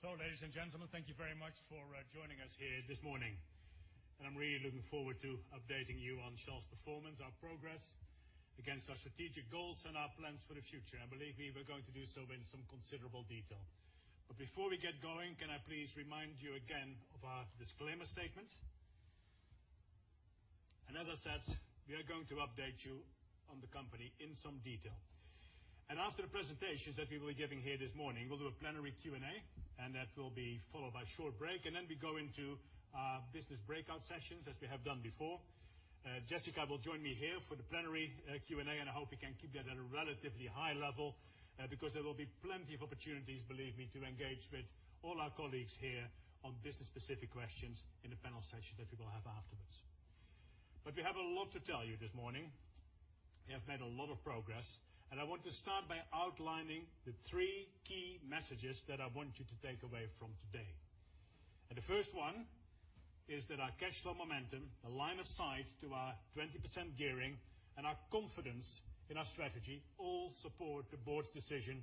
Ladies and gentlemen, thank you very much for joining us here this morning. I'm really looking forward to updating you on Shell's performance, our progress against our strategic goals, and our plans for the future. Believe me, we're going to do so in some considerable detail. Before we get going, can I please remind you again of our disclaimer statement? As I said, we are going to update you on the company in some detail. After the presentations that we will be giving here this morning, we'll do a plenary Q&A, and that will be followed by a short break, and then we go into our business breakout sessions as we have done before. Jessica will join me here for the plenary Q&A, and I hope we can keep that at a relatively high level, because there will be plenty of opportunities, believe me, to engage with all our colleagues here on business specific questions in the panel sessions that we will have afterwards. We have a lot to tell you this morning. We have made a lot of progress, and I want to start by outlining the three key messages that I want you to take away from today. The first one is that our cash flow momentum, the line of sight to our 20% gearing, and our confidence in our strategy all support the board's decision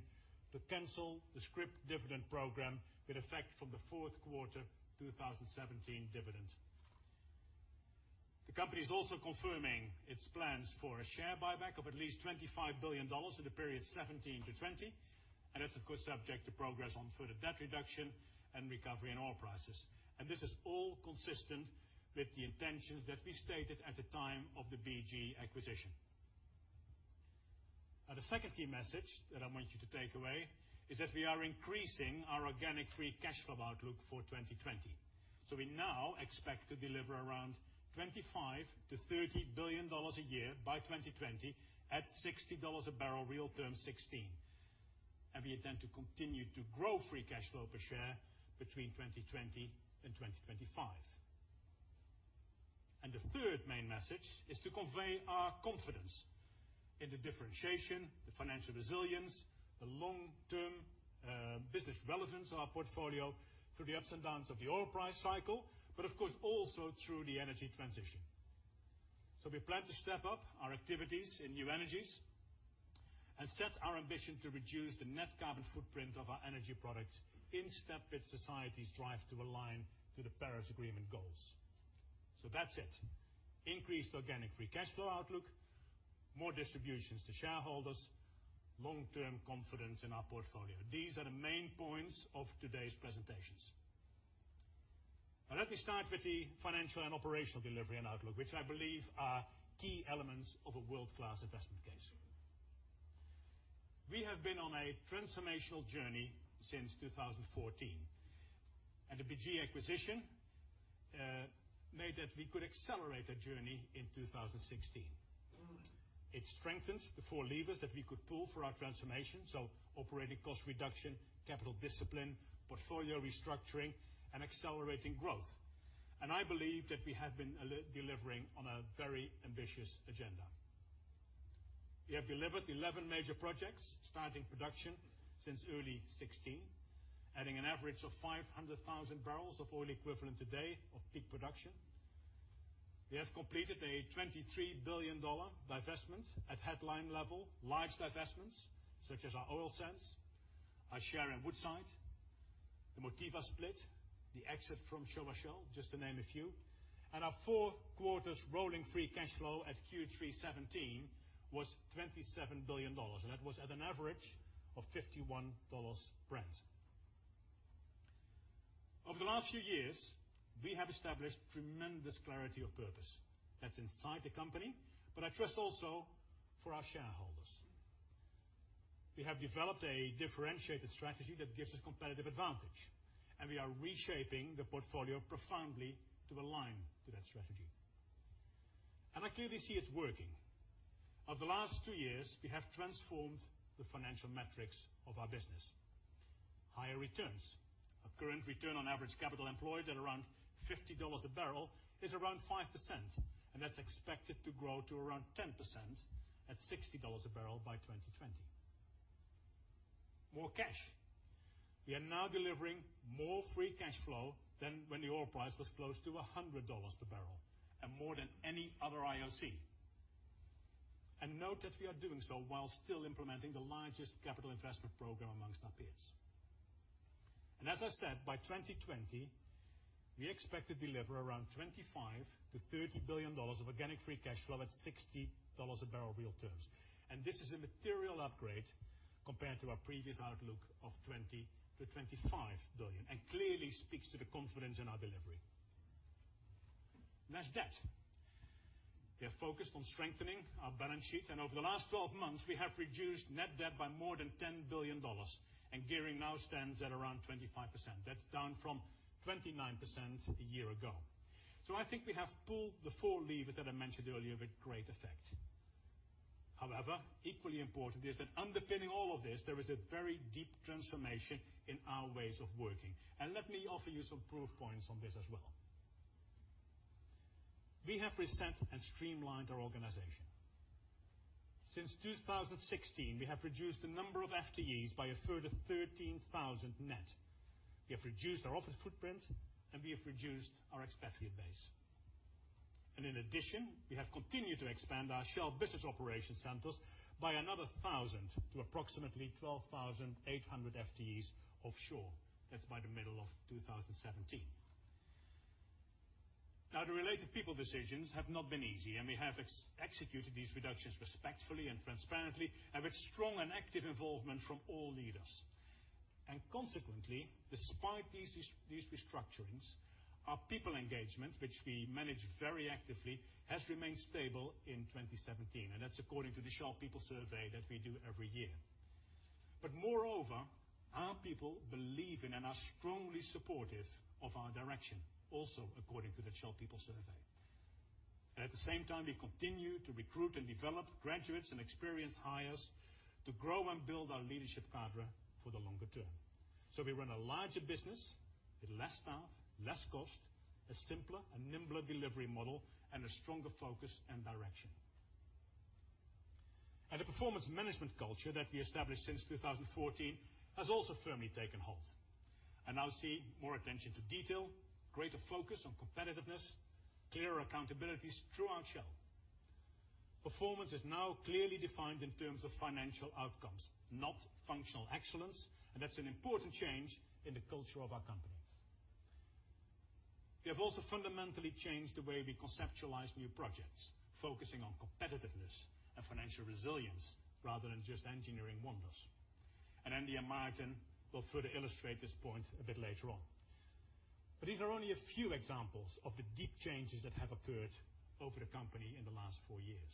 to cancel the scrip dividend program with effect from the fourth quarter 2017 dividend. The company is also confirming its plans for a share buyback of at least $25 billion in the period 2017 to 2020, and that's, of course, subject to progress on further debt reduction and recovery in oil prices. This is all consistent with the intentions that we stated at the time of the BG acquisition. The second key message that I want you to take away is that we are increasing our organic free cash flow outlook for 2020. We now expect to deliver around $25 billion to $30 billion a year by 2020 at $60 a barrel, realterm 2016. We intend to continue to grow free cash flow per share between 2020 and 2025. The third main message is to convey our confidence in the differentiation, the financial resilience, the long-term business relevance of our portfolio through the ups and downs of the oil price cycle, but of course also through the energy transition. We plan to step up our activities in new energies and set our ambition to reduce the net carbon footprint of our energy products in step with society's drive to align to the Paris Agreement goals. That's it. Increased organic free cash flow outlook, more distributions to shareholders, long-term confidence in our portfolio. These are the main points of today's presentations. Let me start with the financial and operational delivery and outlook, which I believe are key elements of a world-class investment case. We have been on a transformational journey since 2014, and the BG acquisition meant that we could accelerate that journey in 2016. It strengthens the four levers that we could pull for our transformation, so operating cost reduction, capital discipline, portfolio restructuring, and accelerating growth. I believe that we have been delivering on a very ambitious agenda. We have delivered 11 major projects starting production since early 2016, adding an average of 500,000 barrels of oil equivalent a day of peak production. We have completed a $23 billion divestment at headline level, large divestments such as our Oil Sands, our share in Woodside, the Motiva split, the exit from Shell, just to name a few. Our four quarters rolling free cash flow at Q3 2017 was $27 billion, and that was at an average of $51 Brent. Over the last few years, we have established tremendous clarity of purpose that's inside the company, but I trust also for our shareholders. We have developed a differentiated strategy that gives us competitive advantage, we are reshaping the portfolio profoundly to align to that strategy. I clearly see it working. Over the last two years, we have transformed the financial metrics of our business. Higher returns. Our current return on average capital employed at around $50 a barrel is around 5%, and that's expected to grow to around 10% at $60 a barrel by 2020. More cash. We are now delivering more free cash flow than when the oil price was close to $100 per barrel and more than any other IOC. Note that we are doing so while still implementing the largest capital investment program amongst our peers. As I said, by 2020, we expect to deliver around $25 billion-$30 billion of organic free cash flow at $60 a barrel real terms. This is a material upgrade compared to our previous outlook of $20 billion-$25 billion, clearly speaks to the confidence in our delivery. Less debt. We are focused on strengthening our balance sheet, over the last 12 months, we have reduced net debt by more than $10 billion, gearing now stands at around 25%. That's down from 29% a year ago. I think we have pulled the four levers that I mentioned earlier with great effect. However, equally important is that underpinning all of this, there is a very deep transformation in our ways of working. Let me offer you some proof points on this as well. We have reset and streamlined our organization. Since 2016, we have reduced the number of FTEs by a further 13,000 net. We have reduced our office footprint, and we have reduced our expat base. In addition, we have continued to expand our Shell Business Operations centers by another 1,000 to approximately 12,800 FTEs offshore. That's by the middle of 2017. The related people decisions have not been easy, we have executed these reductions respectfully and transparently, with strong and active involvement from all leaders. Consequently, despite these restructurings, our people engagement, which we manage very actively, has remained stable in 2017. That's according to the Shell people survey that we do every year. Moreover, our people believe in and are strongly supportive of our direction, also according to the Shell people survey. At the same time, we continue to recruit and develop graduates and experienced hires to grow and build our leadership cadre for the longer term. We run a larger business with less staff, less cost, a simpler and nimbler delivery model, and a stronger focus and direction. The performance management culture that we established since 2014 has also firmly taken hold and now see more attention to detail, greater focus on competitiveness, clearer accountabilities throughout Shell. Performance is now clearly defined in terms of financial outcomes, not functional excellence, and that's an important change in the culture of our company. We have also fundamentally changed the way we conceptualize new projects, focusing on competitiveness and financial resilience rather than just engineering wonders. Andy and Maarten will further illustrate this point a bit later on. These are only a few examples of the deep changes that have occurred over the company in the last four years.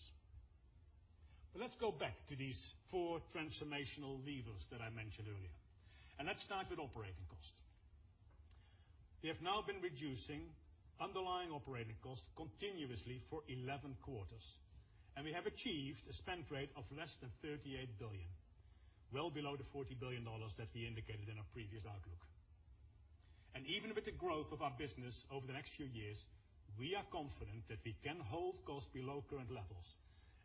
Let's go back to these four transformational levers that I mentioned earlier, and let's start with operating cost. We have now been reducing underlying operating cost continuously for 11 quarters, and we have achieved a spend rate of less than $38 billion, well below the $40 billion that we indicated in our previous outlook. Even with the growth of our business over the next few years, we are confident that we can hold costs below current levels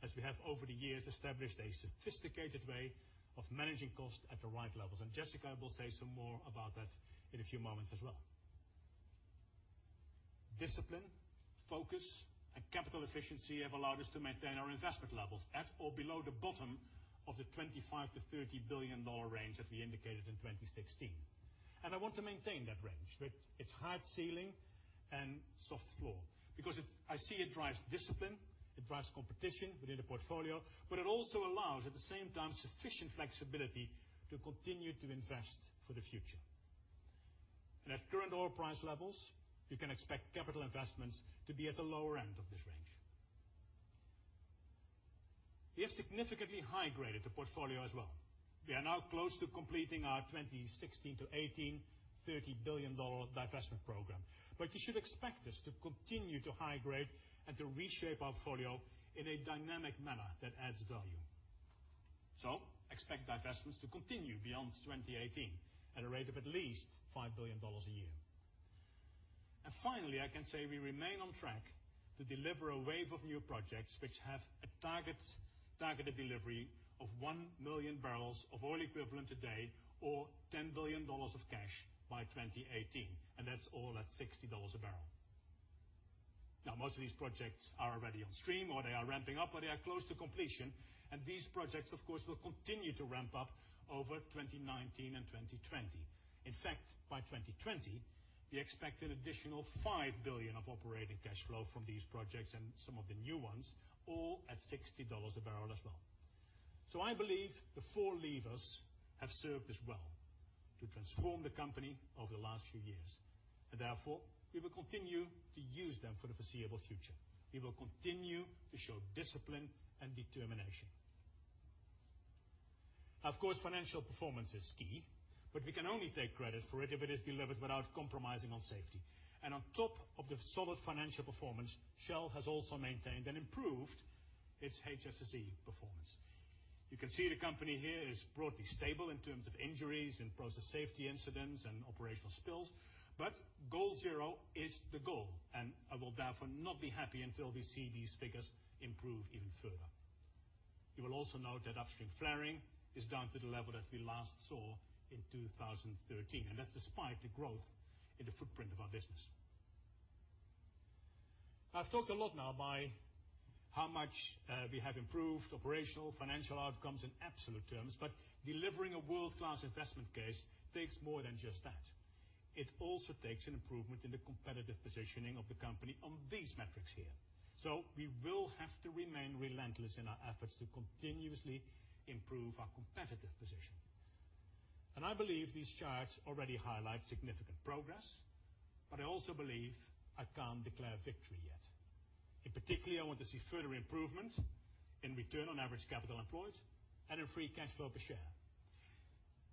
as we have over the years established a sophisticated way of managing costs at the right levels. Jessica will say some more about that in a few moments as well. Discipline, focus, and capital efficiency have allowed us to maintain our investment levels at or below the bottom of the $25 billion-$30 billion range that we indicated in 2016. I want to maintain that range with its hard ceiling and soft floor because I see it drives discipline, it drives competition within the portfolio, but it also allows, at the same time, sufficient flexibility to continue to invest for the future. At current oil price levels, you can expect capital investments to be at the lower end of this range. We have significantly high-graded the portfolio as well. We are now close to completing our 2016 to 2018 $30 billion divestment program, but you should expect us to continue to high grade and to reshape our portfolio in a dynamic manner that adds value. So expect divestments to continue beyond 2018 at a rate of at least $5 billion a year. Finally, I can say we remain on track to deliver a wave of new projects which have a targeted delivery of 1 million barrels of oil equivalent a day or $10 billion of cash by 2018, and that's all at $60 a barrel. Most of these projects are already on stream, or they are ramping up, or they are close to completion. These projects, of course, will continue to ramp up over 2019 and 2020. In fact, by 2020, we expect an additional $5 billion of operating cash flow from these projects and some of the new ones, all at $60 a barrel as well. I believe the four levers have served us well to transform the company over the last few years, and therefore, we will continue to use them for the foreseeable future. We will continue to show discipline and determination. Of course, financial performance is key, but we can only take credit for it if it is delivered without compromising on safety. On top of the solid financial performance, Shell has also maintained and improved its HSSE performance. You can see the company here is broadly stable in terms of injuries and process safety incidents and operational spills, Goal Zero is the goal, and I will therefore not be happy until we see these figures improve even further. You will also note that upstream flaring is down to the level that we last saw in 2013. That's despite the growth in the footprint of our business. I've talked a lot now by how much we have improved operational financial outcomes in absolute terms, delivering a world-class investment case takes more than just that. It also takes an improvement in the competitive positioning of the company on these metrics here. We will have to remain relentless in our efforts to continuously improve our competitive position. I believe these charts already highlight significant progress, but I also believe I can't declare victory yet. In particular, I want to see further improvement in Return on Average Capital Employed and in free cash flow per share.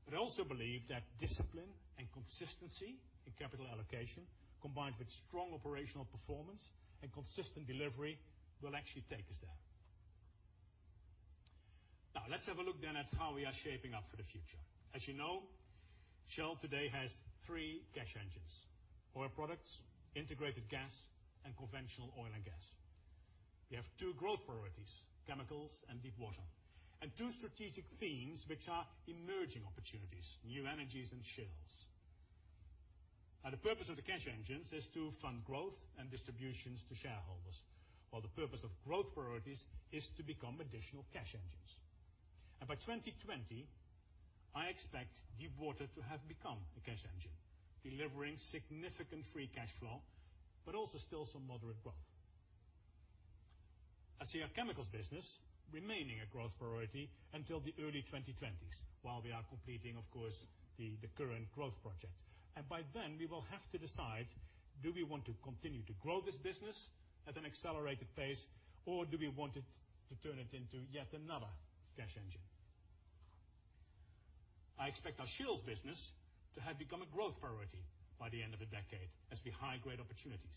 I also believe that discipline and consistency in capital allocation, combined with strong operational performance and consistent delivery, will actually take us there. Let's have a look then at how we are shaping up for the future. As you know, Shell today has 3 cash engines, oil products, integrated gas, and conventional oil and gas. We have 2 growth priorities, chemicals and Deepwater, and 2 strategic themes, which are emerging opportunities, New Energies and Shales. The purpose of the cash engines is to fund growth and distributions to shareholders. While the purpose of growth priorities is to become additional cash engines. By 2020, I expect Deepwater to have become a cash engine, delivering significant free cash flow, but also still some moderate growth. I see our chemicals business remaining a growth priority until the early 2020s, while we are completing, of course, the current growth project. By then, we will have to decide, do we want to continue to grow this business at an accelerated pace or do we want to turn it into yet another cash engine? I expect our Shales business to have become a growth priority by the end of the decade, as we have high-grade opportunities.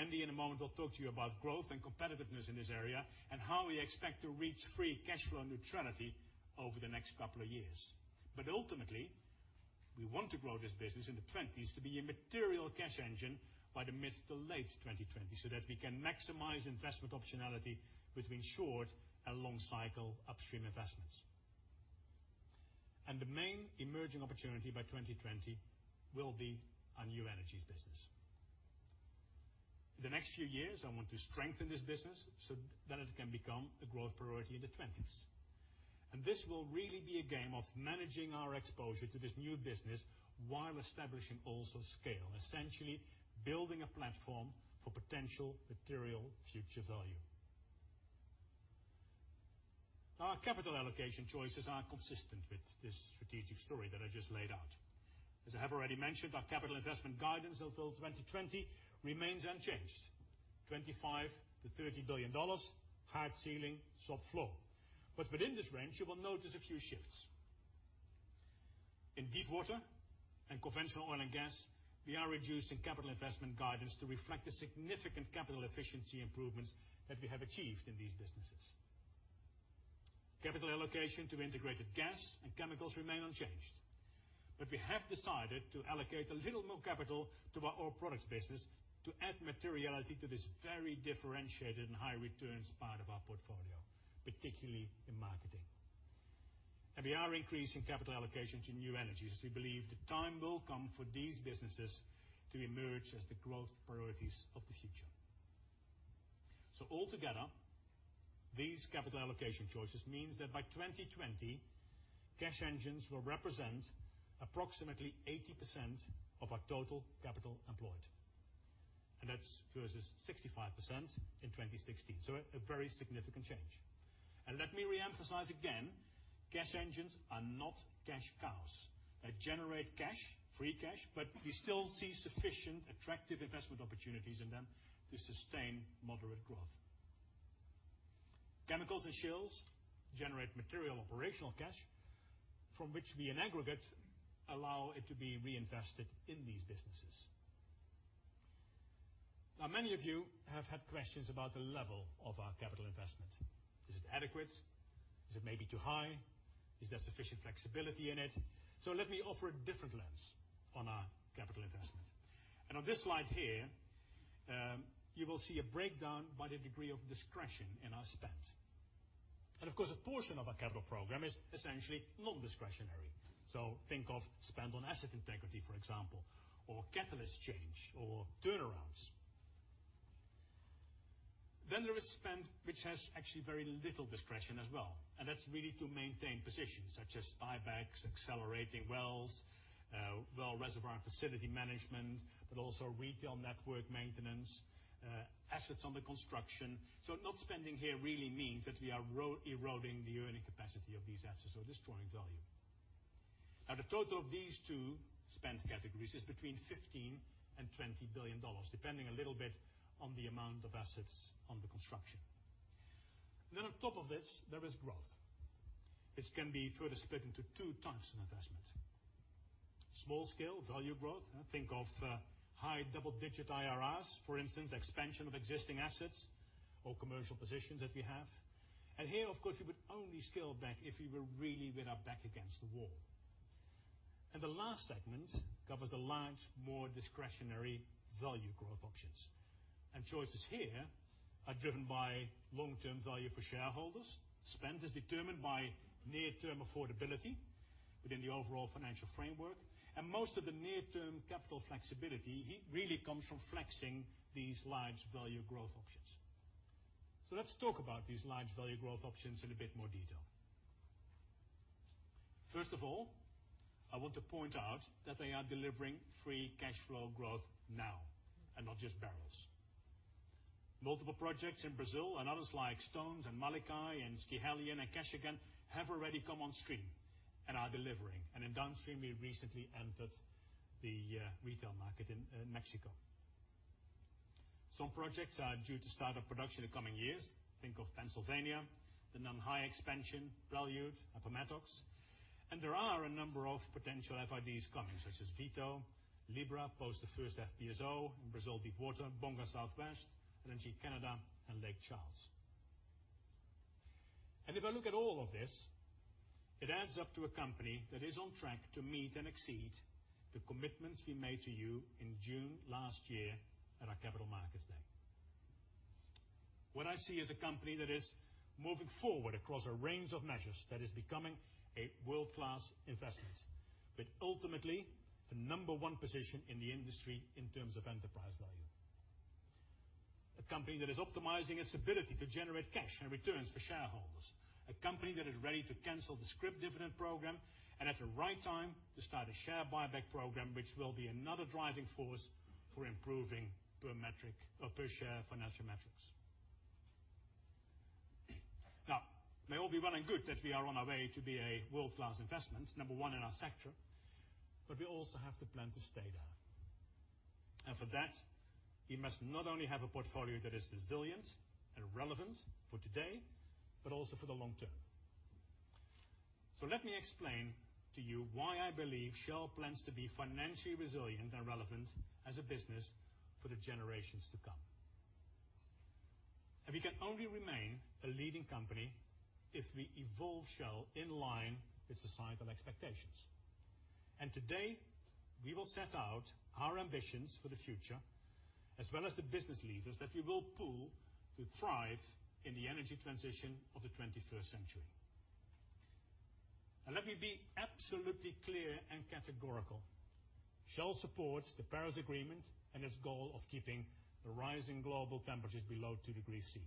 Andy, in a moment, will talk to you about growth and competitiveness in this area and how we expect to reach free cash flow neutrality over the next couple of years. Ultimately, we want to grow this business in the '20s to be a material cash engine by the mid to late 2020s so that we can maximize investment optionality between short and long cycle upstream investments. The main emerging opportunity by 2020 will be our New Energies business. The next few years, I want to strengthen this business so that it can become a growth priority in the '20s. This will really be a game of managing our exposure to this new business while establishing also scale. Essentially building a platform for potential material future value. Our capital allocation choices are consistent with this strategic story that I just laid out. As I have already mentioned, our capital investment guidance until 2020 remains unchanged, $25 billion-$30 billion, hard ceiling, soft floor. Within this range, you will notice a few shifts. In Deepwater and conventional oil and gas, we are reducing capital investment guidance to reflect the significant capital efficiency improvements that we have achieved in these businesses. Capital allocation to integrated gas and chemicals remain unchanged. We have decided to allocate a little more capital to our oil products business to add materiality to this very differentiated and high returns part of our portfolio, particularly in marketing. We are increasing capital allocations in new energies. We believe the time will come for these businesses to emerge as the growth priorities of the future. Altogether, these capital allocation choices means that by 2020, cash engines will represent approximately 80% of our total capital employed. That's versus 65% in 2016. A very significant change. Let me reemphasize again, cash engines are not cash cows. They generate cash, free cash, but we still see sufficient attractive investment opportunities in them to sustain moderate growth. Chemicals and Shales generate material operational cash from which we in aggregate allow it to be reinvested in these businesses. Now, many of you have had questions about the level of our capital investment. Is it adequate? Is it maybe too high? Is there sufficient flexibility in it? Let me offer a different lens on our capital investment. On this slide here, you will see a breakdown by the degree of discretion in our spend. Of course, a portion of our capital program is essentially non-discretionary. Think of spend on asset integrity, for example, or catalyst change or turnarounds. There is spend which has actually very little discretion as well. That's really to maintain positions such as tiebacks, accelerating wells, well reservoir and facility management, but also retail network maintenance, assets under construction. Not spending here really means that we are eroding the earning capacity of these assets or destroying value. Now the total of these 2 spend categories is between $15 billion-$20 billion, depending a little bit on the amount of assets under construction. On top of this, there is growth, which can be further split into 2 types of investment. Small scale, value growth. Think of high double-digit IRRs. For instance, expansion of existing assets or commercial positions that we have. Here, of course, we would only scale back if we were really with our back against the wall. The last segment covers the large, more discretionary value growth options. Choices here are driven by long-term value for shareholders. Spend is determined by near-term affordability within the overall financial framework. Most of the near-term capital flexibility really comes from flexing these large value growth options. Let's talk about these large value growth options in a bit more detail. First of all, I want to point out that they are delivering free cash flow growth now and not just barrels. Multiple projects in Brazil and others like Stones and Malikai and Schiehallion and Kashagan have already come on stream and are delivering. In Downstream, we recently entered the retail market in Mexico. Some projects are due to start up production in the coming years. Think of Pennsylvania, the Nanhai expansion, Prelude, Appomattox, there are a number of potential FIDs coming, such as Vito, Libra, post the first FPSO in Brazil Deepwater, Bonga Southwest, LNG Canada, and Lake Charles. If I look at all of this, it adds up to a company that is on track to meet and exceed the commitments we made to you in June last year at our Capital Markets Day. What I see is a company that is moving forward across a range of measures that is becoming a world-class investment, with ultimately the number one position in the industry in terms of enterprise value. A company that is optimizing its ability to generate cash and returns for shareholders. A company that is ready to cancel the scrip dividend program and at the right time to start a share buyback program, which will be another driving force for improving per share financial metrics. Now, may all be well and good that we are on our way to be a world-class investment, number one in our sector, we also have to plan to stay there. For that, we must not only have a portfolio that is resilient and relevant for today, but also for the long term. Let me explain to you why I believe Shell plans to be financially resilient and relevant as a business for the generations to come. We can only remain a leading company if we evolve Shell in line with societal expectations. Today, we will set out our ambitions for the future, as well as the business levers that we will pull to thrive in the energy transition of the 21st century. Let me be absolutely clear and categorical. Shell supports the Paris Agreement and its goal of keeping the rising global temperatures below 2 degrees C.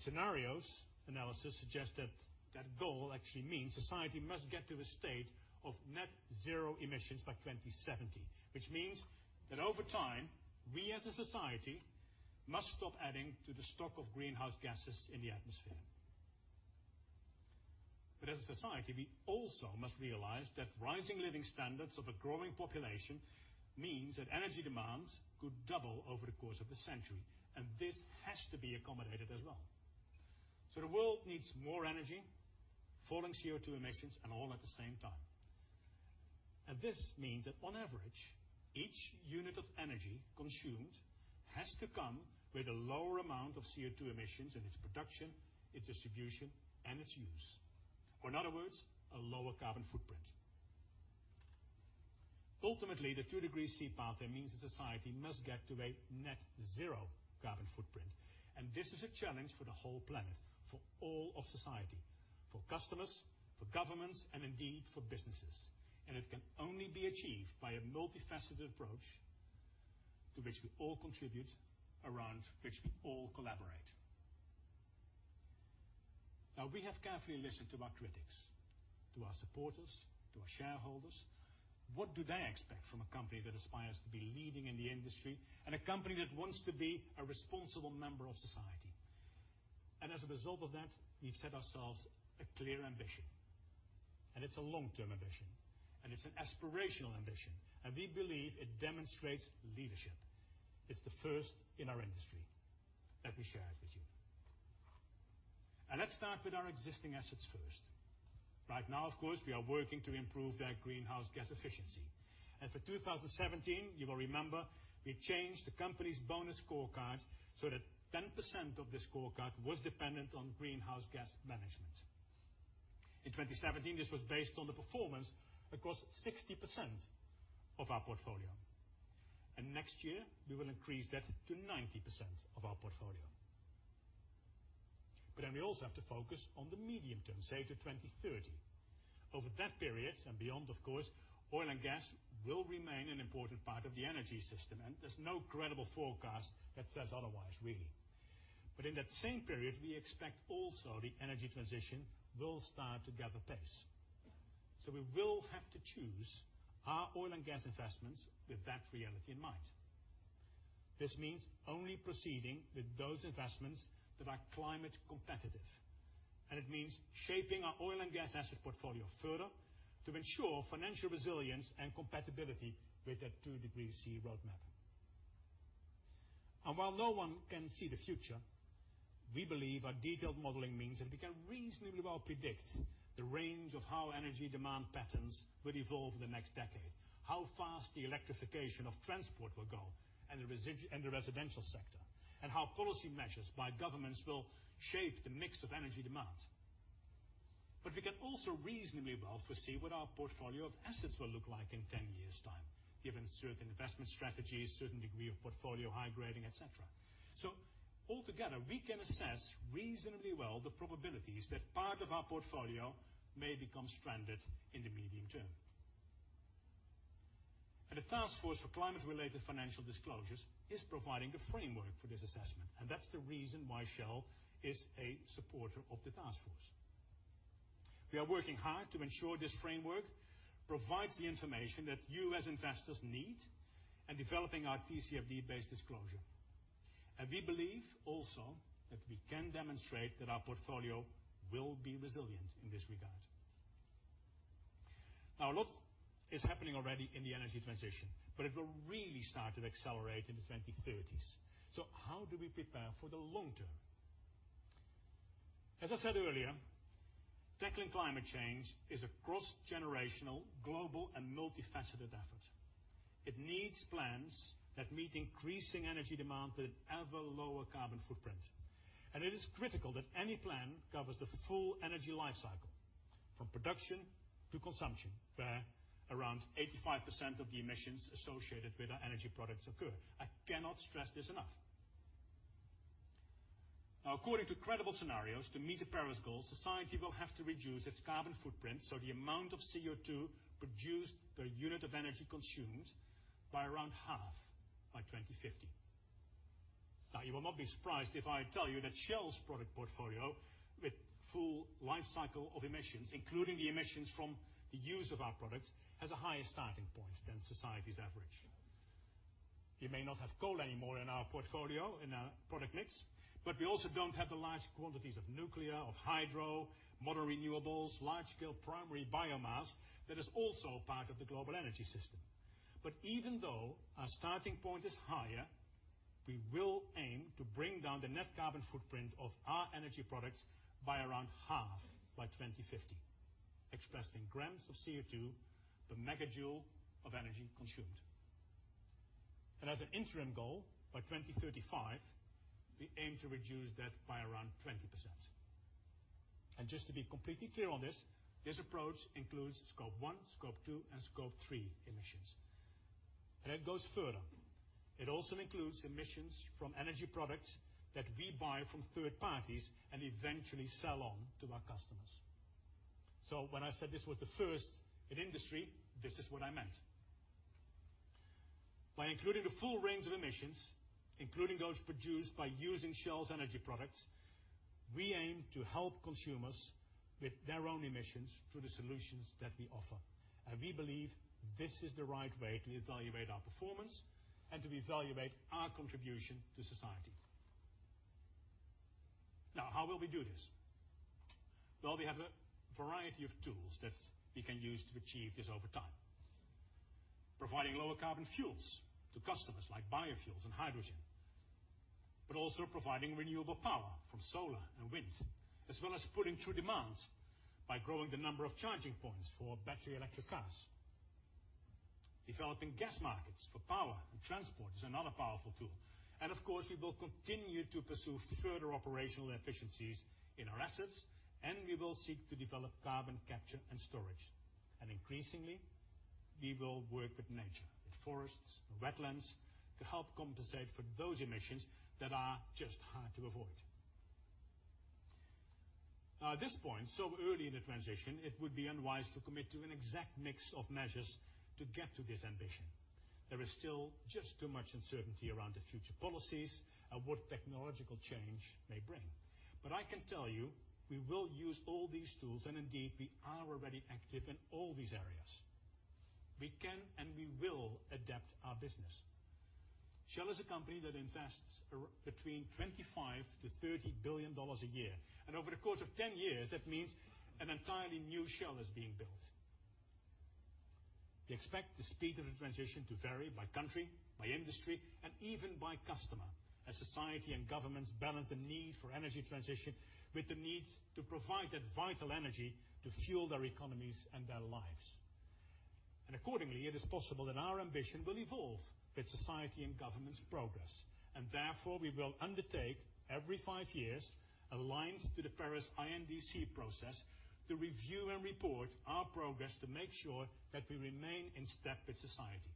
Scenarios analysis suggest that that goal actually means society must get to a state of net zero emissions by 2070, which means that over time, we as a society must stop adding to the stock of greenhouse gases in the atmosphere. As a society, we also must realize that rising living standards of a growing population means that energy demands could double over the course of a century, and this has to be accommodated as well. The world needs more energy, falling CO2 emissions, and all at the same time. This means that on average, each unit of energy consumed has to come with a lower amount of CO2 emissions in its production, its distribution, and its use. Or in other words, a lower carbon footprint. Ultimately, the 2 degrees C path means that society must get to a net zero carbon footprint. This is a challenge for the whole planet, for all of society, for customers, for governments, and indeed for businesses. It can only be achieved by a multifaceted approach to which we all contribute, around which we all collaborate. Now, we have carefully listened to our critics, to our supporters, to our shareholders. What do they expect from a company that aspires to be leading in the industry and a company that wants to be a responsible member of society? As a result of that, we've set ourselves a clear ambition. It's a long-term ambition, it's an aspirational ambition, we believe it demonstrates leadership. It's the first in our industry. Let me share it with you. Let's start with our existing assets first. Right now, of course, we are working to improve their greenhouse gas efficiency. For 2017, you will remember we changed the company's bonus scorecard so that 10% of the scorecard was dependent on greenhouse gas management. In 2017, this was based on the performance across 60% of our portfolio. Next year, we will increase that to 90% of our portfolio. We also have to focus on the medium term, say to 2030. Over that period, beyond of course, oil and gas will remain an important part of the energy system, there's no credible forecast that says otherwise, really. In that same period, we expect also the energy transition will start to gather pace. We will have to choose our oil and gas investments with that reality in mind. This means only proceeding with those investments that are climate competitive. It means shaping our oil and gas asset portfolio further to ensure financial resilience and compatibility with the 2 degrees C roadmap. While no one can see the future, we believe our detailed modeling means that we can reasonably well predict the range of how energy demand patterns will evolve in the next decade, how fast the electrification of transport will go and the residential sector, how policy measures by governments will shape the mix of energy demand. We can also reasonably well foresee what our portfolio of assets will look like in 10 years' time, given certain investment strategies, certain degree of portfolio high grading, et cetera. Altogether, we can assess reasonably well the probabilities that part of our portfolio may become stranded in the medium term. The Task Force on Climate-related Financial Disclosures is providing the framework for this assessment, that's the reason why Shell is a supporter of the task force. We are working hard to ensure this framework provides the information that you as investors need in developing our TCFD-based disclosure. We believe also that we can demonstrate that our portfolio will be resilient in this regard. Now, a lot is happening already in the energy transition, it will really start to accelerate in the 2030s. How do we prepare for the long term? As I said earlier, tackling climate change is a cross-generational, global, and multifaceted effort. It needs plans that meet increasing energy demand with an ever lower carbon footprint. It is critical that any plan covers the full energy life cycle from production to consumption, where around 85% of the emissions associated with our energy products occur. I cannot stress this enough. Now, according to credible scenarios, to meet the Paris goals, society will have to reduce its carbon footprint, so the amount of CO2 produced per unit of energy consumed by around half by 2050. Now you will not be surprised if I tell you that Shell's product portfolio with full life cycle of emissions, including the emissions from the use of our products, has a higher starting point than society's average. We may not have coal anymore in our portfolio in our product mix, we also don't have the large quantities of nuclear, of hydro, modern renewables, large scale primary biomass that is also part of the global energy system. Even though our starting point is higher, we will aim to bring down the net carbon footprint of our energy products by around half by 2050, expressed in grams of CO2 per megajoule of energy consumed. As an interim goal, by 2035, we aim to reduce that by around 20%. Just to be completely clear on this approach includes Scope 1, Scope 2, and Scope 3 emissions. It goes further. It also includes emissions from energy products that we buy from third parties and eventually sell on to our customers. When I said this was the first in industry, this is what I meant. By including the full range of emissions, including those produced by using Shell's energy products, we aim to help consumers with their own emissions through the solutions that we offer. We believe this is the right way to evaluate our performance and to evaluate our contribution to society. Now, how will we do this? Well, we have a variety of tools that we can use to achieve this over time. Providing lower carbon fuels to customers like biofuels and hydrogen, but also providing renewable power from solar and wind, as well as pulling through demands by growing the number of charging points for battery electric cars. Developing gas markets for power and transport is another powerful tool. Of course, we will continue to pursue further operational efficiencies in our assets, and we will seek to develop carbon capture and storage. Increasingly, we will work with nature, with forests and wetlands to help compensate for those emissions that are just hard to avoid. Now at this point, so early in the transition, it would be unwise to commit to an exact mix of measures to get to this ambition. There is still just too much uncertainty around the future policies and what technological change may bring. I can tell you, we will use all these tools and indeed we are already active in all these areas. We can and we will adapt our business. Shell is a company that invests between $25 billion-$30 billion a year, and over the course of 10 years, that means an entirely new Shell is being built. We expect the speed of the transition to vary by country, by industry, and even by customer as society and governments balance the need for energy transition with the need to provide that vital energy to fuel their economies and their lives. Accordingly, it is possible that our ambition will evolve with society and government's progress, and therefore we will undertake every five years aligned to the Paris INDC process to review and report our progress to make sure that we remain in step with society.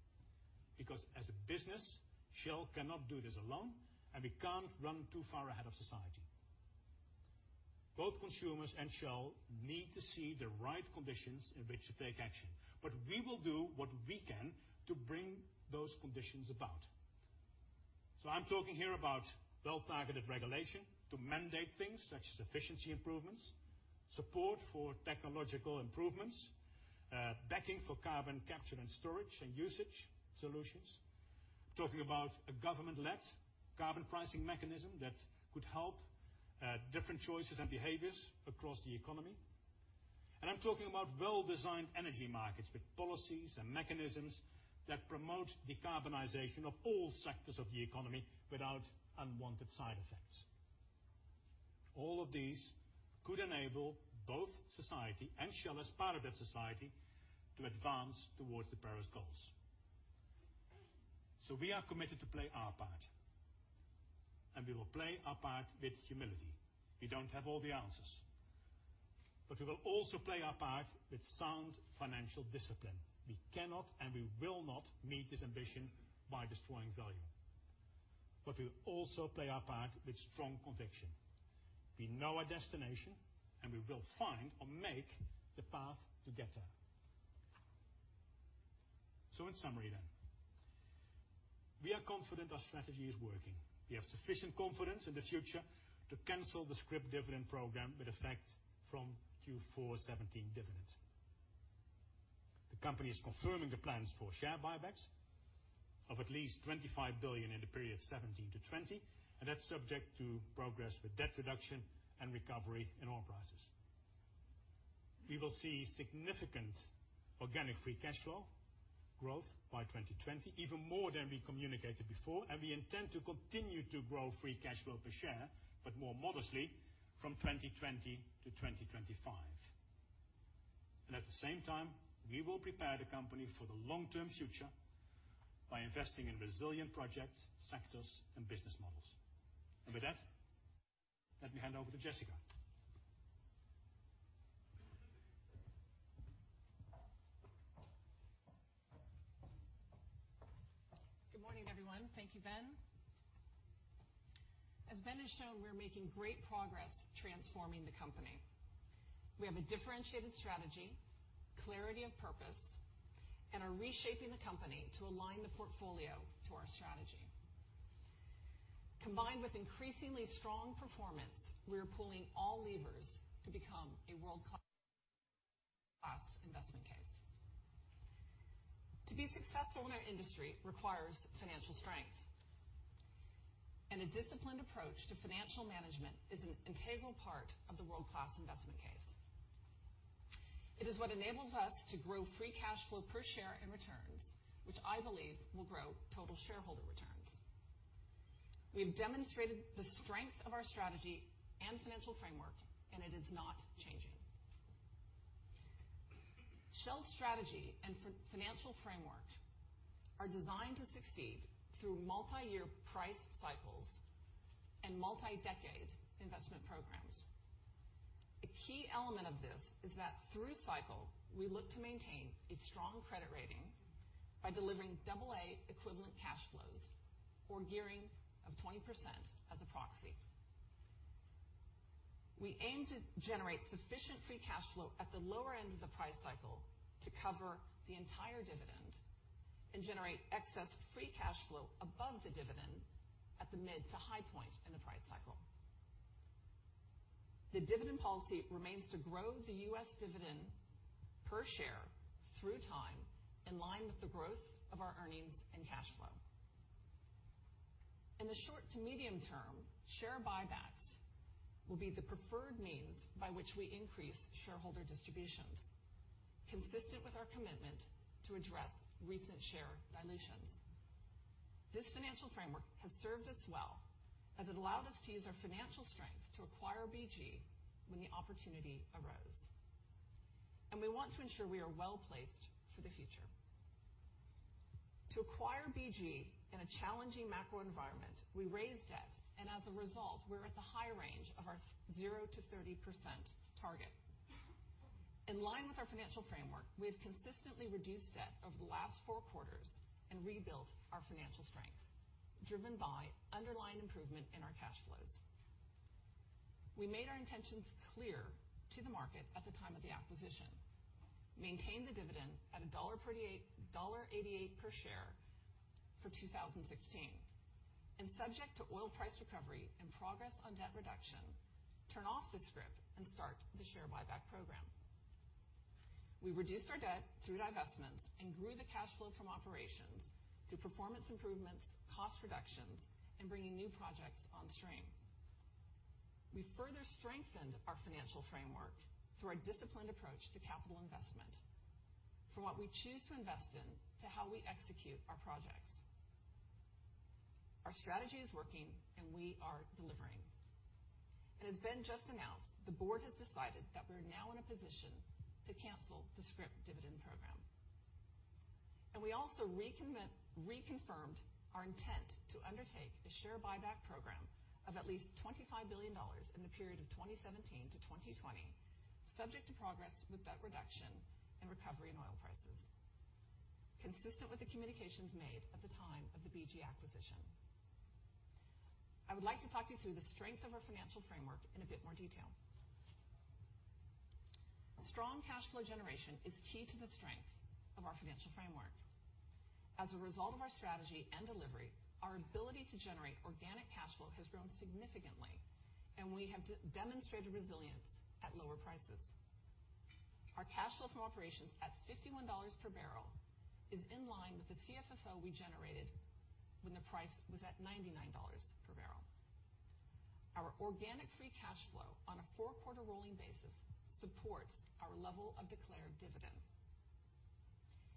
As a business, Shell cannot do this alone and we can't run too far ahead of society. Both consumers and Shell need to see the right conditions in which to take action, we will do what we can to bring those conditions about. I'm talking here about well targeted regulation to mandate things such as efficiency improvements, support for technological improvements, backing for carbon capture and storage and usage solutions. Talking about a government-led carbon pricing mechanism that could help different choices and behaviors across the economy. I'm talking about well-designed energy markets with policies and mechanisms that promote decarbonization of all sectors of the economy without unwanted side effects. All of these could enable both society and Shell as part of that society to advance towards the Paris goals. We are committed to play our part, and we will play our part with humility. We don't have all the answers. We will also play our part with sound financial discipline. We cannot, and we will not meet this ambition by destroying value. We will also play our part with strong conviction. We know our destination, and we will find or make the path to get there. In summary then, we are confident our strategy is working. We have sufficient confidence in the future to cancel the scrip dividend program with effect from Q4 2017 dividends. The company is confirming the plans for share buybacks of at least $25 billion in the period 2017 to 2020, and that's subject to progress with debt reduction and recovery in oil prices. We will see significant organic free cash flow growth by 2020, even more than we communicated before, and we intend to continue to grow free cash flow per share, but more modestly from 2020 to 2025. At the same time, we will prepare the company for the long-term future by investing in resilient projects, sectors, and business models. With that, let me hand over to Jessica. Good morning, everyone. Thank you, Ben. As Ben has shown, we're making great progress transforming the company. We have a differentiated strategy, clarity of purpose, and are reshaping the company to align the portfolio to our strategy. Combined with increasingly strong performance, we are pulling all levers to become a world-class investment case. To be successful in our industry requires financial strength. A disciplined approach to financial management is an integral part of the world-class investment case. It is what enables us to grow free cash flow per share and returns, which I believe will grow total shareholder returns. We have demonstrated the strength of our strategy and financial framework, and it is not changing. Shell strategy and financial framework are designed to succeed through multi-year price cycles and multi-decade investment programs. A key element of this is that through cycle, we look to maintain a strong credit rating by delivering AA equivalent cash flows or gearing of 20% as a proxy. We aim to generate sufficient free cash flow at the lower end of the price cycle to cover the entire dividend and generate excess free cash flow above the dividend at the mid to high point in the price cycle. The dividend policy remains to grow the U.S. dividend per share through time in line with the growth of our earnings and cash flow. In the short to medium term, share buybacks will be the preferred means by which we increase shareholder distributions, consistent with our commitment to address recent share dilution. This financial framework has served us well as it allowed us to use our financial strength to acquire BG when the opportunity arose. We want to ensure we are well-placed for the future. To acquire BG in a challenging macro environment, we raised debt, and as a result, we're at the high range of our 0-30% target. In line with our financial framework, we have consistently reduced debt over the last four quarters and rebuilt our financial strength, driven by underlying improvement in our cash flows. We made our intentions clear to the market at the time of the acquisition, maintain the dividend at $1.88 per share for 2016. Subject to oil price recovery and progress on debt reduction, turn off the scrip and start the share buyback program. We reduced our debt through divestments and grew the cash flow from operations through performance improvements, cost reductions, and bringing new projects on stream. We further strengthened our financial framework through our disciplined approach to capital investment, from what we choose to invest in to how we execute our projects. Our strategy is working, we are delivering. As Ben just announced, the board has decided that we're now in a position to cancel the scrip dividend program. We also reconfirmed our intent to undertake a share buyback program of at least $25 billion in the period of 2017-2020, subject to progress with debt reduction and recovery in oil prices, consistent with the communications made at the time of the BG acquisition. I would like to talk you through the strength of our financial framework in a bit more detail. Strong cash flow generation is key to the strength of our financial framework. As a result of our strategy and delivery, our ability to generate organic cash flow has grown significantly, we have demonstrated resilience at lower prices. Our cash flow from operations at $51 per barrel is in line with the CFFO we generated when the price was at $99 per barrel. Our organic free cash flow on a four-quarter rolling basis supports our level of declared dividend.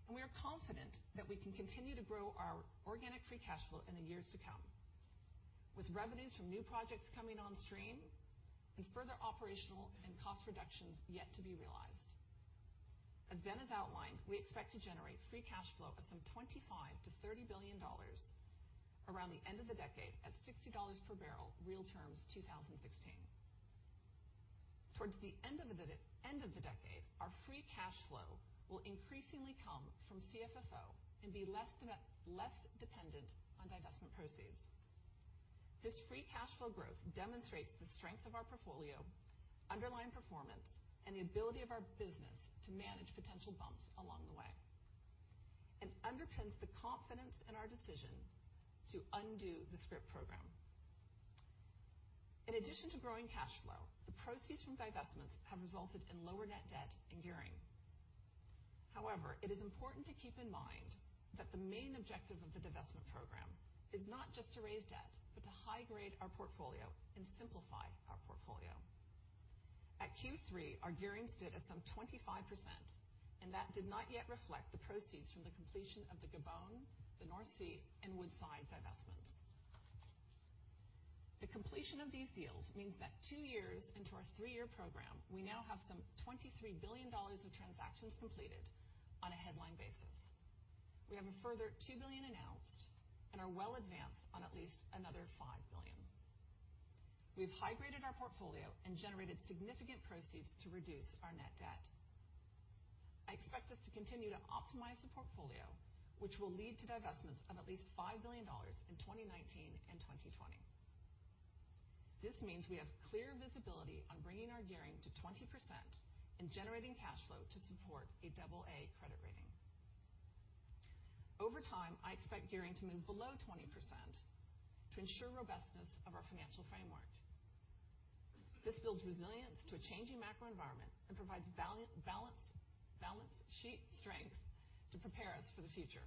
We are confident that we can continue to grow our organic free cash flow in the years to come. With revenues from new projects coming on stream and further operational and cost reductions yet to be realized. As Ben has outlined, we expect to generate free cash flow of some $25 billion-$30 billion around the end of the decade at $60 per barrel real terms 2016. Towards the end of the decade, our free cash flow will increasingly come from CFFO and be less dependent on divestment proceeds. This free cash flow growth demonstrates the strength of our portfolio, underlying performance, and the ability of our business to manage potential bumps along the way and underpins the confidence in our decision to undo the scrip program. In addition to growing cash flow, the proceeds from divestments have resulted in lower net debt and gearing. However, it is important to keep in mind that the main objective of the divestment program is not just to raise debt, but to high-grade our portfolio and simplify our portfolio. At Q3, our gearing stood at some 25%, and that did not yet reflect the proceeds from the completion of the Gabon, the North Sea, and Woodside divestment. The completion of these deals means that 2 years into our 3-year program, we now have some $23 billion of transactions completed on a headline basis. We have a further $2 billion announced and are well advanced on at least another $5 billion. We have high-graded our portfolio and generated significant proceeds to reduce our net debt. I expect us to continue to optimize the portfolio, which will lead to divestments of at least $5 billion in 2019 and 2020. This means we have clear visibility on bringing our gearing to 20% and generating cash flow to support a double A credit rating. Over time, I expect gearing to move below 20% to ensure robustness of our financial framework. This builds resilience to a changing macro environment and provides balance sheet strength to prepare us for the future.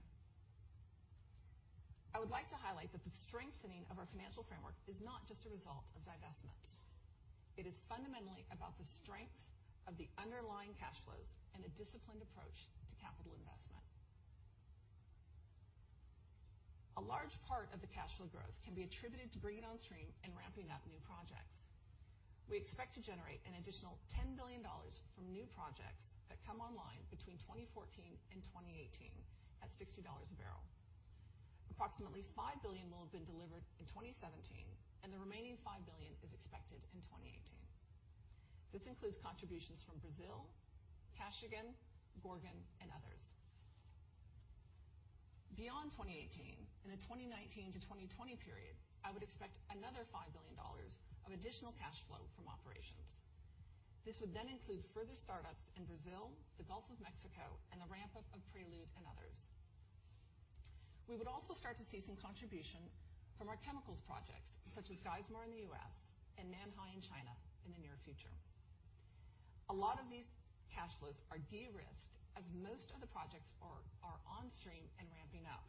I would like to highlight that the strengthening of our financial framework is not just a result of divestment. It is fundamentally about the strength of the underlying cash flows and a disciplined approach to capital investment. A large part of the cash flow growth can be attributed to bringing on stream and ramping up new projects. We expect to generate an additional $10 billion from new projects that come online between 2014 and 2018 at $60 a barrel. Approximately $5 billion will have been delivered in 2017, and the remaining $5 billion is expected in 2018. This includes contributions from Brazil, Kashagan, Gorgon, and others. Beyond 2018, in the 2019 to 2020 period, I would expect another $5 billion of additional cash flow from operations. This would include further startups in Brazil, the Gulf of Mexico, and the ramp-up of Prelude and others. We would also start to see some contribution from our chemicals projects, such as Geismar in the U.S. and Nanhai in China in the near future. A lot of these cash flows are de-risked as most of the projects are onstream and ramping up.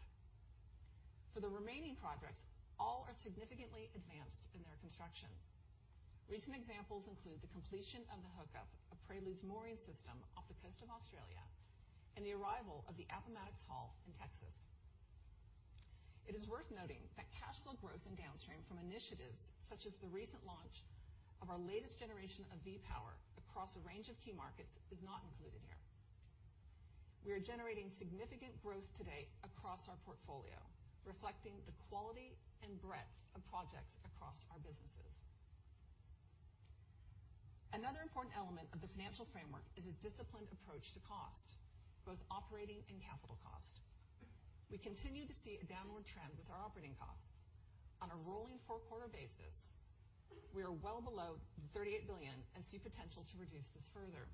For the remaining projects, all are significantly advanced in their construction. Recent examples include the completion of the hookup of Prelude's mooring system off the coast of Australia and the arrival of the Appomattox hull in Texas. It is worth noting that cash flow growth in downstream from initiatives such as the recent launch of our latest generation of V-Power across a range of key markets is not included here. We are generating significant growth today across our portfolio, reflecting the quality and breadth of projects across our businesses. Another important element of the financial framework is a disciplined approach to cost, both operating and capital cost. We continue to see a downward trend with our operating costs. On a rolling four-quarter basis, we are well below the $38 billion and see potential to reduce this further.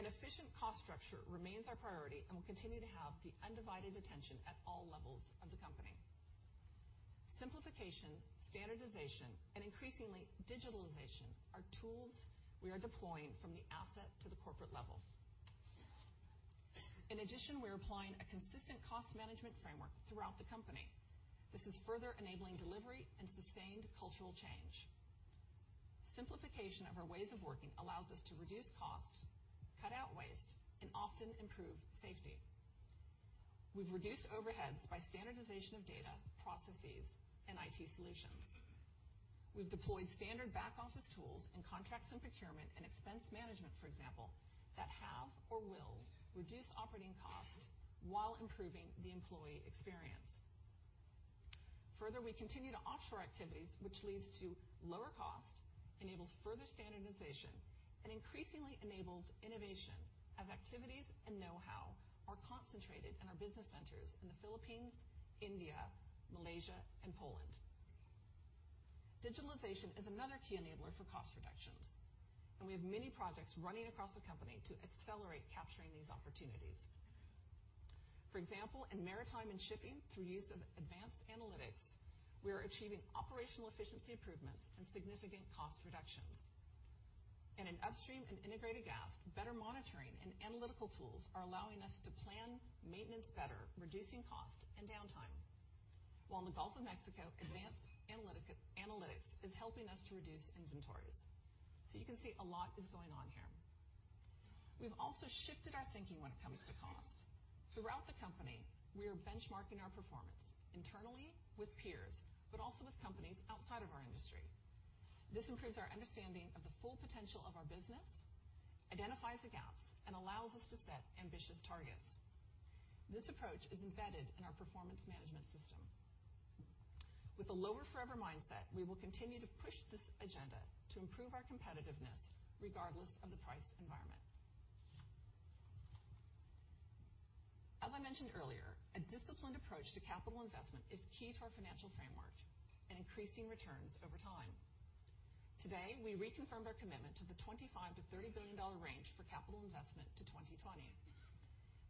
An efficient cost structure remains our priority and will continue to have the undivided attention at all levels of the company. Simplification, standardization, and increasingly, digitalization are tools we are deploying from the asset to the corporate level. In addition, we are applying a consistent cost management framework throughout the company. This is further enabling delivery and sustained cultural change. Simplification of our ways of working allows us to reduce costs, cut out waste, and often improve safety. We've reduced overheads by standardization of data, processes, and IT solutions. We've deployed standard back-office tools in contracts and procurement and expense management, for example, that have or will reduce operating costs while improving the employee experience. Further, we continue to offshore activities, which leads to lower cost, enables further standardization, and increasingly enables innovation as activities and know-how are concentrated in our business centers in the Philippines, India, Malaysia, and Poland. Digitalization is another key enabler for cost reductions, and we have many projects running across the company to accelerate capturing these opportunities. For example, in maritime and shipping through use of advanced analytics, we are achieving operational efficiency improvements and significant cost reductions. In upstream and integrated gas, better monitoring and analytical tools are allowing us to plan maintenance better, reducing cost and downtime. While in the Gulf of Mexico, advanced analytics is helping us to reduce inventories. You can see a lot is going on here. We've also shifted our thinking when it comes to costs. Throughout the company, we are benchmarking our performance internally with peers, but also with companies outside of our industry. This improves our understanding of the full potential of our business, identifies the gaps, and allows us to set ambitious targets. This approach is embedded in our performance management system. With a lower forever mindset, we will continue to push this agenda to improve our competitiveness regardless of the price environment. As I mentioned earlier, a disciplined approach to capital investment is key to our financial framework and increasing returns over time. Today, we reconfirmed our commitment to the $25 billion-$30 billion range for capital investment to 2020.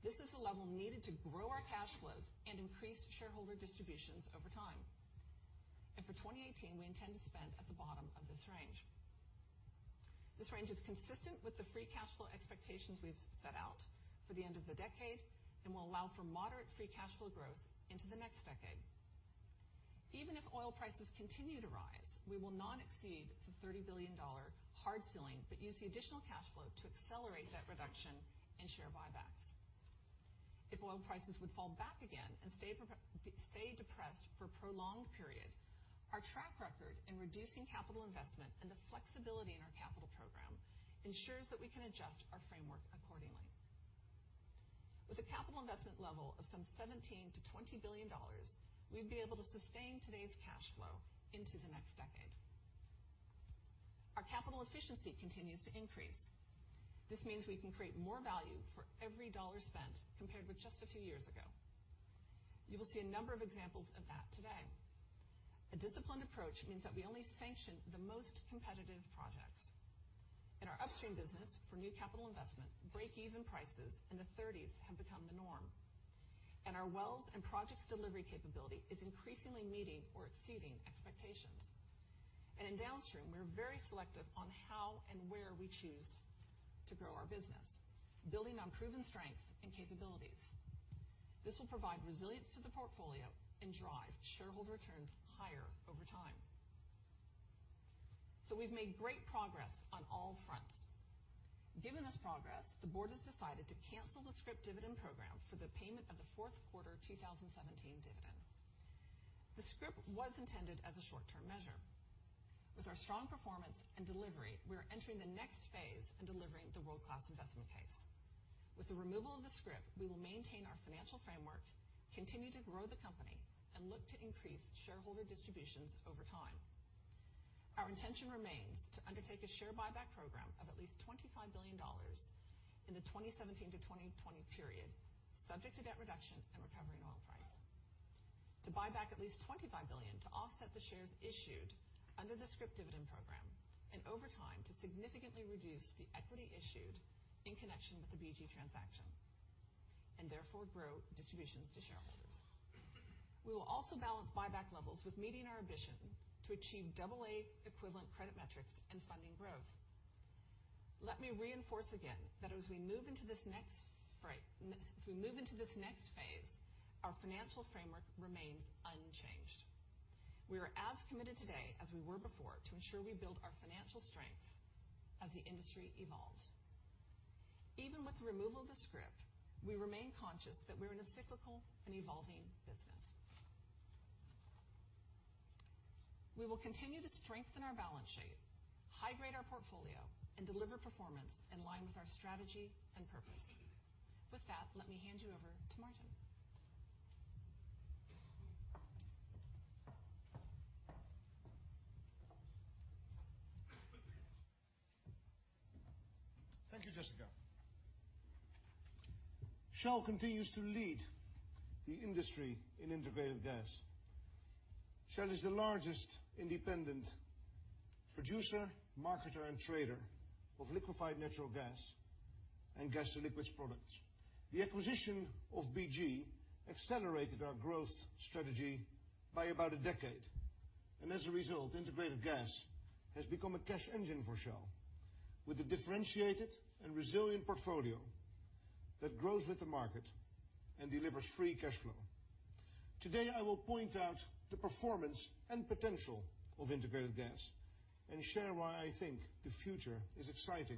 This is the level needed to grow our cash flows and increase shareholder distributions over time. For 2018, we intend to spend at the bottom of this range. This range is consistent with the free cash flow expectations we've set out for the end of the decade and will allow for moderate free cash flow growth into the next decade. Even if oil prices continue to rise, we will not exceed the $30 billion hard ceiling, but use the additional cash flow to accelerate debt reduction and share buybacks. If oil prices would fall back again and stay depressed for a prolonged period, our track record in reducing capital investment and the flexibility in our capital program ensures that we can adjust our framework accordingly. With a capital investment level of some $17 billion-$20 billion, we'd be able to sustain today's cash flow into the next decade. Our capital efficiency continues to increase. This means we can create more value for every dollar spent compared with just a few years ago. You will see a number of examples of that today. A disciplined approach means that we only sanction the most competitive projects. In our upstream business for new capital investment, breakeven prices in the 30s have become the norm, and our wells and projects delivery capability is increasingly meeting or exceeding expectations. In downstream, we are very selective on how and where we choose to grow our business, building on proven strengths and capabilities. This will provide resilience to the portfolio and drive shareholder returns higher over time. We've made great progress on all fronts. Given this progress, the board has decided to cancel the scrip dividend program for the payment of the fourth quarter 2017 dividend. The scrip was intended as a short-term measure. With our strong performance and delivery, we are entering the next phase in delivering the world-class investment case. With the removal of the scrip, we will maintain our financial framework, continue to grow the company, and look to increase shareholder distributions over time. Our intention remains to undertake a share buyback program of at least $25 billion in the 2017 to 2020 period, subject to debt reduction and recovery in oil price, to buy back at least $25 billion to offset the shares issued under the scrip dividend program, and over time to significantly reduce the equity issued in connection with the BG transaction, and therefore grow distributions to shareholders. We will also balance buyback levels with meeting our ambition to achieve double A equivalent credit metrics and funding growth. Let me reinforce again that as we move into this next phase, our financial framework remains unchanged. We are as committed today as we were before to ensure we build our financial strength as the industry evolves. Even with the removal of the scrip, we remain conscious that we're in a cyclical and evolving business. We will continue to strengthen our balance sheet, hydrate our portfolio, and deliver performance in line with our strategy and purpose. With that, let me hand you over to Maarten. Thank you, Jessica. Shell continues to lead the industry in Integrated Gas. Shell is the largest independent producer, marketer, and trader of liquefied natural gas and gas to liquids products. The acquisition of BG accelerated our growth strategy by about a decade, as a result, Integrated Gas has become a cash engine for Shell with a differentiated and resilient portfolio that grows with the market and delivers free cash flow. Today, I will point out the performance and potential of Integrated Gas and share why I think the future is exciting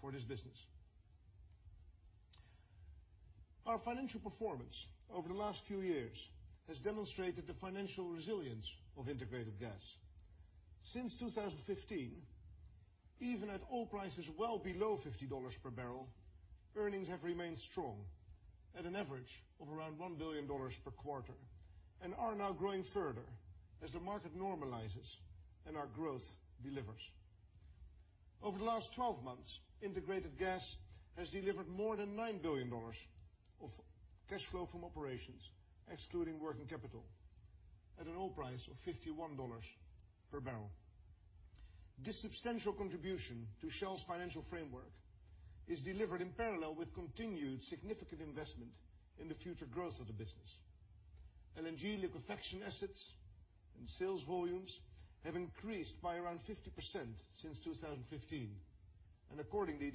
for this business. Our financial performance over the last few years has demonstrated the financial resilience of Integrated Gas. Since 2015, even at oil prices well below $50 per barrel, earnings have remained strong at an average of around $1 billion per quarter, and are now growing further as the market normalizes and our growth delivers. Over the last 12 months, Integrated Gas has delivered more than $9 billion of cash flow from operations, excluding working capital at an oil price of $51 per barrel. This substantial contribution to Shell's financial framework is delivered in parallel with continued significant investment in the future growth of the business. LNG liquefaction assets and sales volumes have increased by around 50% since 2015, accordingly,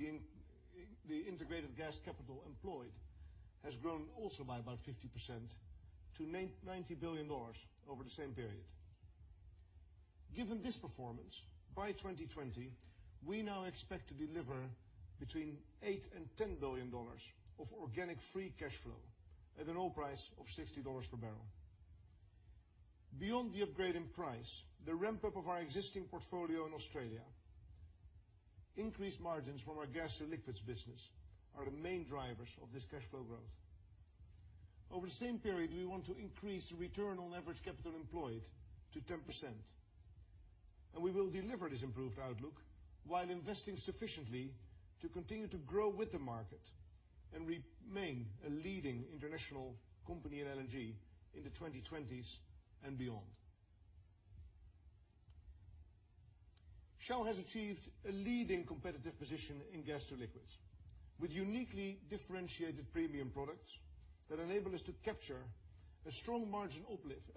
the Integrated Gas capital employed has grown also by about 50% to $90 billion over the same period. Given this performance, by 2020, we now expect to deliver between $8 billion and $10 billion of organic free cash flow at an oil price of $60 per barrel. Beyond the upgrade in price, the ramp-up of our existing portfolio in Australia, increased margins from our gas to liquids business are the main drivers of this cash flow growth. Over the same period, we want to increase the return on average capital employed to 10%, and we will deliver this improved outlook while investing sufficiently to continue to grow with the market and remain a leading international company in LNG in the 2020s and beyond. Shell has achieved a leading competitive position in gas to liquids with uniquely differentiated premium products that enable us to capture a strong margin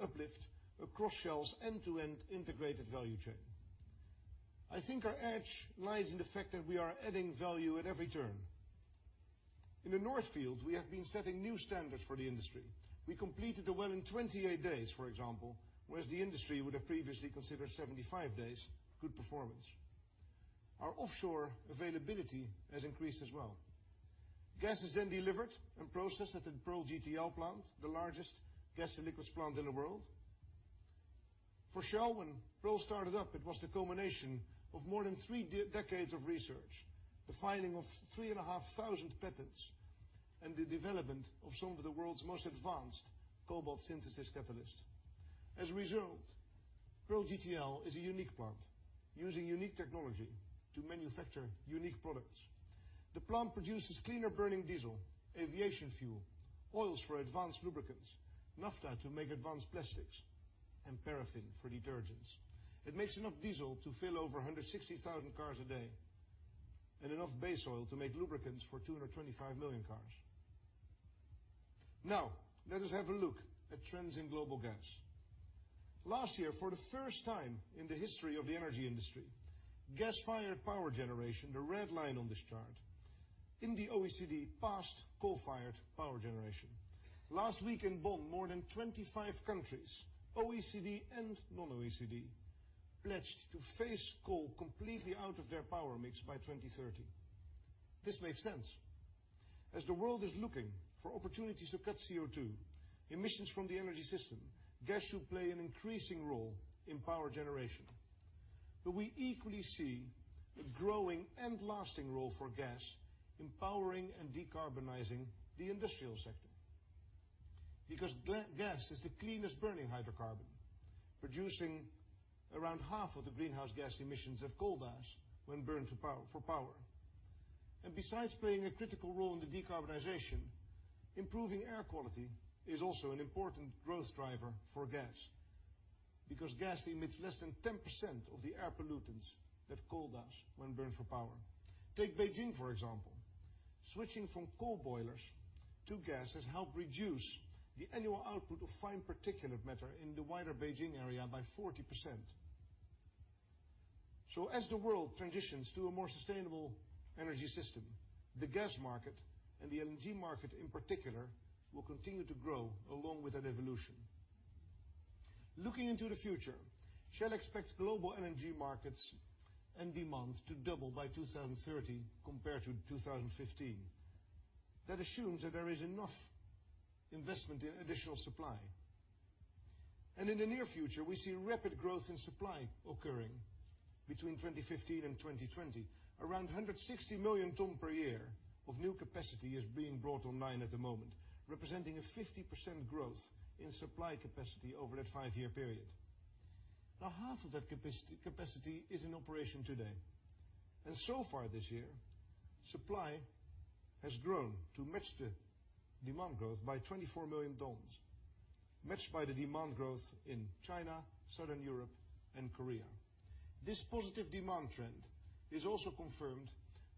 uplift across Shell's end-to-end integrated value chain. I think our edge lies in the fact that we are adding value at every turn. In the North Field, we have been setting new standards for the industry. We completed the well in 28 days, for example, whereas the industry would have previously considered 75 days good performance. Our offshore availability has increased as well. Gas is then delivered and processed at the Pearl GTL plant, the largest gas and liquids plant in the world. For Shell, when Pearl started up, it was the culmination of more than three decades of research, the filing of 3,500 patents, and the development of some of the world's most advanced cobalt synthesis catalysts. As a result, Pearl GTL is a unique plant using unique technology to manufacture unique products. The plant produces cleaner-burning diesel, aviation fuel, oils for advanced lubricants, naphtha to make advanced plastics, and paraffin for detergents. It makes enough diesel to fill over 160,000 cars a day, and enough base oil to make lubricants for 225 million cars. Let us have a look at trends in global gas. Last year, for the first time in the history of the energy industry, gas-fired power generation, the red line on this chart, in the OECD passed coal-fired power generation. Last week in Bonn, more than 25 countries, OECD and non-OECD, pledged to phase coal completely out of their power mix by 2030. This makes sense. As the world is looking for opportunities to cut CO2 emissions from the energy system, gas should play an increasing role in power generation. We equally see a growing and lasting role for gas in powering and decarbonizing the industrial sector. Gas is the cleanest burning hydrocarbon, producing around half of the greenhouse gas emissions of coal does when burned for power. Besides playing a critical role in the decarbonization, improving air quality is also an important growth driver for gas. Gas emits less than 10% of the air pollutants that coal does when burned for power. Take Beijing, for example. Switching from coal boilers to gas has helped reduce the annual output of fine particulate matter in the wider Beijing area by 40%. As the world transitions to a more sustainable energy system, the gas market and the LNG market in particular, will continue to grow along with that evolution. Looking into the future, Shell expects global LNG markets and demand to double by 2030 compared to 2015. That assumes that there is enough investment in additional supply. In the near future, we see rapid growth in supply occurring between 2015 and 2020. Around 160 million ton per year of new capacity is being brought online at the moment, representing a 50% growth in supply capacity over that five-year period. Half of that capacity is in operation today. So far this year, supply has grown to match the demand growth by 24 million tons, matched by the demand growth in China, Southern Europe, and Korea. This positive demand trend is also confirmed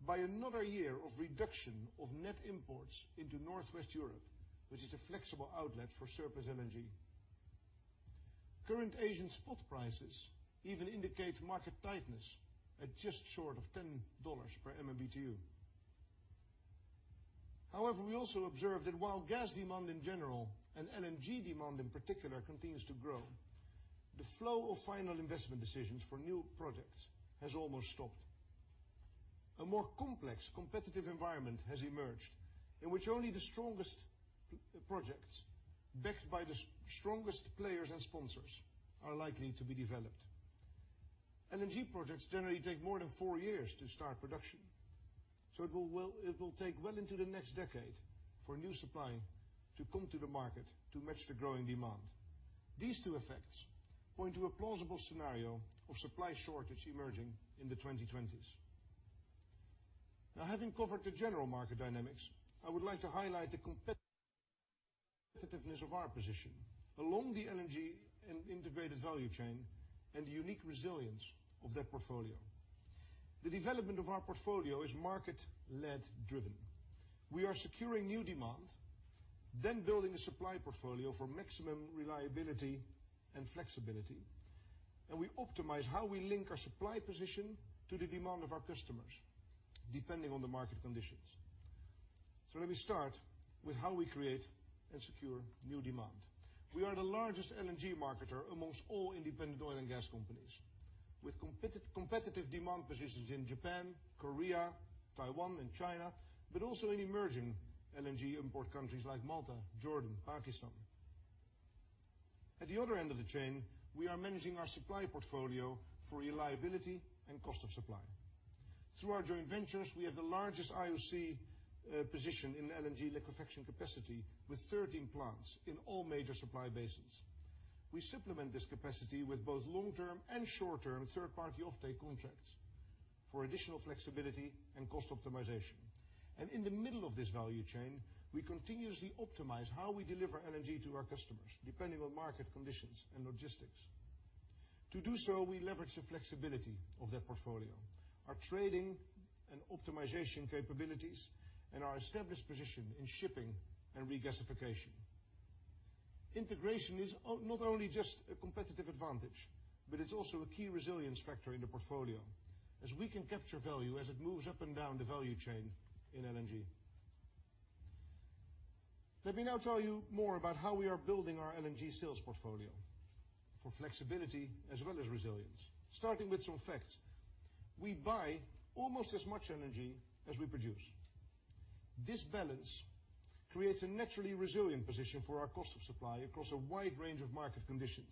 by another year of reduction of net imports into Northwest Europe, which is a flexible outlet for surplus LNG. Current Asian spot prices even indicate market tightness at just short of $10 per MMBtu. However, we also observe that while gas demand in general and LNG demand in particular continues to grow, the flow of final investment decisions for new projects has almost stopped. A more complex competitive environment has emerged in which only the strongest projects backed by the strongest players and sponsors are likely to be developed. LNG projects generally take more than four years to start production, it will take well into the next decade for new supply to come to the market to match the growing demand. These two effects point to a plausible scenario of supply shortage emerging in the 2020s. Having covered the general market dynamics, I would like to highlight the competitiveness of our position along the LNG and integrated value chain and the unique resilience of that portfolio. The development of our portfolio is market-led driven. We are securing new demand, building a supply portfolio for maximum reliability and flexibility. We optimize how we link our supply position to the demand of our customers depending on the market conditions. Let me start with how we create and secure new demand. We are the largest LNG marketer amongst all independent oil and gas companies with competitive demand positions in Japan, Korea, Taiwan, and China, but also in emerging LNG import countries like Malta, Jordan, Pakistan. At the other end of the chain, we are managing our supply portfolio for reliability and cost of supply. Through our joint ventures, we have the largest IOC position in LNG liquefaction capacity with 13 plants in all major supply basins. We supplement this capacity with both long-term and short-term third-party offtake contracts for additional flexibility and cost optimization. In the middle of this value chain, we continuously optimize how we deliver LNG to our customers depending on market conditions and logistics. To do so, we leverage the flexibility of that portfolio, our trading and optimization capabilities, and our established position in shipping and regasification. Integration is not only just a competitive advantage, but it's also a key resilience factor in the portfolio as we can capture value as it moves up and down the value chain in LNG. Let me now tell you more about how we are building our LNG sales portfolio for flexibility as well as resilience, starting with some facts. We buy almost as much energy as we produce. This balance creates a naturally resilient position for our cost of supply across a wide range of market conditions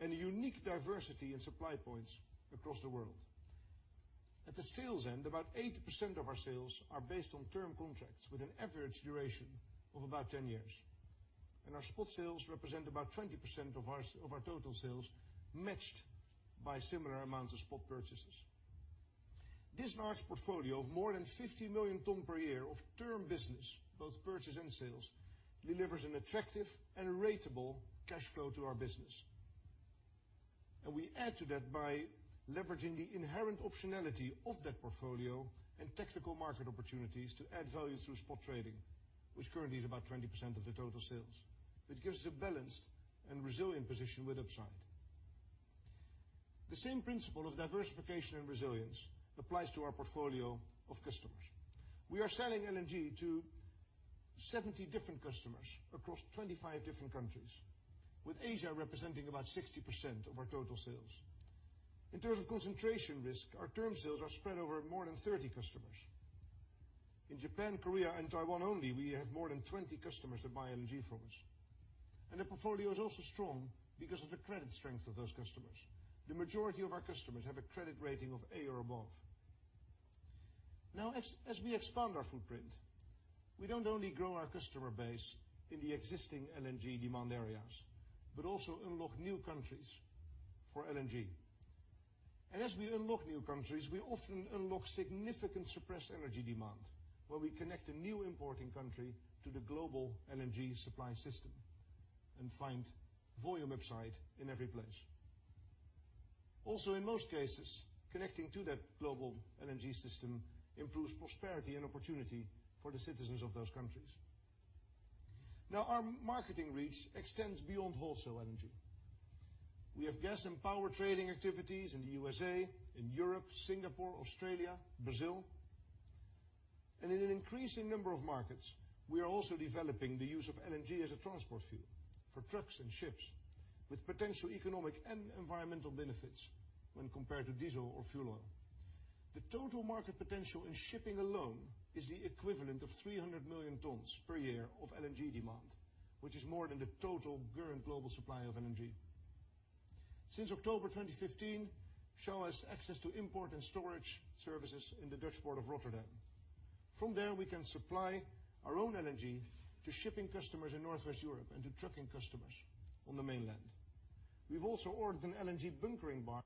and a unique diversity in supply points across the world. At the sales end, about 80% of our sales are based on term contracts with an average duration of about 10 years, our spot sales represent about 20% of our total sales matched by similar amounts of spot purchases. This large portfolio of more than 50 million tonnes per year of term business, both purchase and sales, delivers an attractive and ratable cash flow to our business. We add to that by leveraging the inherent optionality of that portfolio and tactical market opportunities to add value through spot trading, which currently is about 20% of the total sales. It gives a balanced and resilient position with upside. The same principle of diversification and resilience applies to our portfolio of customers. We are selling LNG to 70 different customers across 25 different countries, with Asia representing about 60% of our total sales. In terms of concentration risk, our term sales are spread over more than 30 customers. In Japan, Korea, and Taiwan only, we have more than 20 customers that buy LNG from us. The portfolio is also strong because of the credit strength of those customers. The majority of our customers have a credit rating of A or above. As we expand our footprint, we don't only grow our customer base in the existing LNG demand areas, but also unlock new countries for LNG. As we unlock new countries, we often unlock significant suppressed energy demand where we connect a new importing country to the global LNG supply system and find volume upside in every place. In most cases, connecting to that global LNG system improves prosperity and opportunity for the citizens of those countries. Our marketing reach extends beyond wholesale LNG. We have gas and power trading activities in the USA, in Europe, Singapore, Australia, Brazil. In an increasing number of markets, we are also developing the use of LNG as a transport fuel for trucks and ships with potential economic and environmental benefits when compared to diesel or fuel oil. The total market potential in shipping alone is the equivalent of 300 million tonnes per year of LNG demand, which is more than the total current global supply of LNG. Since October 2015, Shell has access to import and storage services in the Dutch port of Rotterdam. From there, we can supply our own LNG to shipping customers in Northwest Europe and to trucking customers on the mainland. We've also ordered an LNG bunkering barge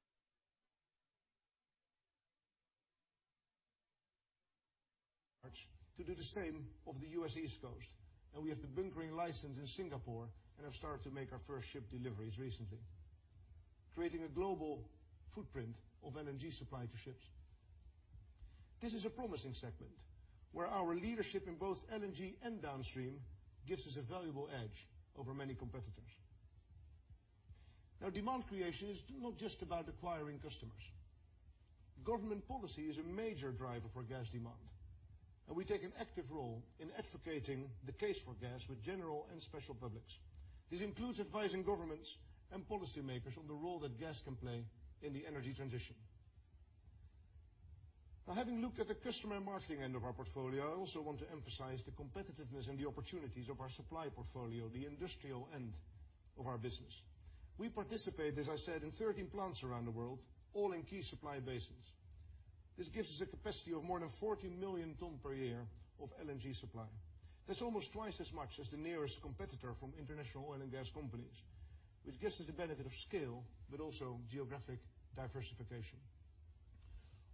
to do the same off the U.S. East Coast, and we have the bunkering license in Singapore and have started to make our first ship deliveries recently, creating a global footprint of LNG supply to ships. This is a promising segment where our leadership in both LNG and downstream gives us a valuable edge over many competitors. Demand creation is not just about acquiring customers. Government policy is a major driver for gas demand, and we take an active role in advocating the case for gas with general and special publics. This includes advising governments and policymakers on the role that gas can play in the energy transition. Having looked at the customer and marketing end of our portfolio, I also want to emphasize the competitiveness and the opportunities of our supply portfolio, the industrial end of our business. We participate, as I said, in 13 plants around the world, all in key supply basins. This gives us a capacity of more than 40 million tonnes per year of LNG supply. That's almost twice as much as the nearest competitor from international oil and gas companies, which gives us the benefit of scale, but also geographic diversification.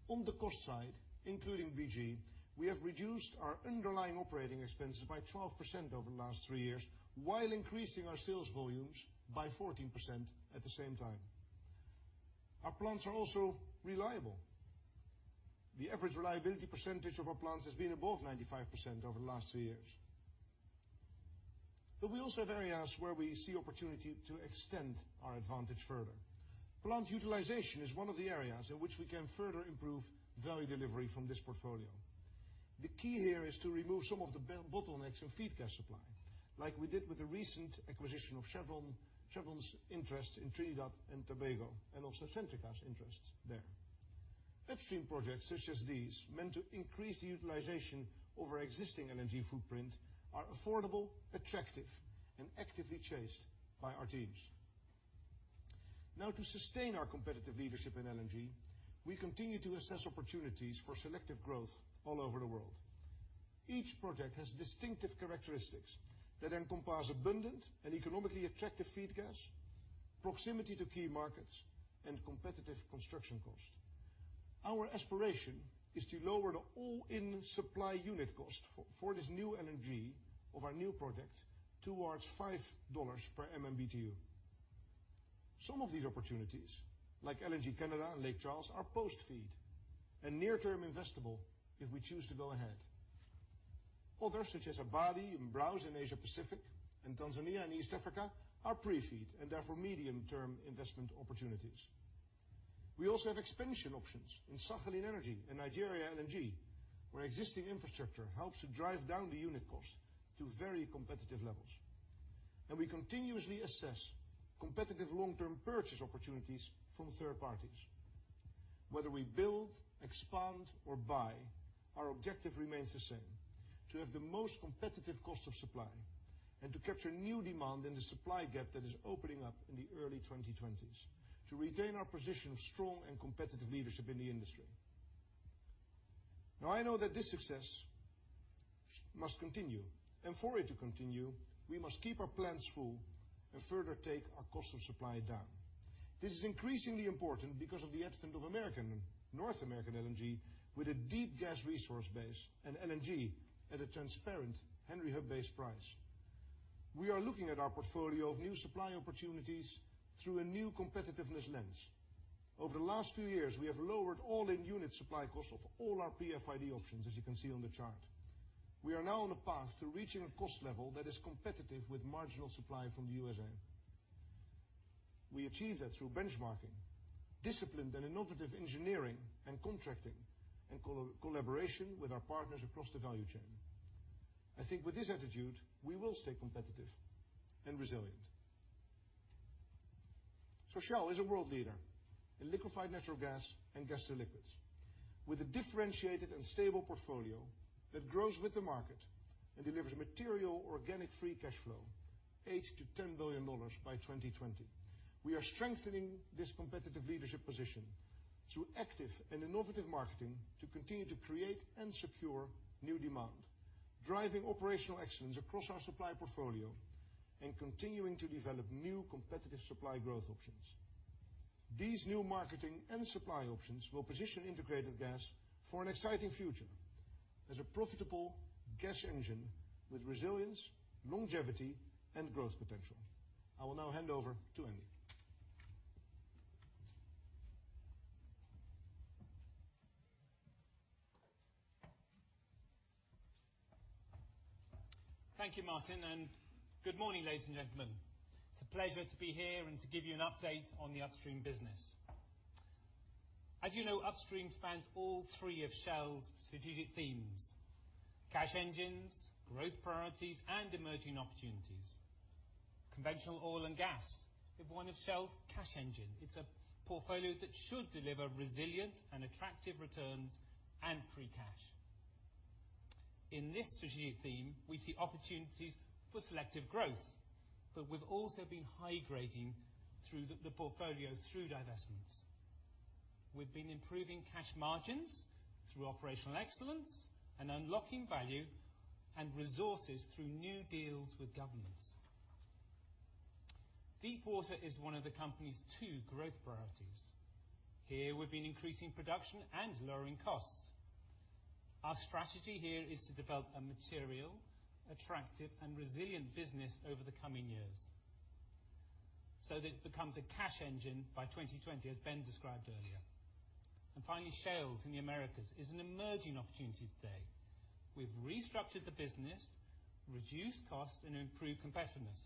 On the cost side, including BG, we have reduced our underlying operating expenses by 12% over the last three years while increasing our sales volumes by 14% at the same time. Our plants are also reliable. The average reliability percentage of our plants has been above 95% over the last three years. We also have areas where we see opportunity to extend our advantage further. Plant utilization is one of the areas in which we can further improve value delivery from this portfolio. The key here is to remove some of the bottlenecks in feed gas supply, like we did with the recent acquisition of Chevron's interest in Trinidad and Tobago and also Centrica's interests there. Upstream projects such as these, meant to increase the utilization over existing LNG footprint, are affordable, attractive, and actively chased by our teams. To sustain our competitive leadership in LNG, we continue to assess opportunities for selective growth all over the world. Each project has distinctive characteristics that encompass abundant and economically attractive feed gas, proximity to key markets, and competitive construction cost. Our aspiration is to lower the all-in supply unit cost for this new LNG of our new product towards $5 per MMBtu. Some of these opportunities, like LNG Canada and Lake Charles, are post-FID and near term investable if we choose to go ahead. Others, such as Abadi and Browse in Asia Pacific and Tanzania and East Africa, are pre-FID and therefore medium term investment opportunities. We also have expansion options in Sakhalin Energy and Nigeria LNG, where existing infrastructure helps to drive down the unit cost to very competitive levels. We continuously assess competitive long-term purchase opportunities from third parties. Whether we build, expand, or buy, our objective remains the same, to have the most competitive cost of supply, and to capture new demand in the supply gap that is opening up in the early 2020s to retain our position of strong and competitive leadership in the industry. I know that this success must continue, and for it to continue, we must keep our plants full and further take our cost of supply down. This is increasingly important because of the advent of North American LNG with a deep gas resource base and LNG at a transparent Henry Hub-based price. We are looking at our portfolio of new supply opportunities through a new competitiveness lens. Over the last few years, we have lowered all-in unit supply costs of all our pre-FID options, as you can see on the chart. We are now on a path to reaching a cost level that is competitive with marginal supply from the U.S.A. We achieve that through benchmarking, disciplined and innovative engineering and contracting, and collaboration with our partners across the value chain. I think with this attitude, we will stay competitive and resilient. Shell is a world leader in liquefied natural gas and gas to liquids, with a differentiated and stable portfolio that grows with the market and delivers material organic free cash flow, $8 billion-$10 billion by 2020. We are strengthening this competitive leadership position through active and innovative marketing to continue to create and secure new demand, driving operational excellence across our supply portfolio, and continuing to develop new competitive supply growth options. These new marketing and supply options will position Integrated Gas for an exciting future as a profitable gas engine with resilience, longevity, and growth potential. I will now hand over to Andy. Thank you, Maarten, and good morning, ladies and gentlemen. It's a pleasure to be here and to give you an update on the Upstream business. As you know, Upstream spans all three of Shell's strategic themes: Cash Engines, Growth Priorities, and Emerging Opportunities. Conventional oil and gas is one of Shell's Cash Engines. It's a portfolio that should deliver resilient and attractive returns and free cash. In this strategic theme, we see opportunities for selective growth, but we've also been high-grading the portfolio through divestments. We've been improving cash margins through operational excellence and unlocking value and resources through new deals with governments. Deepwater is one of the company's two Growth Priorities. Here we've been increasing production and lowering costs. Our strategy here is to develop a material, attractive, and resilient business over the coming years so that it becomes a Cash Engine by 2020, as Ben described earlier. Finally, Shales in the Americas is an Emerging Opportunity today. We've restructured the business, reduced cost, and improved competitiveness.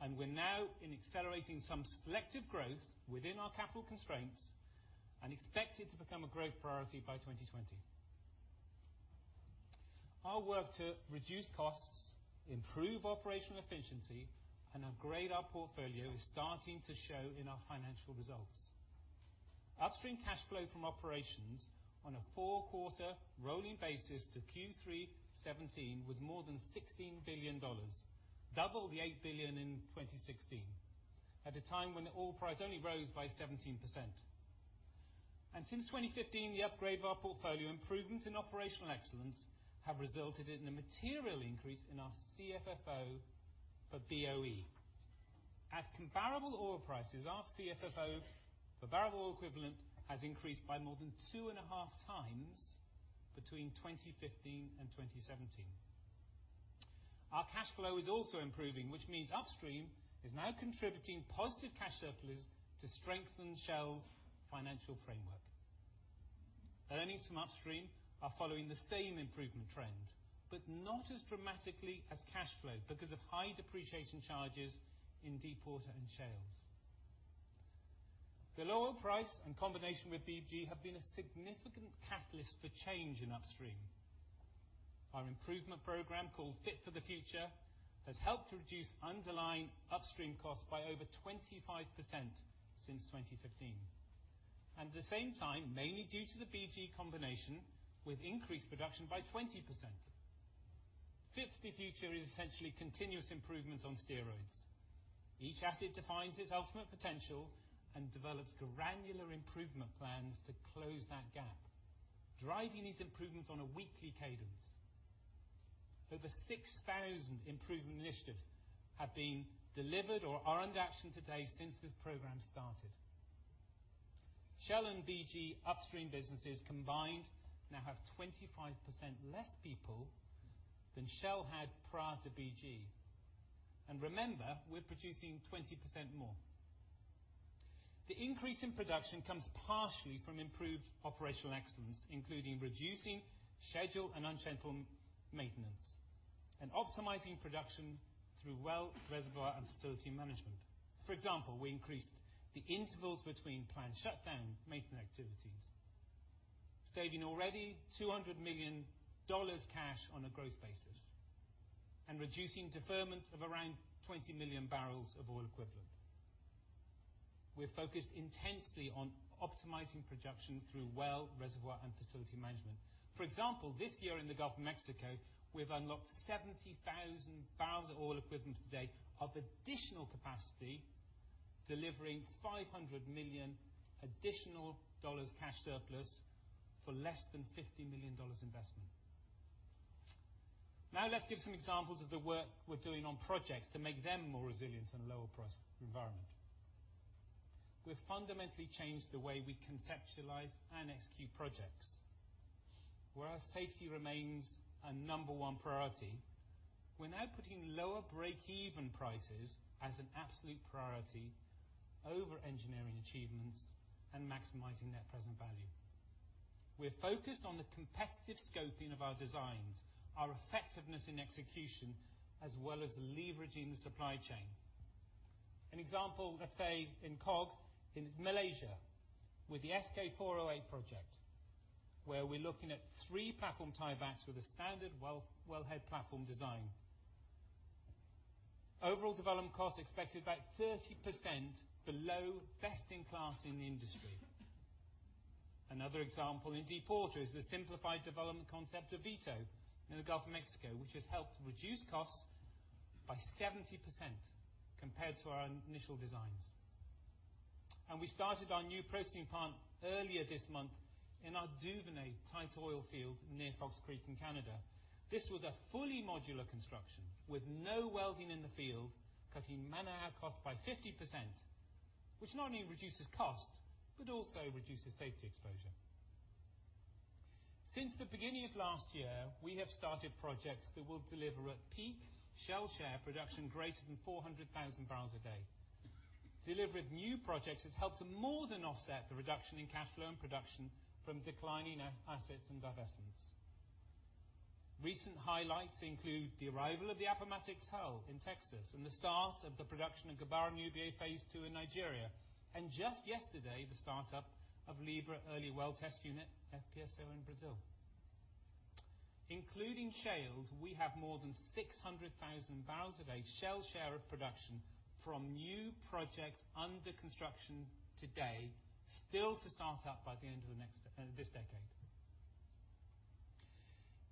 We're now accelerating some selective growth within our capital constraints and expect it to become a Growth Priority by 2020. Our work to reduce costs, improve operational efficiency, and upgrade our portfolio is starting to show in our financial results. Upstream cash flow from operations on a four-quarter rolling basis to Q3 2017 was more than $16 billion, double the $8 billion in 2016, at a time when the oil price only rose by 17%. Since 2015, the upgrade of our portfolio improvement in operational excellence have resulted in a material increase in our CFFO per BOE. At comparable oil prices, our CFFO per barrel of oil equivalent has increased by more than two and a half times between 2015 and 2017. Our cash flow is also improving, which means Upstream is now contributing positive cash surplus to strengthen Shell's financial framework. Earnings from Upstream are following the same improvement trend, but not as dramatically as cash flow because of high depreciation charges in Deepwater and Shales. The lower price in combination with BG have been a significant catalyst for change in Upstream. Our improvement program called Fit for the Future has helped reduce underlying Upstream costs by over 25% since 2015. At the same time, mainly due to the BG combination with increased production by 20%. Fit for the Future is essentially continuous improvement on steroids. Each asset defines its ultimate potential and develops granular improvement plans to close that gap, driving these improvements on a weekly cadence. Over 6,000 improvement initiatives have been delivered or are under action today since this program started. Shell and BG Upstream businesses combined now have 25% less people than Shell had prior to BG. Remember, we're producing 20% more. The increase in production comes partially from improved operational excellence, including reducing scheduled and unscheduled maintenance. Optimizing production through well reservoir and facility management. For example, we increased the intervals between planned shutdown maintenance activities, saving already $200 million cash on a gross basis and reducing deferment of around 20 million barrels of oil equivalent. We're focused intensely on optimizing production through well reservoir and facility management. For example, this year in the Gulf of Mexico, we've unlocked 70,000 barrels of oil equivalent a day of additional capacity, delivering $500 million additional dollars cash surplus for less than $50 million investment. Let's give some examples of the work we're doing on projects to make them more resilient in a lower price environment. We've fundamentally changed the way we conceptualize and execute projects. Whereas safety remains a number one priority, we're now putting lower breakeven prices as an absolute priority over engineering achievements and maximizing net present value. We're focused on the competitive scoping of our designs, our effectiveness in execution, as well as leveraging the supply chain. An example, let's say in Central Luconia in Malaysia with the SK408 project, where we're looking at three platform tie-backs with a standard wellhead platform design. Overall development cost expected about 30% below best in class in the industry. Another example in deepwater is the simplified development concept of Vito in the Gulf of Mexico, which has helped reduce costs by 70% compared to our initial designs. We started our new processing plant earlier this month in our Duvernay tight oil field near Fox Creek in Canada. This was a fully modular construction with no welding in the field, cutting man-hour costs by 50%, which not only reduces cost but also reduces safety exposure. Since the beginning of last year, we have started projects that will deliver at peak Shell share production greater than 400,000 barrels a day. Delivery of new projects has helped to more than offset the reduction in cash flow and production from declining assets and divestments. Recent highlights include the arrival of the Appomattox hull in Texas and the start of the production of Gbaran-Ubie Phase 2 in Nigeria, and just yesterday, the start-up of Libra Early Well Test Unit FPSO in Brazil. Including shales, we have more than 600,000 barrels a day Shell share of production from new projects under construction today, still to start up by the end of this decade.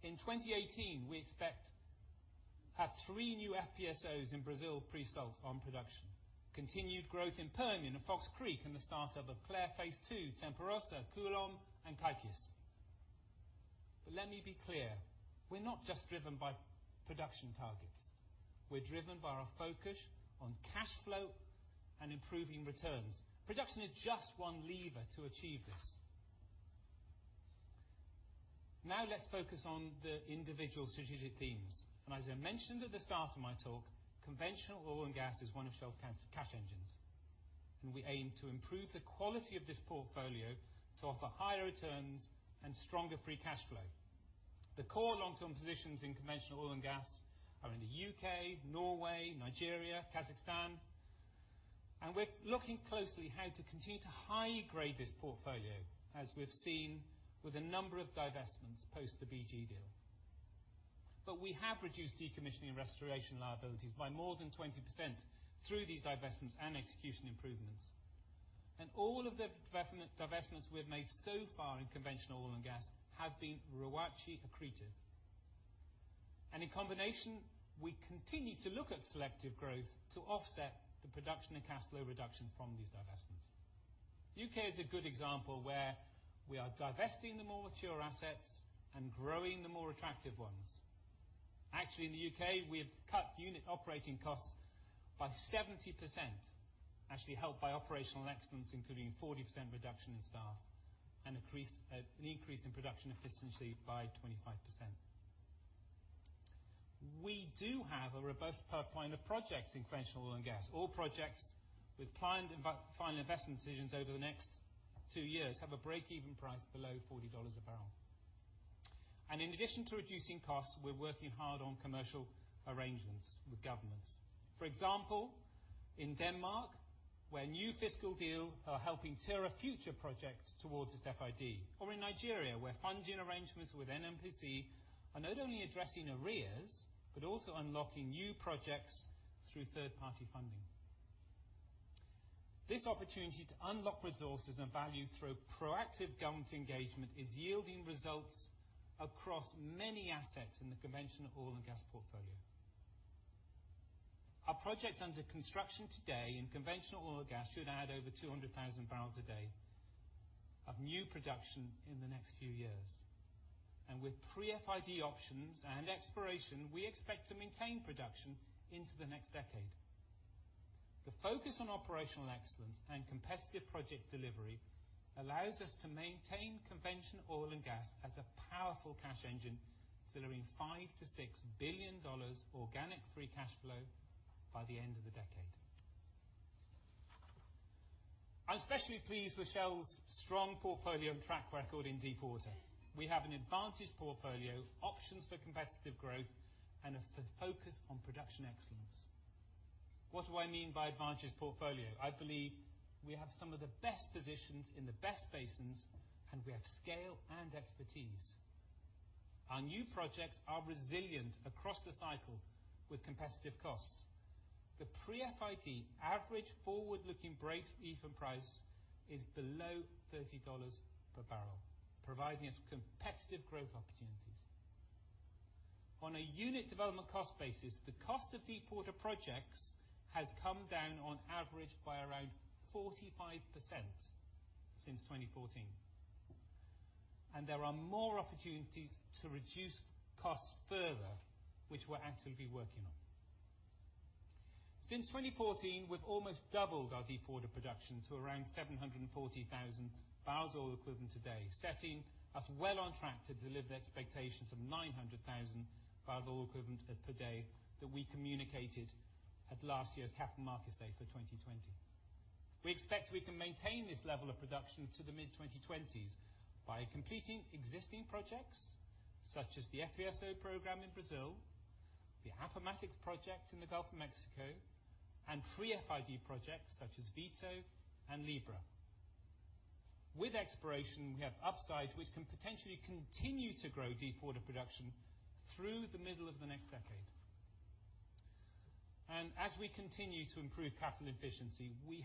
In 2018, we expect to have three new FPSOs in Brazil pre-stalled on production, continued growth in Permian and Fox Creek, and the start of the Clair Phase 2, Tempa Rossa, Coulomb, and Kaikias. Let me be clear, we're not just driven by production targets. We're driven by our focus on cash flow and improving returns. Production is just one lever to achieve this. Let's focus on the individual strategic themes. As I mentioned at the start of my talk, conventional oil and gas is one of Shell's cash engines, and we aim to improve the quality of this portfolio to offer higher returns and stronger free cash flow. The core long-term positions in conventional oil and gas are in the U.K., Norway, Nigeria, Kazakhstan, and we're looking closely how to continue to high-grade this portfolio, as we've seen with a number of divestments post the BG deal. We have reduced decommissioning restoration liabilities by more than 20% through these divestments and execution improvements. All of the divestments we've made so far in conventional oil and gas have been ROACE accretive. In combination, we continue to look at selective growth to offset the production and cash flow reduction from these divestments. U.K. is a good example where we are divesting the more mature assets and growing the more attractive ones. Actually, in the U.K., we have cut unit operating costs by 70%, actually helped by operational excellence, including 40% reduction in staff and an increase in production efficiency by 25%. We do have a robust pipeline of projects in conventional oil and gas. All projects with planned final investment decisions over the next two years have a break-even price below $40 a barrel. In addition to reducing costs, we're working hard on commercial arrangements with governments. For example, in Denmark, where new fiscal deals are helping tie our future project towards its FID. In Nigeria, where funding arrangements with NNPC are not only addressing arrears, but also unlocking new projects through third-party funding. This opportunity to unlock resources and value through proactive government engagement is yielding results across many assets in the conventional oil and gas portfolio. Our projects under construction today in conventional oil and gas should add over 200,000 barrels a day of new production in the next few years. With pre-FID options and exploration, we expect to maintain production into the next decade. The focus on operational excellence and competitive project delivery allows us to maintain conventional oil and gas as a powerful cash engine, delivering $5 billion-$6 billion organic free cash flow by the end of the decade. I'm especially pleased with Shell's strong portfolio and track record in deepwater. We have an advantaged portfolio of options for competitive growth and a focus on production excellence. What do I mean by advantaged portfolio? I believe we have some of the best positions in the best basins, and we have scale and expertise. Our new projects are resilient across the cycle with competitive costs. The pre-FID average forward-looking break even price is below $30 per barrel, providing us competitive growth opportunities. On a unit development cost basis, the cost of deepwater projects has come down on average by around 45% since 2014, and there are more opportunities to reduce costs further, which we're actively working on. Since 2014, we've almost doubled our deepwater production to around 740,000 barrels oil equivalent a day, setting us well on track to deliver the expectations of 900,000 barrels oil equivalent per day that we communicated at last year's Capital Markets Day for 2020. We expect we can maintain this level of production to the mid-2020s by completing existing projects such as the FPSO program in Brazil, the Appomattox project in the Gulf of Mexico, and pre-FID projects such as Vito and Libra. With exploration, we have upside which can potentially continue to grow deepwater production through the middle of the next decade. As we continue to improve capital efficiency, we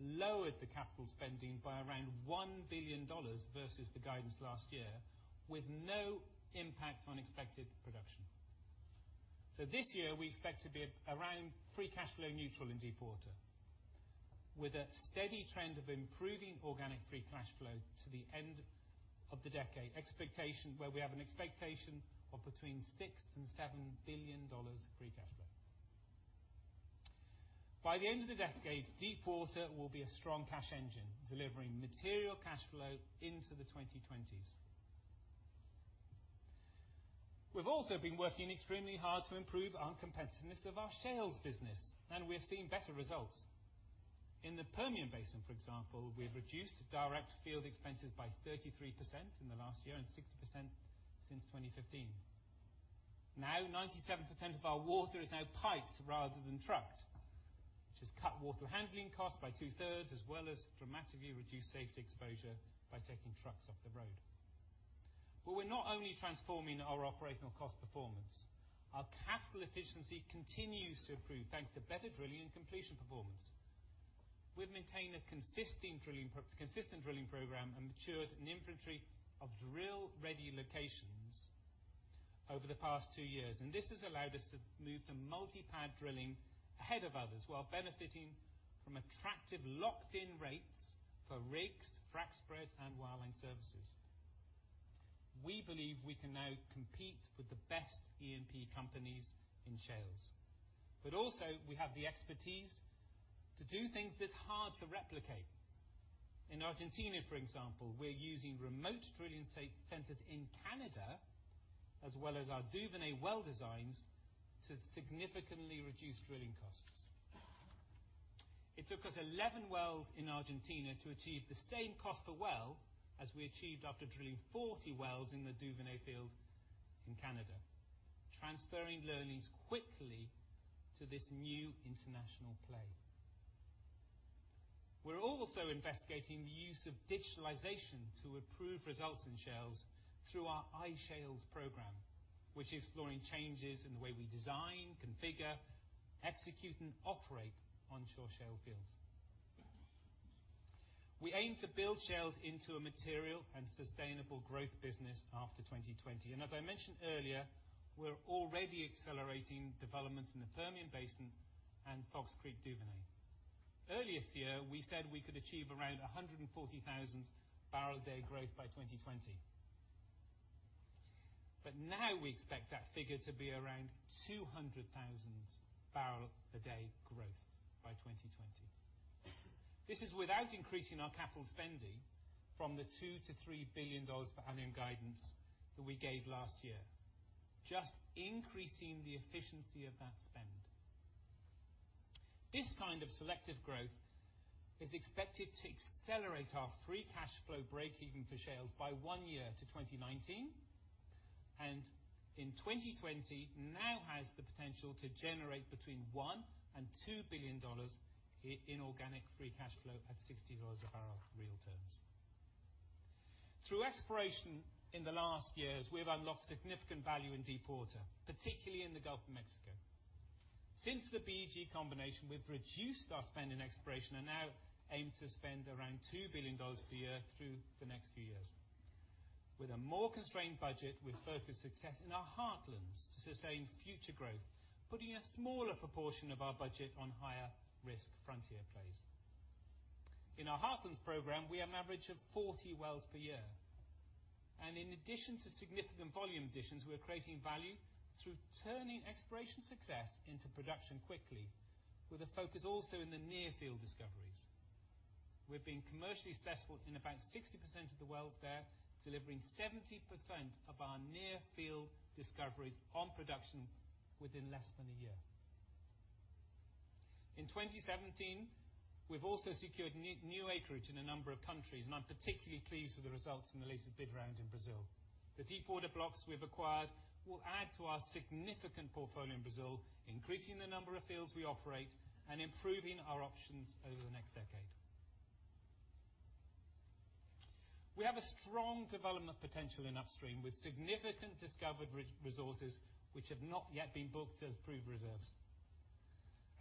have lowered the capital spending by around $1 billion versus the guidance last year with no impact on expected production. This year, we expect to be around free cash flow neutral in deepwater with a steady trend of improving organic free cash flow to the end of the decade, where we have an expectation of between $6 billion and $7 billion free cash flow. By the end of the decade, deepwater will be a strong cash engine, delivering material cash flow into the 2020s. We've also been working extremely hard to improve our competitiveness of our shales business, and we are seeing better results. In the Permian Basin, for example, we've reduced direct field expenses by 33% in the last year and 60% since 2015. 97% of our water is now piped rather than trucked, which has cut water handling costs by two-thirds, as well as dramatically reduced safety exposure by taking trucks off the road. We're not only transforming our operational cost performance. Our capital efficiency continues to improve thanks to better drilling and completion performance. We've maintained a consistent drilling program and matured an inventory of drill-ready locations over the past two years, this has allowed us to move to multi-pad drilling ahead of others while benefiting from attractive locked-in rates for rigs, frac spreads, and well services. We believe we can now compete with the best E&P companies in shales. Also, we have the expertise to do things that's hard to replicate. In Argentina, for example, we're using remote drilling centers in Canada, as well as our Duvernay well designs to significantly reduce drilling costs. It took us 11 wells in Argentina to achieve the same cost per well as we achieved after drilling 40 wells in the Duvernay field in Canada, transferring learnings quickly to this new international play. We're also investigating the use of digitalization to improve results in shales through our iShale program, which is exploring changes in the way we design, configure, execute, and operate onshore shale fields. We aim to build shales into a material and sustainable growth business after 2020. As I mentioned earlier, we're already accelerating development in the Permian Basin and Fox Creek Duvernay. Earlier this year, we said we could achieve around 140,000 barrel a day growth by 2020. Now we expect that figure to be around 200,000 barrel a day growth by 2020. This is without increasing our capital spending from the $2 billion to $3 billion per annum guidance that we gave last year, just increasing the efficiency of that spend. This kind of selective growth is expected to accelerate our free cash flow breakeven for shales by one year to 2019, and in 2020 now has the potential to generate between $1 billion and $2 billion in organic free cash flow at $60 a barrel real terms. Through exploration in the last years, we have unlocked significant value in deepwater, particularly in the Gulf of Mexico. Since the BG combination, we've reduced our spend in exploration and now aim to spend around $2 billion per year through the next few years. With a more constrained budget, we focus success in our heartland to sustain future growth, putting a smaller proportion of our budget on higher risk frontier plays. In our heartlands program, we have an average of 40 wells per year. In addition to significant volume additions, we are creating value through turning exploration success into production quickly, with a focus also on the near-field discoveries. We've been commercially successful in about 60% of the wells there, delivering 70% of our near-field discoveries on production within less than a year. In 2017, we've also secured new acreage in a number of countries, and I'm particularly pleased with the results in the latest bid round in Brazil. The deep water blocks we've acquired will add to our significant portfolio in Brazil, increasing the number of fields we operate and improving our options over the next decade. We have a strong development potential in Upstream with significant discovered resources which have not yet been booked as proved reserves.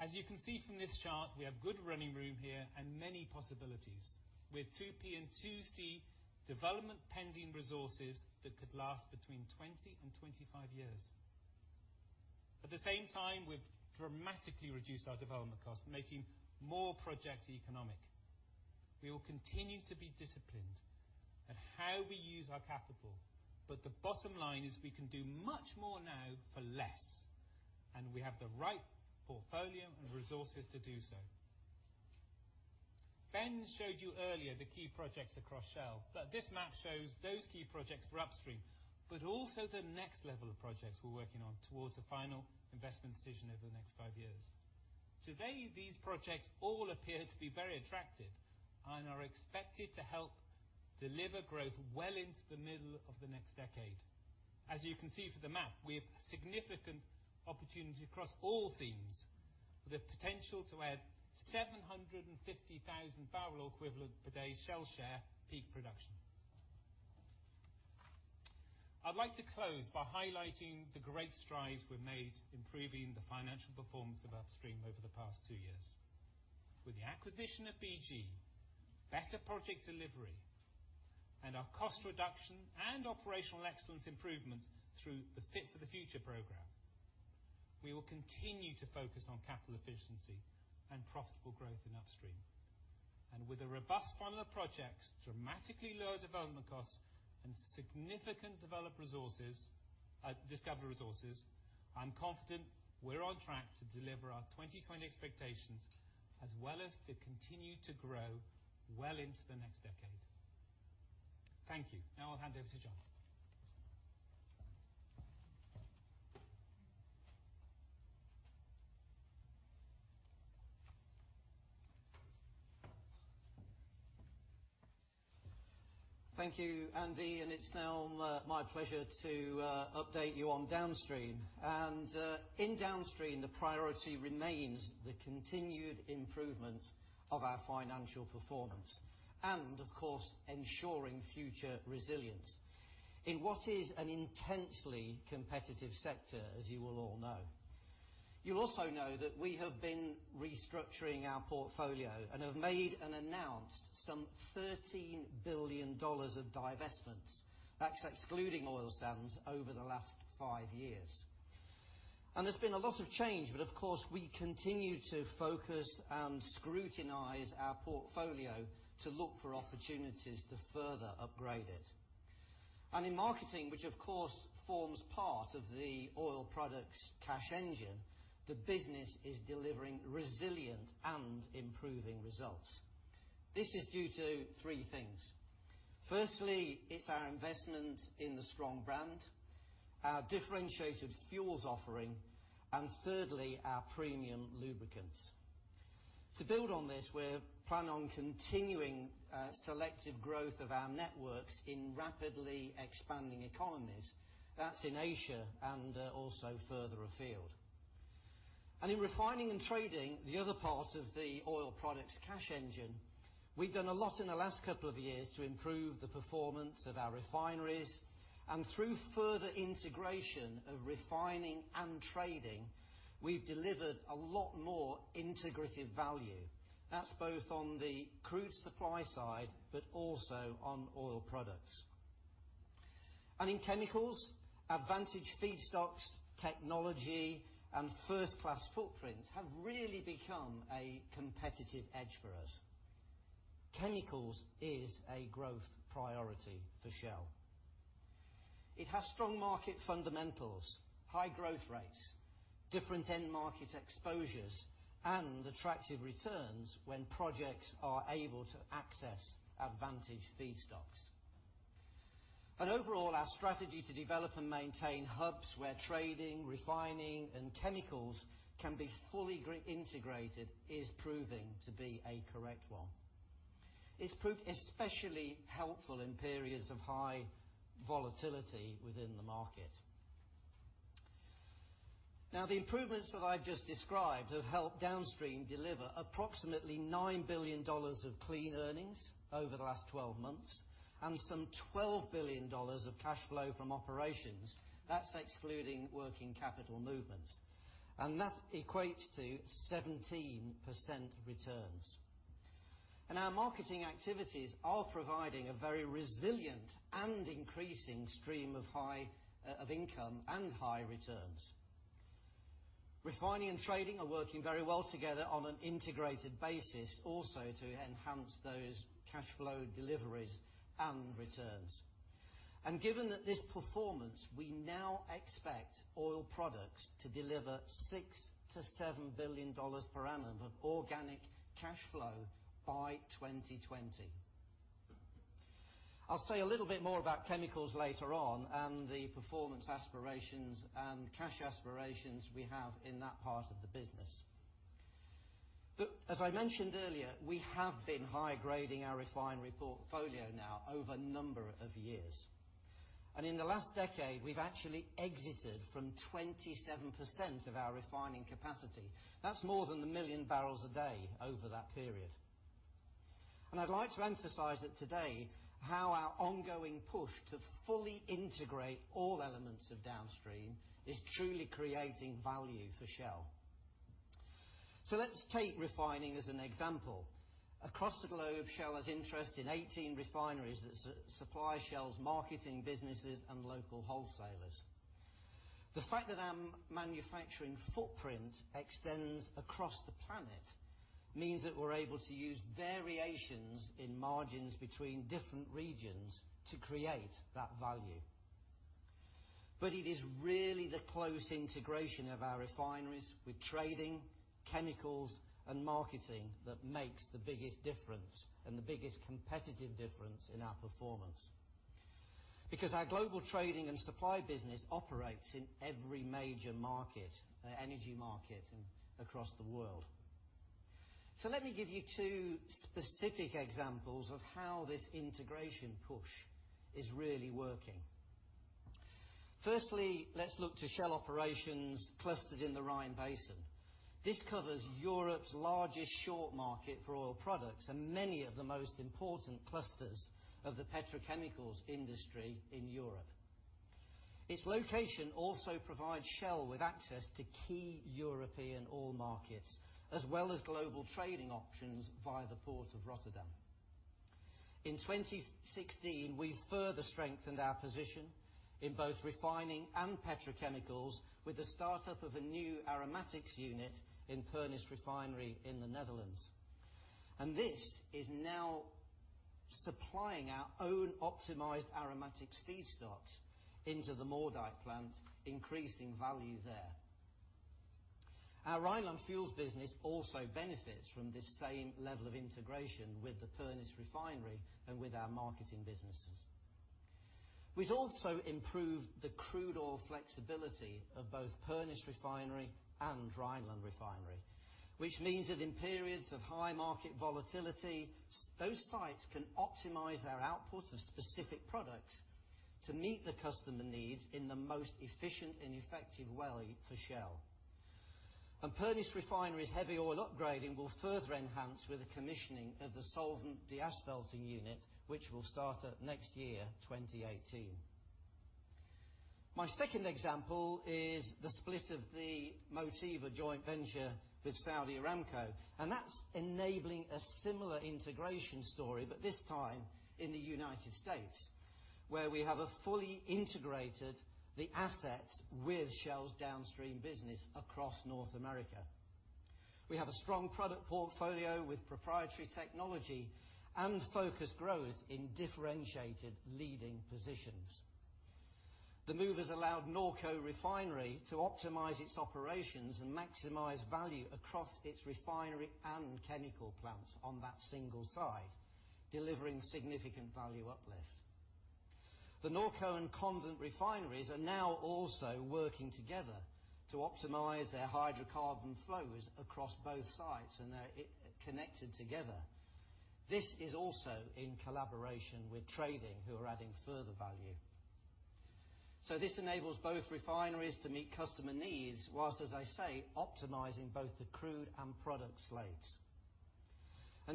As you can see from this chart, we have good running room here and many possibilities. With 2P and 2C development pending resources that could last between 20 and 25 years. At the same time, we've dramatically reduced our development costs, making more projects economic. The bottom line is we can do much more now for less, and we have the right portfolio and resources to do so. Ben showed you earlier the key projects across Shell, but this map shows those key projects for Upstream, also the next level of projects we're working on towards a final investment decision over the next five years. Today, these projects all appear to be very attractive and are expected to help deliver growth well into the middle of the next decade. As you can see from the map, we have significant opportunity across all themes, with the potential to add 750,000 barrel equivalent per day Shell share peak production. I'd like to close by highlighting the great strides we've made improving the financial performance of Upstream over the past two years. With the acquisition of BG, better project delivery, and our cost reduction and operational excellence improvements through the Fit for the Future program, we will continue to focus on capital efficiency and profitable growth in Upstream. With a robust funnel of projects, dramatically lower development costs, and significant discovered resources, I'm confident we're on track to deliver our 2020 expectations, as well as to continue to grow well into the next decade. Thank you. Now I'll hand over to John. Thank you, Andy. It's now my pleasure to update you on Downstream. In Downstream, the priority remains the continued improvement of our financial performance and, of course, ensuring future resilience in what is an intensely competitive sector, as you will all know. You'll also know that we have been restructuring our portfolio and have made and announced some $13 billion of divestments. That's excluding oil sands over the last five years. There's been a lot of change, but of course, we continue to focus and scrutinize our portfolio to look for opportunities to further upgrade it. In marketing, which of course forms part of the oil products cash engine, the business is delivering resilient and improving results. This is due to three things. Firstly, it's our investment in the strong brand, our differentiated fuels offering, and thirdly, our premium lubricants. To build on this, we plan on continuing selective growth of our networks in rapidly expanding economies. That's in Asia and also further afield. In refining and trading, the other part of the oil products cash engine, we've done a lot in the last couple of years to improve the performance of our refineries. Through further integration of refining and trading, we've delivered a lot more integrated value. That's both on the crude supply side, but also on oil products. In chemicals, advantaged feedstocks, technology, and first-class footprint have really become a competitive edge for us. Chemicals is a growth priority for Shell. It has strong market fundamentals, high growth rates, different end market exposures, and attractive returns when projects are able to access advantaged feedstocks. Overall, our strategy to develop and maintain hubs where trading, refining, and chemicals can be fully integrated is proving to be a correct one. It's proved especially helpful in periods of high volatility within the market. The improvements that I've just described have helped Downstream deliver approximately $9 billion of clean earnings over the last 12 months and some $12 billion of cash flow from operations. That's excluding working capital movements, and that equates to 17% returns. Our marketing activities are providing a very resilient and increasing stream of income and high returns. Refining and trading are working very well together on an integrated basis also to enhance those cash flow deliveries and returns. Given that this performance, we now expect oil products to deliver $6 billion to $7 billion per annum of organic cash flow by 2020. I'll say a little bit more about chemicals later on, and the performance aspirations and cash aspirations we have in that part of the business. As I mentioned earlier, we have been high-grading our refinery portfolio now over a number of years, and in the last decade, we've actually exited from 27% of our refining capacity. That's more than 1 million barrels a day over that period. I'd like to emphasize that today how our ongoing push to fully integrate all elements of Downstream is truly creating value for Shell. Let's take refining as an example. Across the globe, Shell has interest in 18 refineries that supply Shell's marketing businesses and local wholesalers. The fact that our manufacturing footprint extends across the planet means that we're able to use variations in margins between different regions to create that value. It is really the close integration of our refineries with trading, chemicals, and marketing that makes the biggest difference and the biggest competitive difference in our performance. Because our global trading and supply business operates in every major energy market across the world. Let me give you two specific examples of how this integration push is really working. Firstly, let's look to Shell operations clustered in the Rhine Basin. This covers Europe's largest short market for oil products and many of the most important clusters of the petrochemicals industry in Europe. Its location also provides Shell with access to key European oil markets, as well as global trading options via the Port of Rotterdam. In 2016, we further strengthened our position in both refining and petrochemicals with the start-up of a new aromatics unit in Pernis refinery in the Netherlands. This is now supplying our own optimized aromatics feedstocks into the Moerdijk plant, increasing value there. Our Rhineland fuels business also benefits from this same level of integration with the Pernis refinery and with our marketing businesses. We've also improved the crude oil flexibility of both Pernis refinery and Rhineland refinery, which means that in periods of high market volatility, those sites can optimize their output of specific products to meet the customer needs in the most efficient and effective way for Shell. Pernis refinery's heavy oil upgrading will further enhance with the commissioning of the solvent deasphalting unit, which will start up next year, 2018. My second example is the split of the Motiva joint venture with Saudi Aramco. That's enabling a similar integration story, but this time in the U.S., where we have a fully integrated the assets with Shell's downstream business across North America. We have a strong product portfolio with proprietary technology and focused growth in differentiated leading positions. The move has allowed Norco refinery to optimize its operations and maximize value across its refinery and chemical plants on that single site, delivering significant value uplift. The Norco and Convent refineries are now also working together to optimize their hydrocarbon flows across both sites. They're connected together. This is also in collaboration with trading, who are adding further value. This enables both refineries to meet customer needs whilst, as I say, optimizing both the crude and product slates.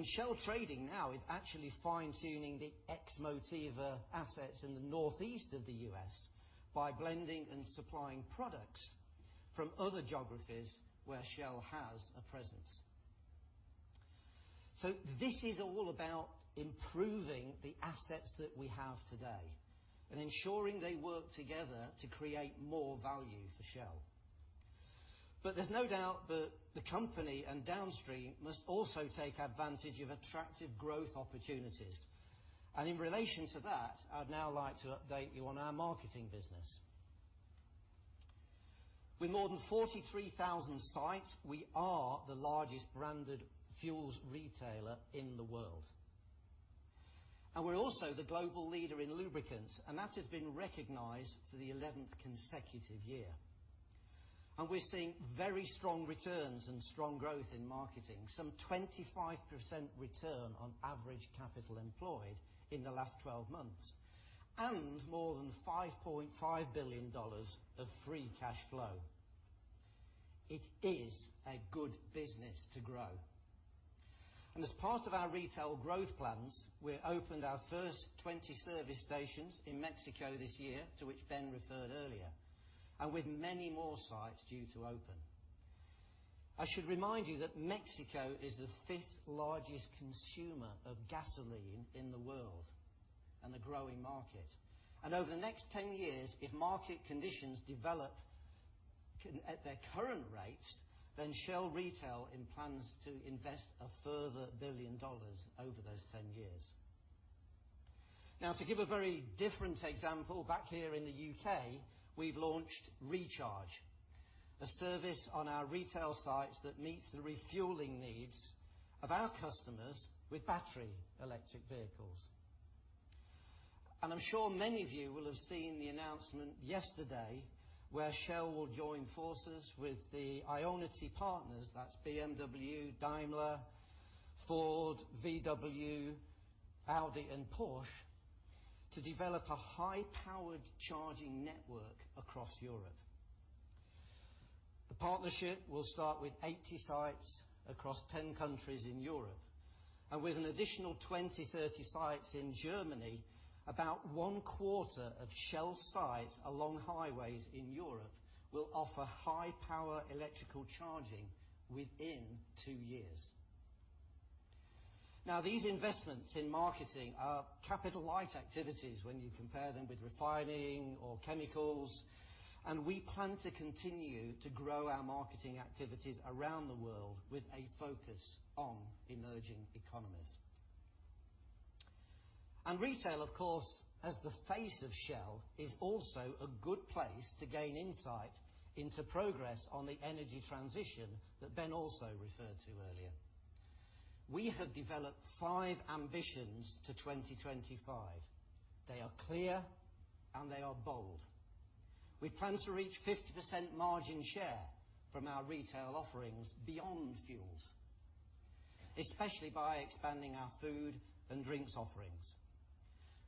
Shell Trading now is actually fine-tuning the ex Motiva assets in the northeast of the U.S. by blending and supplying products from other geographies where Shell has a presence. This is all about improving the assets that we have today and ensuring they work together to create more value for Shell. There's no doubt that the company and downstream must also take advantage of attractive growth opportunities. In relation to that, I'd now like to update you on our marketing business. With more than 43,000 sites, we are the largest branded fuels retailer in the world. We're also the global leader in lubricants, and that has been recognized for the 11th consecutive year. We're seeing very strong returns and strong growth in marketing, some 25% return on average capital employed in the last 12 months, and more than $5.5 billion of free cash flow. It is a good business to grow. As part of our retail growth plans, we opened our first 20 service stations in Mexico this year, to which Ben referred earlier, with many more sites due to open. I should remind you that Mexico is the fifth largest consumer of gasoline in the world, a growing market. Over the next 10 years, if market conditions develop at their current rates, Shell Retail plans to invest a further $1 billion over those 10 years. To give a very different example, back here in the U.K., we've launched Recharge. A service on our retail sites that meets the refueling needs of our customers with battery electric vehicles. I'm sure many of you will have seen the announcement yesterday where Shell will join forces with the IONITY partners, that is BMW, Daimler, Ford, Volkswagen, Audi, and Porsche, to develop a high-powered charging network across Europe. The partnership will start with 80 sites across 10 countries in Europe, and with an additional 2,030 sites in Germany, about one-quarter of Shell sites along highways in Europe will offer high-power electrical charging within two years. These investments in marketing are capital light activities when you compare them with refining or chemicals, and we plan to continue to grow our marketing activities around the world with a focus on emerging economies. Retail, of course, as the face of Shell, is also a good place to gain insight into progress on the energy transition that Ben also referred to earlier. We have developed five ambitions to 2025. They are clear and they are bold. We plan to reach 50% margin share from our retail offerings beyond fuels, especially by expanding our food and drinks offerings.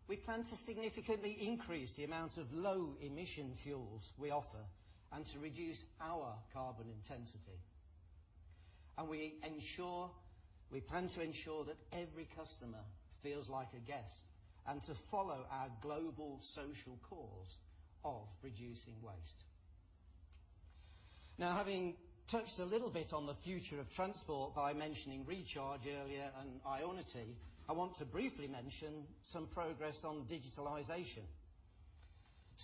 We plan to significantly increase the amount of low-emission fuels we offer and to reduce our carbon intensity. We plan to ensure that every customer feels like a guest, and to follow our global social cause of reducing waste. Having touched a little bit on the future of transport by mentioning Shell Recharge earlier and IONITY, I want to briefly mention some progress on digitalization.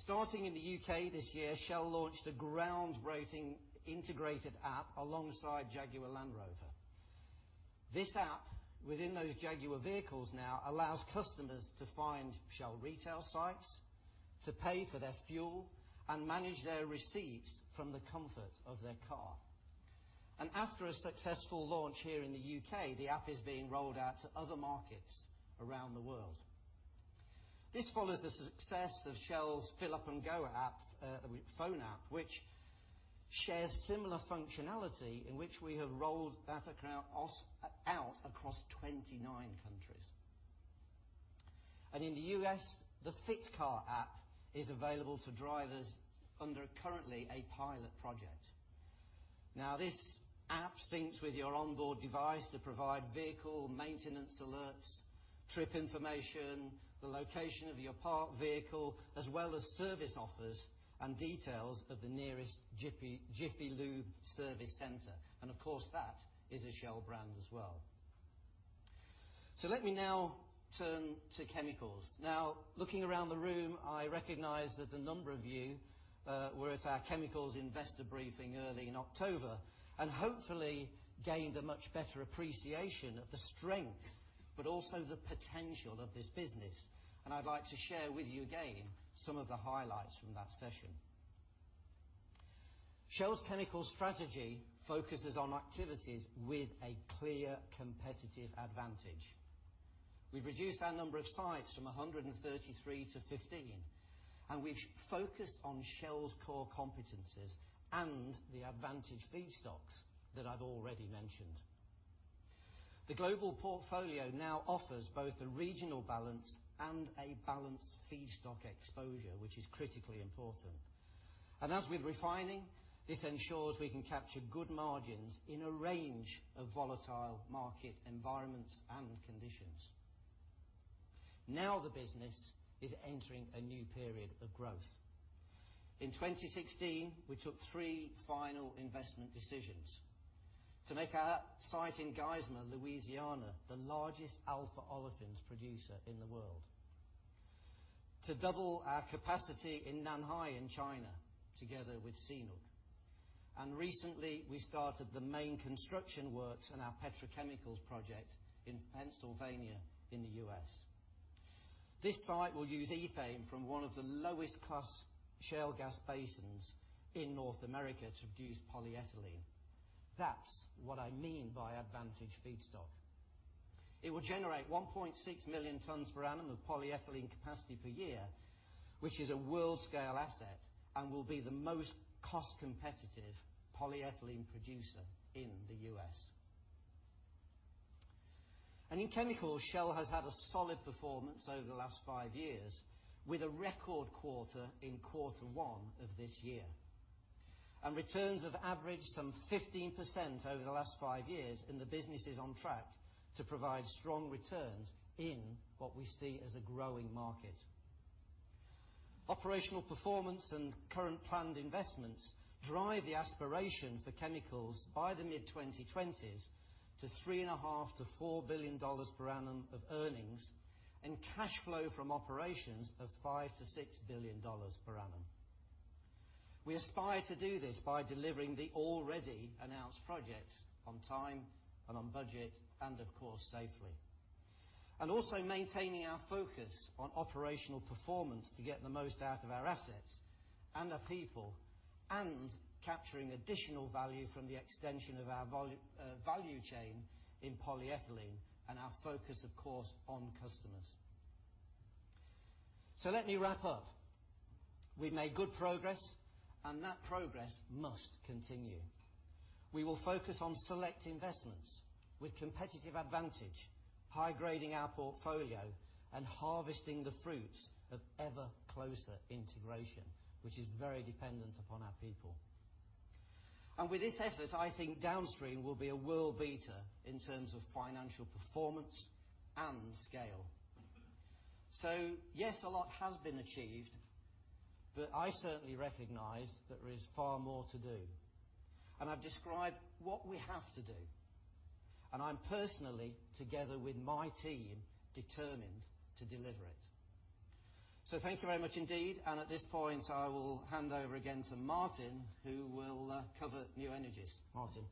Starting in the U.K. this year, Shell launched a groundbreaking integrated app alongside Jaguar Land Rover. This app within those Jaguar vehicles now allows customers to find Shell Retail sites, to pay for their fuel, and manage their receipts from the comfort of their car. After a successful launch here in the U.K., the app is being rolled out to other markets around the world. This follows the success of Shell's Fill Up and Go app, phone app, which shares similar functionality in which we have rolled that out across 29 countries. In the U.S., the FitCar app is available to drivers under currently a pilot project. This app syncs with your onboard device to provide vehicle maintenance alerts, trip information, the location of your parked vehicle, as well as service offers and details of the nearest Jiffy Lube service center, and of course, that is a Shell brand as well. Let me now turn to chemicals. Looking around the room, I recognize that a number of you were at our chemicals investor briefing early in October and hopefully gained a much better appreciation of the strength, but also the potential of this business, and I'd like to share with you again some of the highlights from that session. Shell's chemical strategy focuses on activities with a clear competitive advantage. We've reduced our number of sites from 133 to 50, and we've focused on Shell's core competencies and the advantage feedstocks that I've already mentioned. The global portfolio now offers both a regional balance and a balanced feedstock exposure, which is critically important. As with refining, this ensures we can capture good margins in a range of volatile market environments and conditions. The business is entering a new period of growth. In 2016, we took three final investment decisions to make our site in Geismar, Louisiana, the largest alpha olefins producer in the world, to double our capacity in Nanhai in China together with CNOOC, and recently we started the main construction works in our petrochemicals project in Pennsylvania in the U.S. This site will use ethane from one of the lowest cost Shell gas basins in North America to produce polyethylene. That's what I mean by advantage feedstock. It will generate 1.6 million tons per annum of polyethylene capacity per year, which is a world scale asset and will be the most cost-competitive polyethylene producer in the U.S. In chemicals, Shell has had a solid performance over the last five years with a record quarter in quarter one of this year. Returns have averaged some 15% over the last five years, and the business is on track to provide strong returns in what we see as a growing market. Operational performance and current planned investments drive the aspiration for chemicals by the mid-2020s to $3.5 billion-$4 billion per annum of earnings and cash flow from operations of $5 billion-$6 billion per annum. We aspire to do this by delivering the already announced projects on time and on budget and of course, safely. Also maintaining our focus on operational performance to get the most out of our assets and our people, and capturing additional value from the extension of our value chain in polyethylene and our focus, of course, on customers. Let me wrap up. We've made good progress, and that progress must continue. We will focus on select investments with competitive advantage, high-grading our portfolio, and harvesting the fruits of ever closer integration, which is very dependent upon our people. With this effort, I think Downstream will be a world beater in terms of financial performance and scale. Yes, a lot has been achieved, but I certainly recognize there is far more to do. I've described what we have to do, and I'm personally, together with my team, determined to deliver it. Thank you very much indeed. At this point, I will hand over again to Maarten, who will cover New Energies. Maarten.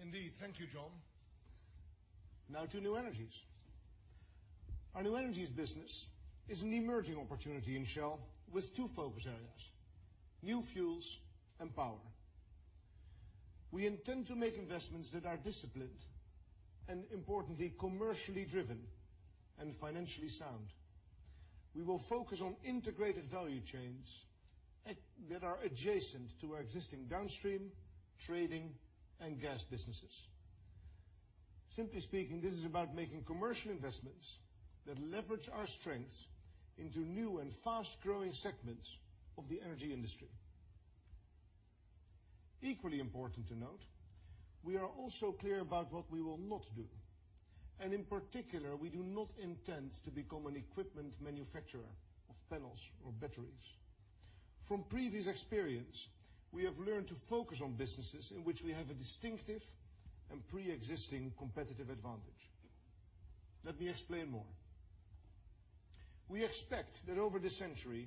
Indeed. Thank you, John. To New Energies. Our New Energies business is an emerging opportunity in Shell with two focus areas, new fuels and power. We intend to make investments that are disciplined and importantly commercially driven and financially sound. We will focus on integrated value chains that are adjacent to our existing Downstream Trading and gas businesses. Simply speaking, this is about making commercial investments that leverage our strengths into new and fast-growing segments of the energy industry. Equally important to note, we are also clear about what we will not do, and in particular, we do not intend to become an equipment manufacturer of panels or batteries. From previous experience, we have learned to focus on businesses in which we have a distinctive and preexisting competitive advantage. Let me explain more. We expect that over this century,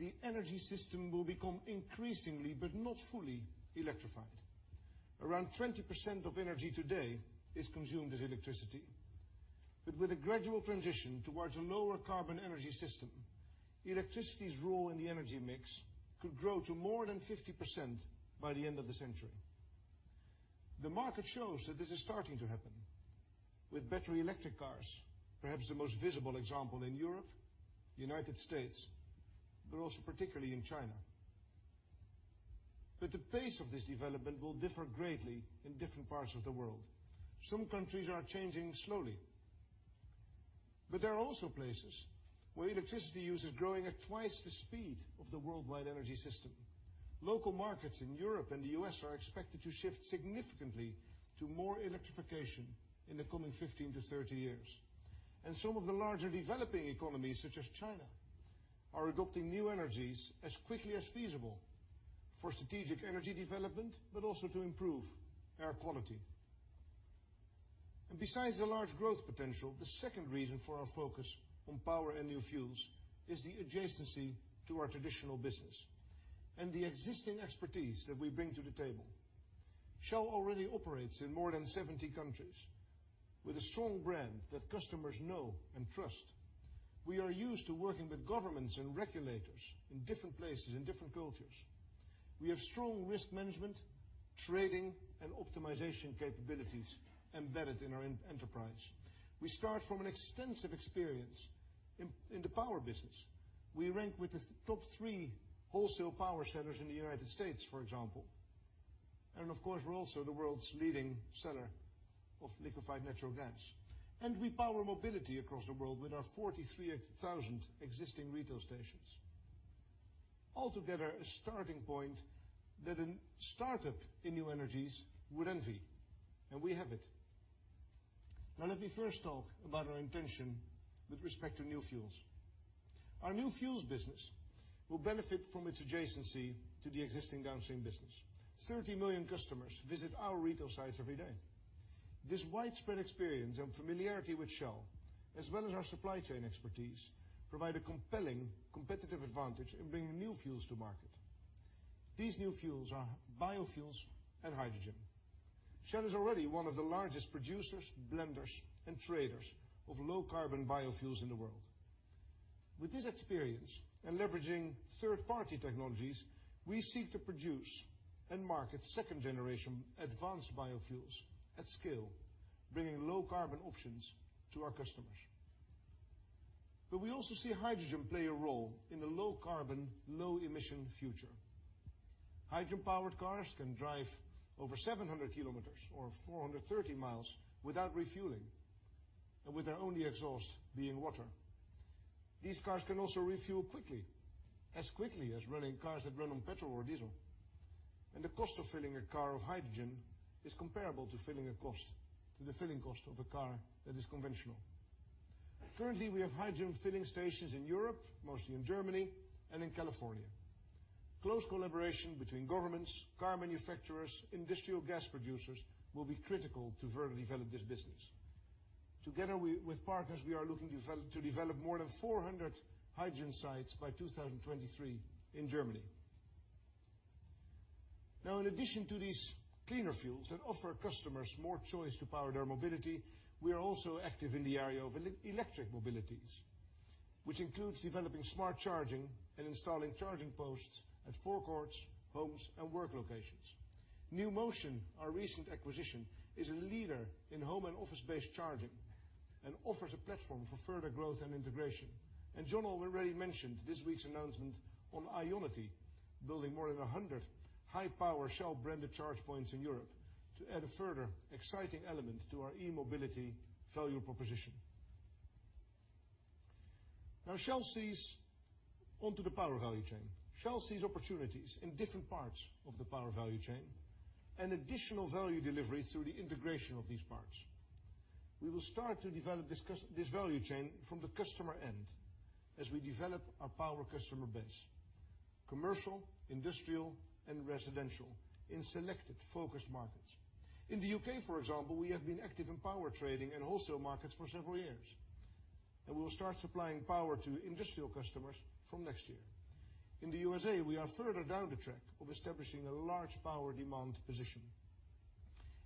the energy system will become increasingly, but not fully, electrified. Around 20% of energy today is consumed as electricity. With a gradual transition towards a lower carbon energy system, electricity's role in the energy mix could grow to more than 50% by the end of the century. The market shows that this is starting to happen with battery electric cars, perhaps the most visible example in Europe, the U.S., but also particularly in China. The pace of this development will differ greatly in different parts of the world. Some countries are changing slowly. There are also places where electricity use is growing at twice the speed of the worldwide energy system. Local markets in Europe and the U.S. are expected to shift significantly to more electrification in the coming 15-30 years. Some of the larger developing economies, such as China, are adopting new energies as quickly as feasible for strategic energy development, but also to improve air quality. Besides the large growth potential, the second reason for our focus on power and new fuels is the adjacency to our traditional business and the existing expertise that we bring to the table. Shell already operates in more than 70 countries with a strong brand that customers know and trust. We are used to working with governments and regulators in different places, in different cultures. We have strong risk management, trading, and optimization capabilities embedded in our enterprise. We start from an extensive experience in the power business. We rank with the top three wholesale power sellers in the U.S., for example. Of course, we're also the world's leading seller of liquefied natural gas. We power mobility across the world with our 43,000 existing retail stations. Altogether, a starting point that a startup in new energies would envy, and we have it. Let me first talk about our intention with respect to new fuels. Our new fuels business will benefit from its adjacency to the existing downstream business. 30 million customers visit our retail sites every day. This widespread experience and familiarity with Shell, as well as our supply chain expertise, provide a compelling competitive advantage in bringing new fuels to market. These new fuels are biofuels and hydrogen. Shell is already one of the largest producers, blenders, and traders of low carbon biofuels in the world. With this experience and leveraging third-party technologies, we seek to produce and market second generation advanced biofuels at scale, bringing low carbon options to our customers. We also see hydrogen play a role in the low carbon, low emission future. Hydrogen powered cars can drive over 700 kilometers or 430 miles without refueling, and with their only exhaust being water. These cars can also refuel quickly, as quickly as cars that run on petrol or diesel. The cost of filling a car of hydrogen is comparable to the filling cost of a car that is conventional. Currently, we have hydrogen filling stations in Europe, mostly in Germany and in California. Close collaboration between governments, car manufacturers, industrial gas producers will be critical to further develop this business. Together with partners, we are looking to develop more than 400 hydrogen sites by 2023 in Germany. In addition to these cleaner fuels that offer customers more choice to power their mobility, we are also active in the area of electric mobilities, which includes developing smart charging and installing charging posts at forecourts, homes, and work locations. NewMotion, our recent acquisition, is a leader in home and office-based charging and offers a platform for further growth and integration. John already mentioned this week's announcement on IONITY building more than 100 high-power Shell-branded charge points in Europe to add a further exciting element to our e-mobility value proposition. Onto the power value chain. Shell sees opportunities in different parts of the power value chain and additional value delivery through the integration of these parts. We will start to develop this value chain from the customer end as we develop our power customer base, commercial, industrial, and residential in selected focused markets. In the U.K., for example, we have been active in power trading and wholesale markets for several years, we will start supplying power to industrial customers from next year. In the U.S.A., we are further down the track of establishing a large power demand position.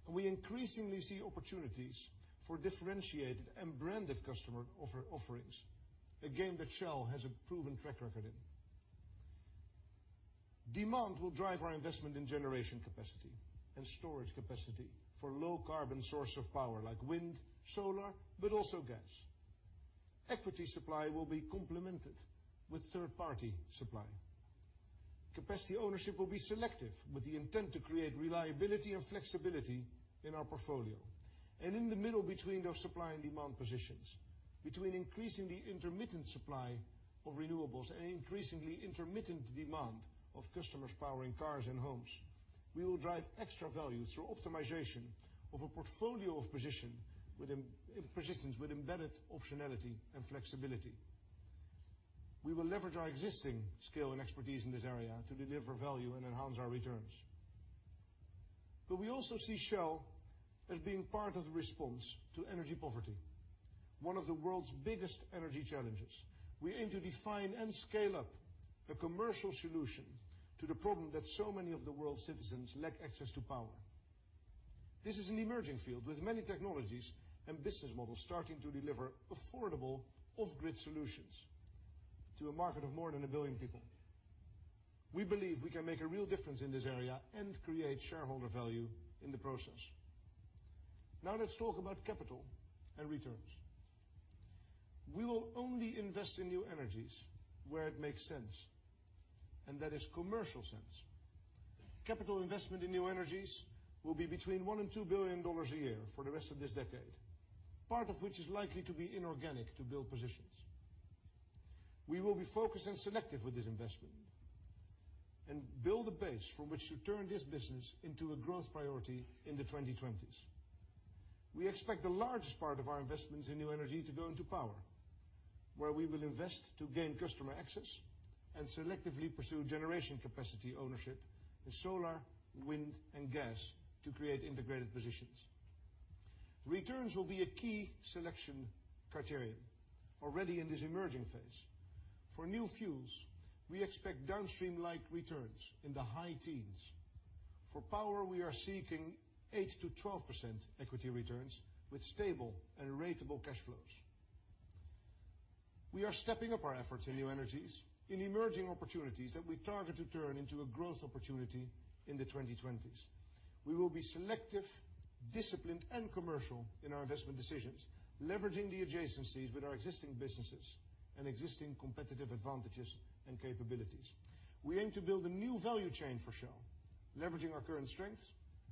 We increasingly see opportunities for differentiated and branded customer offerings, a game that Shell has a proven track record in. Demand will drive our investment in generation capacity and storage capacity for low-carbon source of power like wind, solar, but also gas. Equity supply will be complemented with third-party supply. Capacity ownership will be selective, with the intent to create reliability and flexibility in our portfolio. In the middle between those supply and demand positions, between increasingly intermittent supply of renewables and increasingly intermittent demand of customers powering cars and homes, we will drive extra value through optimization of a portfolio of positions with embedded optionality and flexibility. We will leverage our existing skill and expertise in this area to deliver value and enhance our returns. We also see Shell as being part of the response to energy poverty, one of the world's biggest energy challenges. We aim to define and scale up a commercial solution to the problem that so many of the world's citizens lack access to power. This is an emerging field with many technologies and business models starting to deliver affordable off-grid solutions to a market of more than 1 billion people. We believe we can make a real difference in this area and create shareholder value in the process. Let's talk about capital and returns. We will only invest in new energies where it makes sense, and that is commercial sense. Capital investment in new energies will be between $1 billion and $2 billion a year for the rest of this decade, part of which is likely to be inorganic to build positions. We will be focused and selective with this investment and build a base from which to turn this business into a growth priority in the 2020s. We expect the largest part of our investments in new energy to go into power, where we will invest to gain customer access and selectively pursue generation capacity ownership in solar, wind, and gas to create integrated positions. Returns will be a key selection criterion already in this emerging phase. For new fuels, we expect downstream-like returns in the high teens. For power, we are seeking 8%-12% equity returns with stable and ratable cash flows. We are stepping up our efforts in new energies in emerging opportunities that we target to turn into a growth opportunity in the 2020s. We will be selective, disciplined, and commercial in our investment decisions, leveraging the adjacencies with our existing businesses and existing competitive advantages and capabilities. We aim to build a new value chain for Shell, leveraging our current strengths,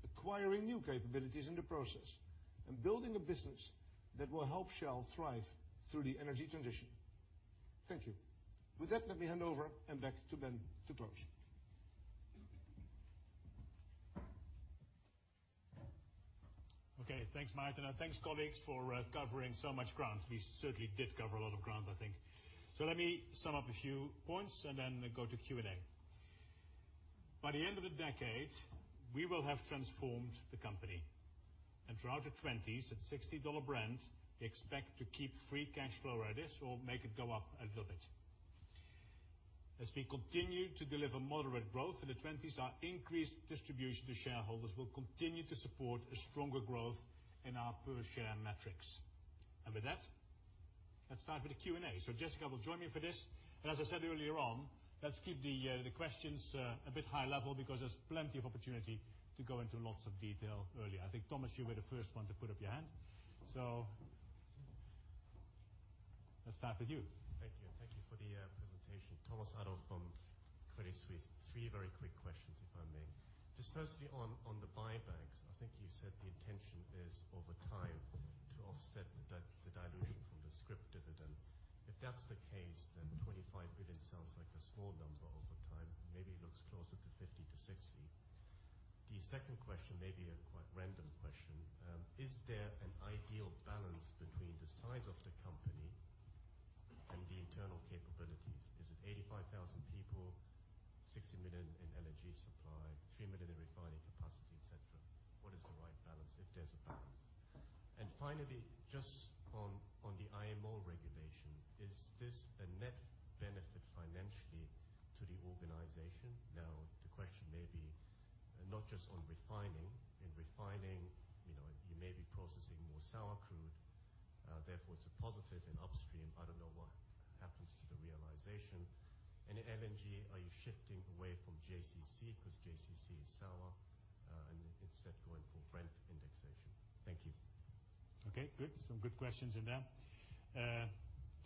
acquiring new capabilities in the process, and building a business that will help Shell thrive through the energy transition. Thank you. With that, let me hand over and back to Ben to close. Okay, thanks, Maarten, and thanks, colleagues, for covering so much ground. We certainly did cover a lot of ground, I think. Let me sum up a few points and then go to Q&A. By the end of the decade, we will have transformed the company. Throughout the '20s, at $60 Brent, we expect to keep free cash flow at this or make it go up a little bit. As we continue to deliver moderate growth in the '20s, our increased distribution to shareholders will continue to support a stronger growth in our per-share metrics. With that, let's start with the Q&A. Jessica will join me for this. As I said earlier on, let's keep the questions a bit high level because there's plenty of opportunity to go into lots of detail earlier. I think, Thomas, you were the first one to put up your hand. Let's start with you. Thank you. Thank you for the presentation. Thomas Adolff from Credit Suisse. Three very quick questions, if I may. Just firstly on the buybacks, I think you said the intention is over time to offset the dilution from the scrip dividend. If that's the case, then $25 billion sounds like a small number over time. Maybe it looks closer to $50 billion-$60 billion. The second question may be a quite random question. Is there an ideal balance between the size of the company and the internal capabilities? Is it 85,000 people, 60 million in LNG somewhere? There's a balance. Finally, just on the IMO regulation, is this a net benefit financially to the organization? Now, the question may be not just on refining. In refining, you may be processing more sour crude, therefore it's a positive in upstream. I don't know what happens to the realization. LNG, are you shifting away from JCC, because JCC is sour, and instead going full Brent indexation? Thank you. Okay, good. Some good questions in there.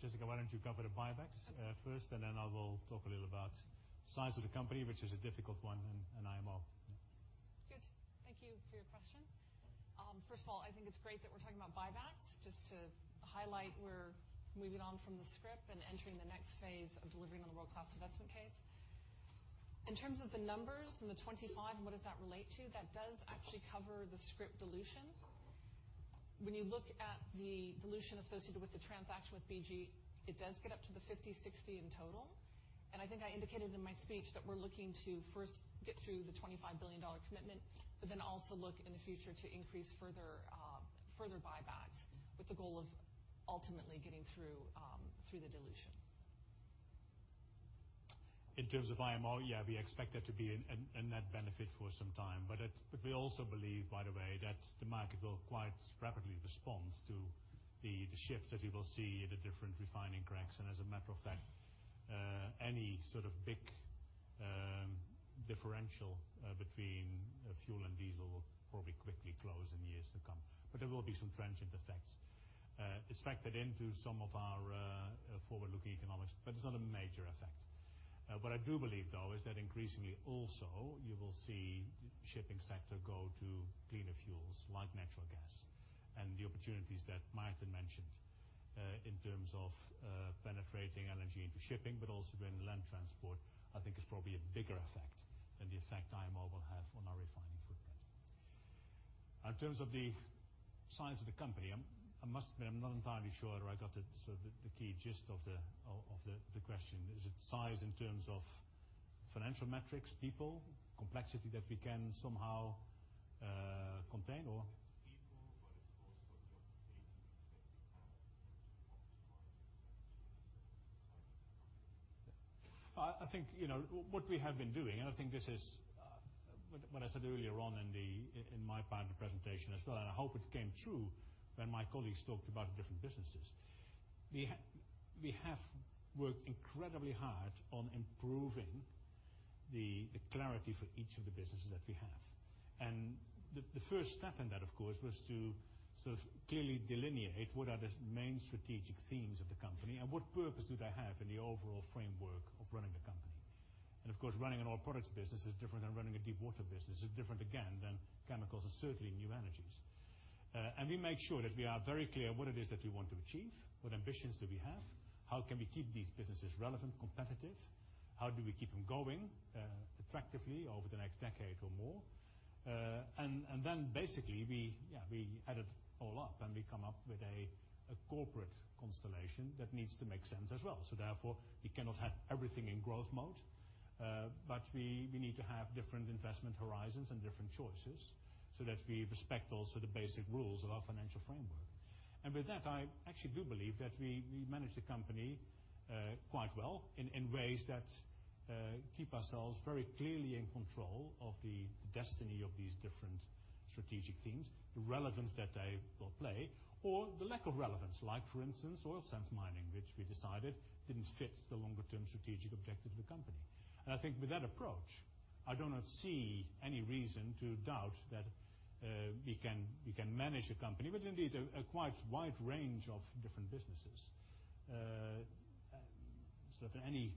Jessica, why don't you cover the buybacks first, then I will talk a little about size of the company, which is a difficult one, and IMO. Good. Thank you for your question. First of all, I think it's great that we're talking about buybacks. Just to highlight we're moving on from the scrip and entering the next phase of delivering on the world-class investment case. In terms of the numbers and the 25, what does that relate to? That does actually cover the scrip dilution. When you look at the dilution associated with the transaction with BG, it does get up to the 50, 60 in total. I think I indicated in my speech that we're looking to first get through the $25 billion commitment, also look in the future to increase further buybacks, with the goal of ultimately getting through the dilution. In terms of IMO, yeah, we expect that to be a net benefit for some time. We also believe, by the way, that the market will quite rapidly respond to the shifts that you will see in the different refining cracks. As a matter of fact, any sort of big differential between fuel and diesel will probably quickly close in the years to come. There will be some transient effects. It's factored into some of our forward-looking economics, but it's not a major effect. What I do believe, though, is that increasingly, also, you will see the shipping sector go to cleaner fuels like natural gas. The opportunities that Maarten mentioned in terms of penetrating LNG into shipping, but also doing land transport, I think is probably a bigger effect than the effect IMO will have on our refining footprint. In terms of the size of the company, I must admit I'm not entirely sure I got the key gist of the question. Is it size in terms of financial metrics, people, complexity that we can somehow contain, or- People, it's also the 18 executive priorities and strategies and the size of the company. I think what we have been doing, and I think this is what I said earlier on in my part of the presentation as well, I hope it came through when my colleagues talked about the different businesses. We have worked incredibly hard on improving the clarity for each of the businesses that we have. The first step in that, of course, was to sort of clearly delineate what are the main strategic themes of the company and what purpose do they have in the overall framework of running the company. Of course, running an oil products business is different than running a deepwater business, is different again than chemicals and certainly New Energies. We make sure that we are very clear what it is that we want to achieve, what ambitions do we have, how can we keep these businesses relevant, competitive, how do we keep them going attractively over the next decade or more. Then basically, we add it all up and we come up with a corporate constellation that needs to make sense as well. Therefore, we cannot have everything in growth mode. We need to have different investment horizons and different choices so that we respect also the basic rules of our financial framework. With that, I actually do believe that we manage the company quite well in ways that keep ourselves very clearly in control of the destiny of these different strategic themes, the relevance that they will play, or the lack of relevance, like for instance, oil sands mining, which we decided didn't fit the longer-term strategic objective of the company. I think with that approach, I do not see any reason to doubt that we can manage a company with indeed a quite wide range of different businesses, sort of in any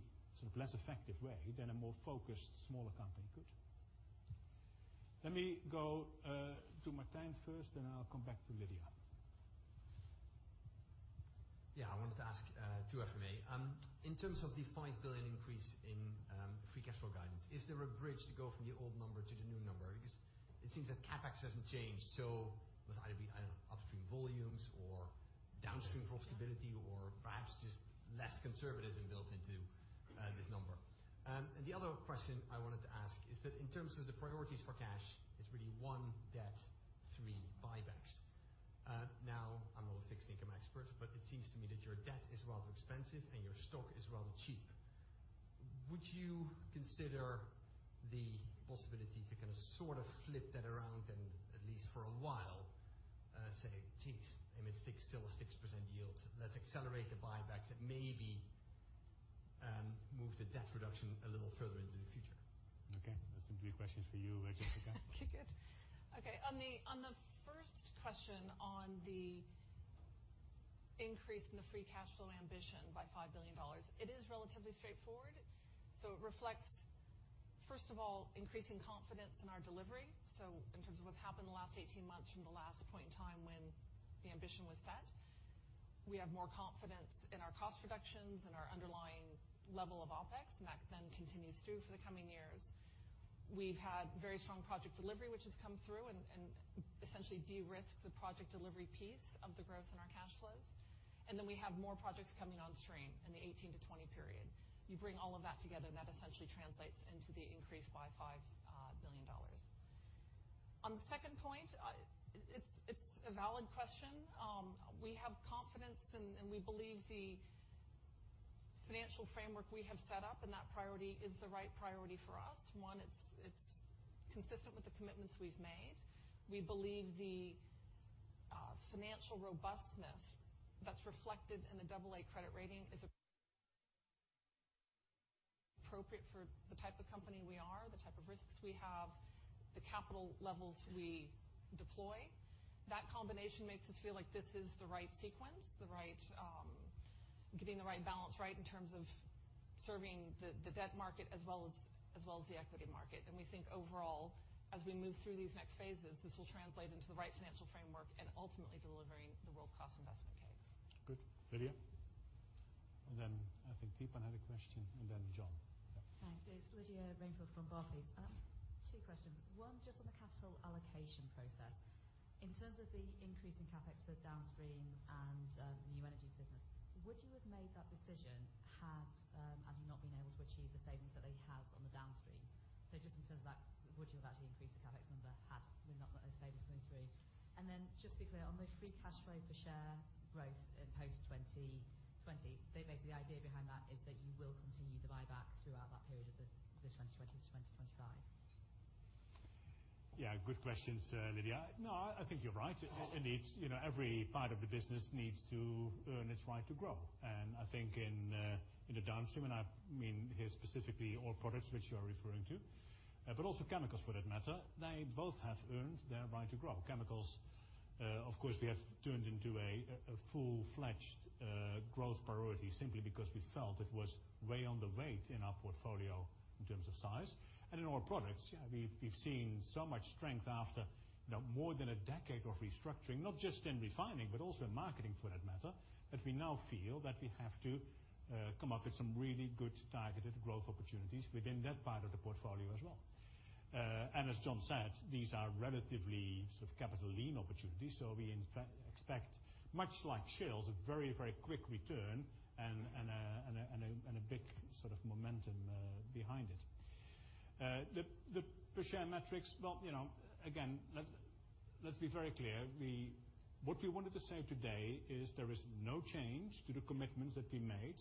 less effective way than a more focused, smaller company could. Let me go to Martijn first, then I'll come back to Lydia. Yeah, I wanted to ask two here for me. In terms of the $5 billion increase in free cash flow guidance, is there a bridge to go from the old number to the new number? Because it seems that CapEx hasn't changed, so it must either be, I don't know, upstream volumes or downstream profitability or perhaps just less conservatism built into this number. The other question I wanted to ask is that in terms of the priorities for cash, it's really one, debt, three, buybacks. Now, I'm not a fixed income expert, but it seems to me that your debt is rather expensive and your stock is rather cheap. Would you consider the possibility to kind of sort of flip that around and at least for a while, say, "Geez, I mean, it's still a 6% yield. Let's accelerate the buybacks and maybe move the debt reduction a little further into the future. Okay, that seems to be questions for you, Jessica. On the first question on the increase in the free cash flow ambition by $5 billion, it is relatively straightforward. It reflects, first of all, increasing confidence in our delivery. In terms of what's happened in the last 18 months from the last point in time when the ambition was set, we have more confidence in our cost reductions and our underlying level of OpEx, and that then continues through for the coming years. We've had very strong project delivery, which has come through and essentially de-risked the project delivery piece of the growth in our cash flows. We have more projects coming on stream in the 2018 to 2020 period. You bring all of that together, that essentially translates into the increase by $5 billion. On the second point, it's a valid question. We have confidence, we believe the financial framework we have set up, and that priority is the right priority for us. One. It's consistent with the commitments we've made. We believe the financial robustness that's reflected in the double A credit rating is appropriate for the type of company we are, the type of risks we have, the capital levels we deploy. That combination makes us feel like this is the right sequence, getting the right balance in terms of serving the debt market as well as the equity market. We think overall, as we move through these next phases, this will translate into the right financial framework and ultimately delivering the world-class investment case. Good. Lydia? I think Theepan had a question, John. Thanks. It's Lydia Rainforth from Barclays. Two questions. One. Just on the capital allocation process. In terms of the increase in CapEx for downstream and new energy business, would you have made that decision had you not been able to achieve the savings that they have on the downstream? Just in terms of that, would you have actually increased the CapEx number had not those savings come through? Just to be clear, on the free cash flow per share growth in post 2020, basically the idea behind that is that you will continue the buyback throughout that period of the 2020 to 2025. Yeah, good questions, Lydia. No, I think you're right. Indeed, every part of the business needs to earn its right to grow, I mean here specifically oil products, which you are referring to, but also chemicals for that matter, they both have earned their right to grow. Chemicals, of course, we have turned into a full-fledged growth priority simply because we felt it was way underweight in our portfolio in terms of size. In oil products, we've seen so much strength after more than a decade of restructuring, not just in refining but also in marketing, for that matter, that we now feel that we have to come up with some really good targeted growth opportunities within that part of the portfolio as well. As John said, these are relatively capital lean opportunities. We expect much like Shell's a very quick return and a big momentum behind it. The per share metrics, well, again, let's be very clear. What we wanted to say today is there is no change to the commitments that we made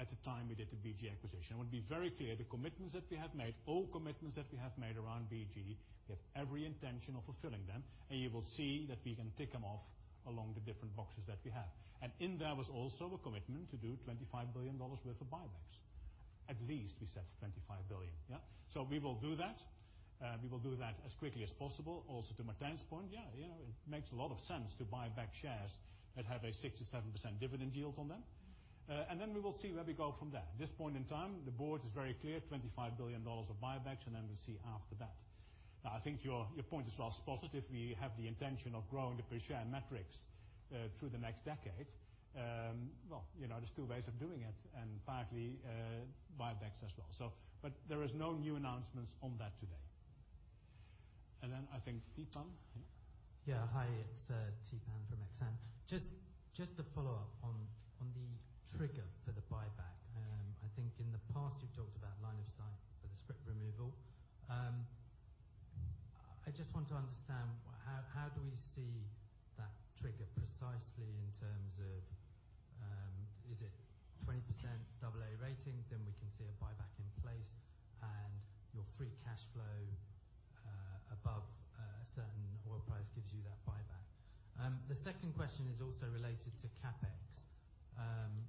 at the time we did the BG acquisition. I want to be very clear, the commitments that we have made, all commitments that we have made around BG, we have every intention of fulfilling them, and you will see that we can tick them off along the different boxes that we have. In there was also a commitment to do $25 billion with the buybacks. At least we set $25 billion. Yeah. We will do that. We will do that as quickly as possible. Also, to Martijn's point, yeah, it makes a lot of sense to buy back shares that have a 67% dividend yield on them. Then we will see where we go from there. At this point in time, the board is very clear, $25 billion of buybacks, and then we'll see after that. Now, I think your point as well is positive. We have the intention of growing the per share metrics through the next decade. Well, there's two ways of doing it, and partly, buybacks as well. There is no new announcements on that today. I think Theepan. Yeah. Yeah. Hi, it's Theepan from Exane. Just to follow up on the trigger for the buyback. I think in the past, you've talked about line of sight for the script removal. I just want to understand how do we see that trigger precisely in terms of, is it 20% double A rating, then we can see a buyback in place and your free cash flow above a certain oil price gives you that buyback? The second question is also related to CapEx.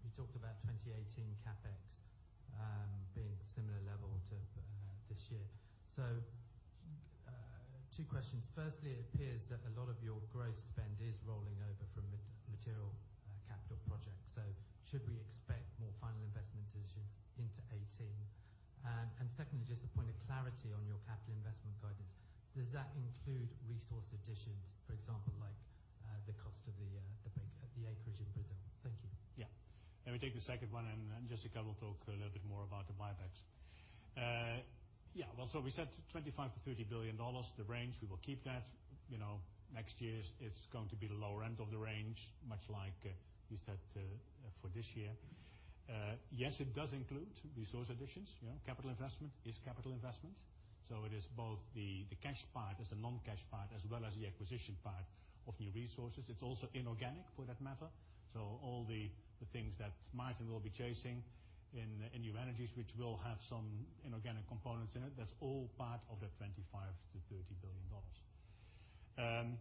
You talked about 2018 CapEx being similar level to this year. Two questions. Firstly, it appears that a lot of your growth spend is rolling over from material capital projects. Should we expect more final investment decisions into 2018? Secondly, just a point of clarity on your capital investment guidance. Does that include resource additions, for example, like the cost of the acreage in Brazil? Thank you. Let me take the second one, Jessica will talk a little bit more about the buybacks. We said $25 billion-$30 billion, the range, we will keep that. Next year it's going to be the lower end of the range, much like you said for this year. Yes, it does include resource additions. Capital investment is capital investment. It is both the cash part as the non-cash part as well as the acquisition part of new resources. It's also inorganic for that matter. All the things that Martijn will be chasing in new energies, which will have some inorganic components in it, that's all part of that $25 billion-$30 billion.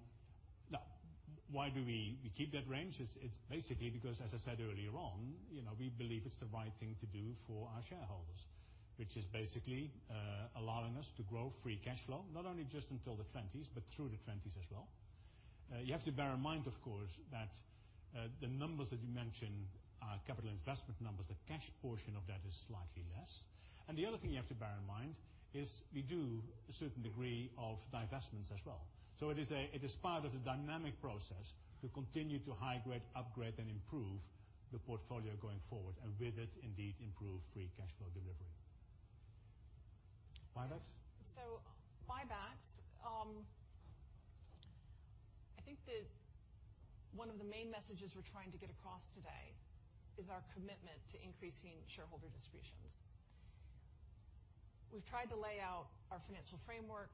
Why do we keep that range? It's basically because, as I said earlier on, we believe it's the right thing to do for our shareholders, which is basically allowing us to grow free cash flow, not only just until the '20s, but through the '20s as well. You have to bear in mind, of course, that the numbers that you mentioned are capital investment numbers. The cash portion of that is slightly less. The other thing you have to bear in mind is we do a certain degree of divestments as well. It is part of the dynamic process to continue to high-grade, upgrade, and improve the portfolio going forward, and with it, indeed improve free cash flow delivery. Buybacks? Buybacks. I think that one of the main messages we're trying to get across today is our commitment to increasing shareholder distributions. We've tried to lay out our financial framework,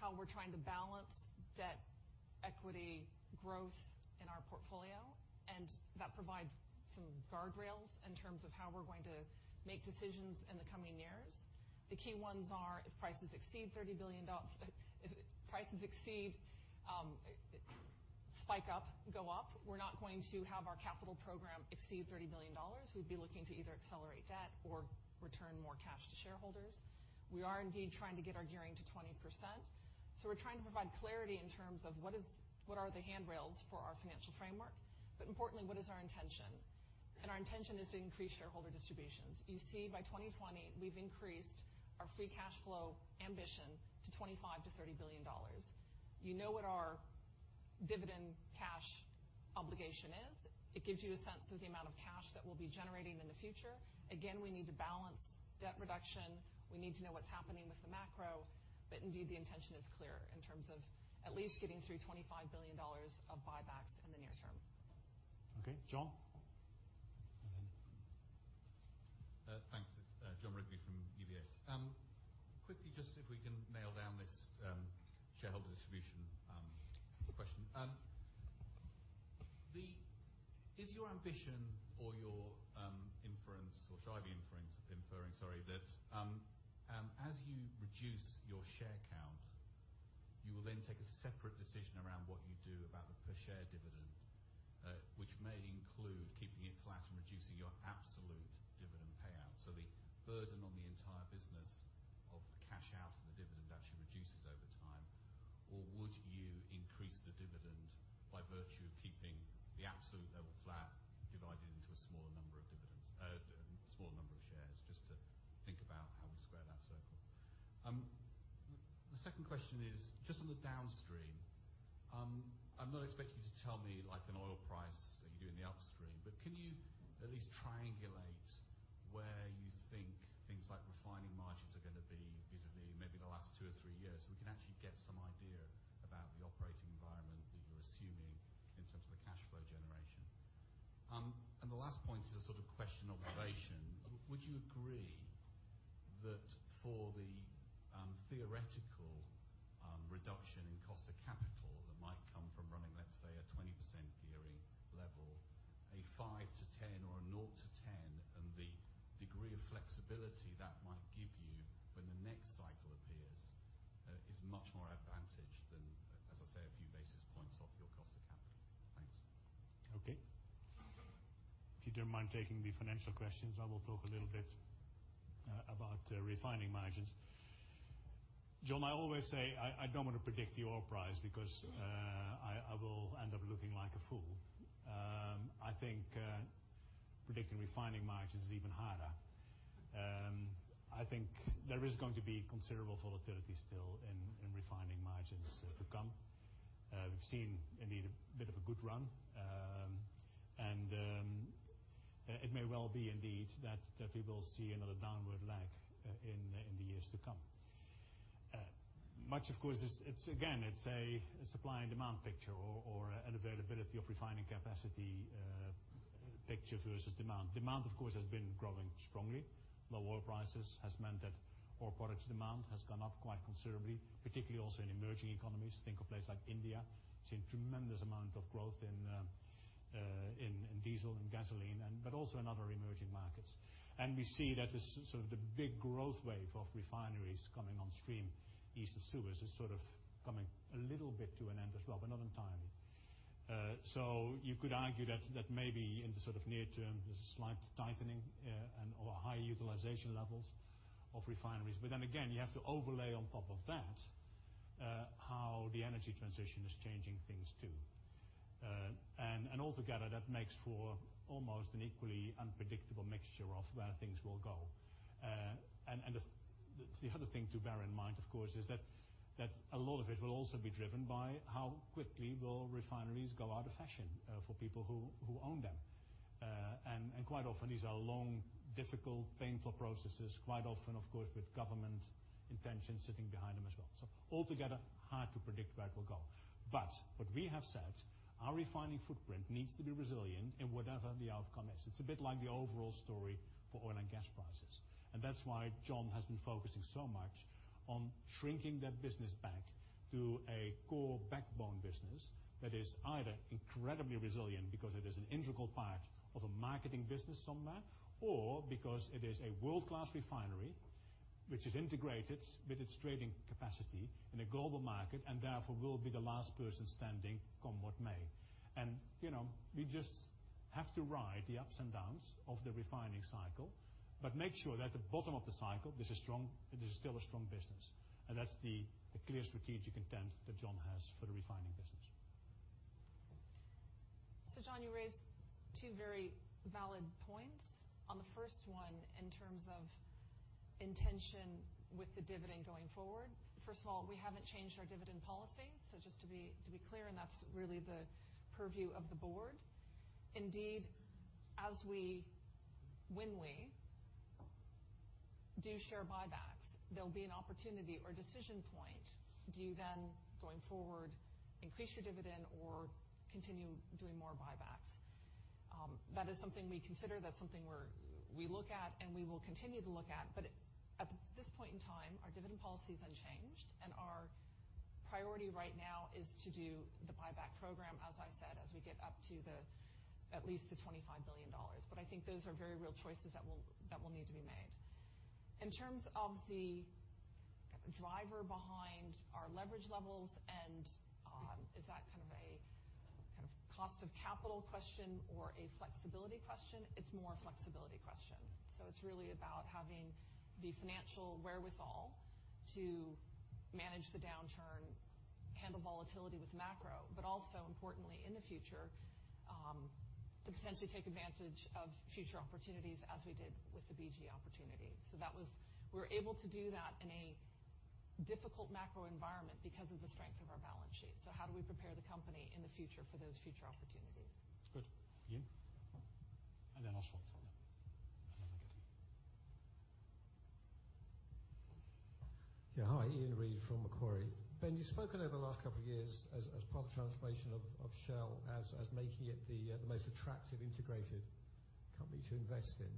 how we're trying to balance debt, equity, growth in our portfolio, and that provides some guardrails in terms of how we're going to make decisions in the coming years. The key ones are, if prices exceed, spike up, go up, we're not going to have our capital program exceed $30 billion. We'd be looking to either accelerate debt or return more cash to shareholders. We are indeed trying to get our gearing to 20%, we're trying to provide clarity in terms of what are the handrails for our financial framework, importantly, what is our intention? Our intention is to increase shareholder distributions. You see by 2020, we've increased our free cash flow ambition to $25 billion-$30 billion. You know what our dividend cash obligation is. It gives you a sense of the amount of cash that we'll be generating in the future. Again, we need to balance debt reduction. We need to know what's happening with the macro. Indeed, the intention is clear in terms of at least getting through $25 billion of buybacks in the near term. Okay, Jon? Thanks. It's Jon Rigby from UBS. Quickly, just if we can nail down this shareholder distribution question. Is your ambition or your inference, or should I be inferring, sorry, that as you reduce your share count, you will then take a separate decision around what you do about the per share dividend, which may include keeping it flat and reducing your absolute dividend payout. The burden on the entire business of the cash out and the dividend actually reduces over time, or would you increase the dividend by virtue of keeping the absolute level flat divided into a smaller number of shares, just to think about how we square that circle. The second question is just on the downstream. I'm not expecting you to tell me like an oil price that you do in the upstream, but can you at least triangulate where you think things like refining margins are going to be vis-à-vis maybe the last two or three years, so we can actually get some idea about the operating environment that you're assuming in terms of the cash flow generation? The last point is a sort of question of valuation. Would you agree that for the theoretical reduction in cost of capital that might come from running, let's say a 20% gearing level, a 5%-10% or a 0%-10%, and the degree of flexibility that might give you when the next cycle appears is much more advantage than, as I say, a few basis points off your cost of capital? Thanks. Okay. If you don't mind taking the financial questions, I will talk a little bit about refining margins. Jon, I always say I don't want to predict the oil price because I will end up looking like a fool. I think predicting refining margins is even harder. I think there is going to be considerable volatility still in refining margins to come. We've seen indeed a bit of a good run. It may well be indeed that we will see another downward lag in the years to come. Much of course, again, it's a supply and demand picture or an availability of refining capacity picture versus demand. Demand, of course, has been growing strongly. Low oil prices has meant that oil products demand has gone up quite considerably, particularly also in emerging economies. Think of places like India. We've seen a tremendous amount of growth in diesel and gasoline, but also in other emerging markets. We see that the big growth wave of refineries coming on stream east of Suez is sort of coming a little bit to an end as well, but not entirely. You could argue that maybe in the near term, there's a slight tightening or higher utilization levels of refineries. You have to overlay on top of that how the energy transition is changing things, too. Altogether, that makes for almost an equally unpredictable mixture of where things will go. The other thing to bear in mind, of course, is that a lot of it will also be driven by how quickly will refineries go out of fashion for people who own them. Quite often these are long, difficult, painful processes. Quite often, of course, with government intentions sitting behind them as well. Altogether, hard to predict where it will go. What we have said, our refining footprint needs to be resilient in whatever the outcome is. It's a bit like the overall story for oil and gas prices. That's why Jon has been focusing so much on shrinking that business back to a core backbone business that is either incredibly resilient because it is an integral part of a marketing business somewhere, or because it is a world-class refinery, which is integrated with its trading capacity in a global market, and therefore will be the last person standing come what may. We just have to ride the ups and downs of the refining cycle, but make sure that at the bottom of the cycle, this is still a strong business. That's the clear strategic intent that Jon has for the refining business. Jon, you raised two very valid points. On the first one, in terms of intention with the dividend going forward, first of all, we haven't changed our dividend policy. Just to be clear, and that's really the purview of the board. Indeed, when we do share buybacks, there'll be an opportunity or decision point. Do you, going forward, increase your dividend or continue doing more buybacks? That is something we consider, that's something we look at and we will continue to look at. At this point in time, our dividend policy is unchanged, and our priority right now is to do the buyback program, as I said, as we get up to at least the $25 billion. I think those are very real choices that will need to be made. In terms of the driver behind our leverage levels and is that a cost of capital question or a flexibility question? It's more a flexibility question. It's really about having the financial wherewithal to manage the downturn, handle volatility with macro, but also importantly, in the future, to potentially take advantage of future opportunities as we did with the BG opportunity. We were able to do that in a difficult macro environment because of the strength of our balance sheet. How do we prepare the company in the future for those future opportunities? Good. You, and then I'll swap. Yeah. Hi. Iain Reid from Macquarie. Ben, you've spoken over the last couple of years as part of the transformation of Shell, as making it the most attractive integrated company to invest in.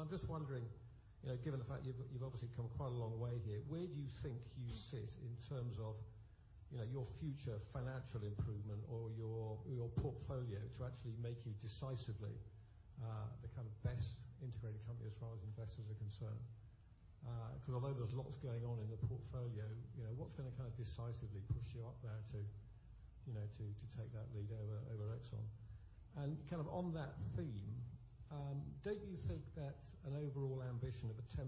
I'm just wondering, given the fact that you've obviously come quite a long way here, where do you think you sit in terms of your future financial improvement or your portfolio to actually make you decisively, the kind of best integrated company as far as investors are concerned? Because although there's lots going on in the portfolio, what's going to kind of decisively push you up there to take that lead over Exxon? Kind of on that theme, don't you think that an overall ambition of a 10%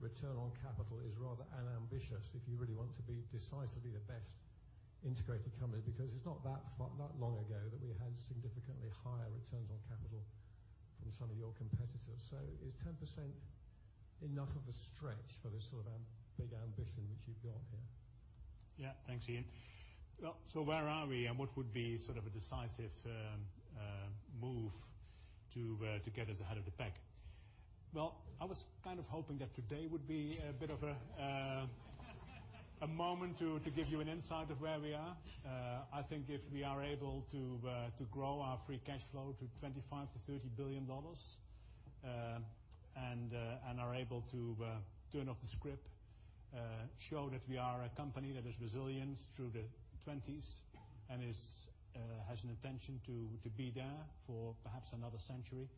return on capital is rather unambitious if you really want to be decisively the best integrated company? It's not that long ago that we had significantly higher returns on capital from some of your competitors. Is 10% enough of a stretch for this sort of big ambition which you've got here? Thanks, Iain. Where are we and what would be sort of a decisive move to get us ahead of the pack? I was kind of hoping that today would be a bit of a moment to give you an insight of where we are. I think if we are able to grow our free cash flow to $25 billion-$30 billion, and are able to turn off the scrip, show that we are a company that is resilient through the 20s, and has an intention to be there for perhaps another century.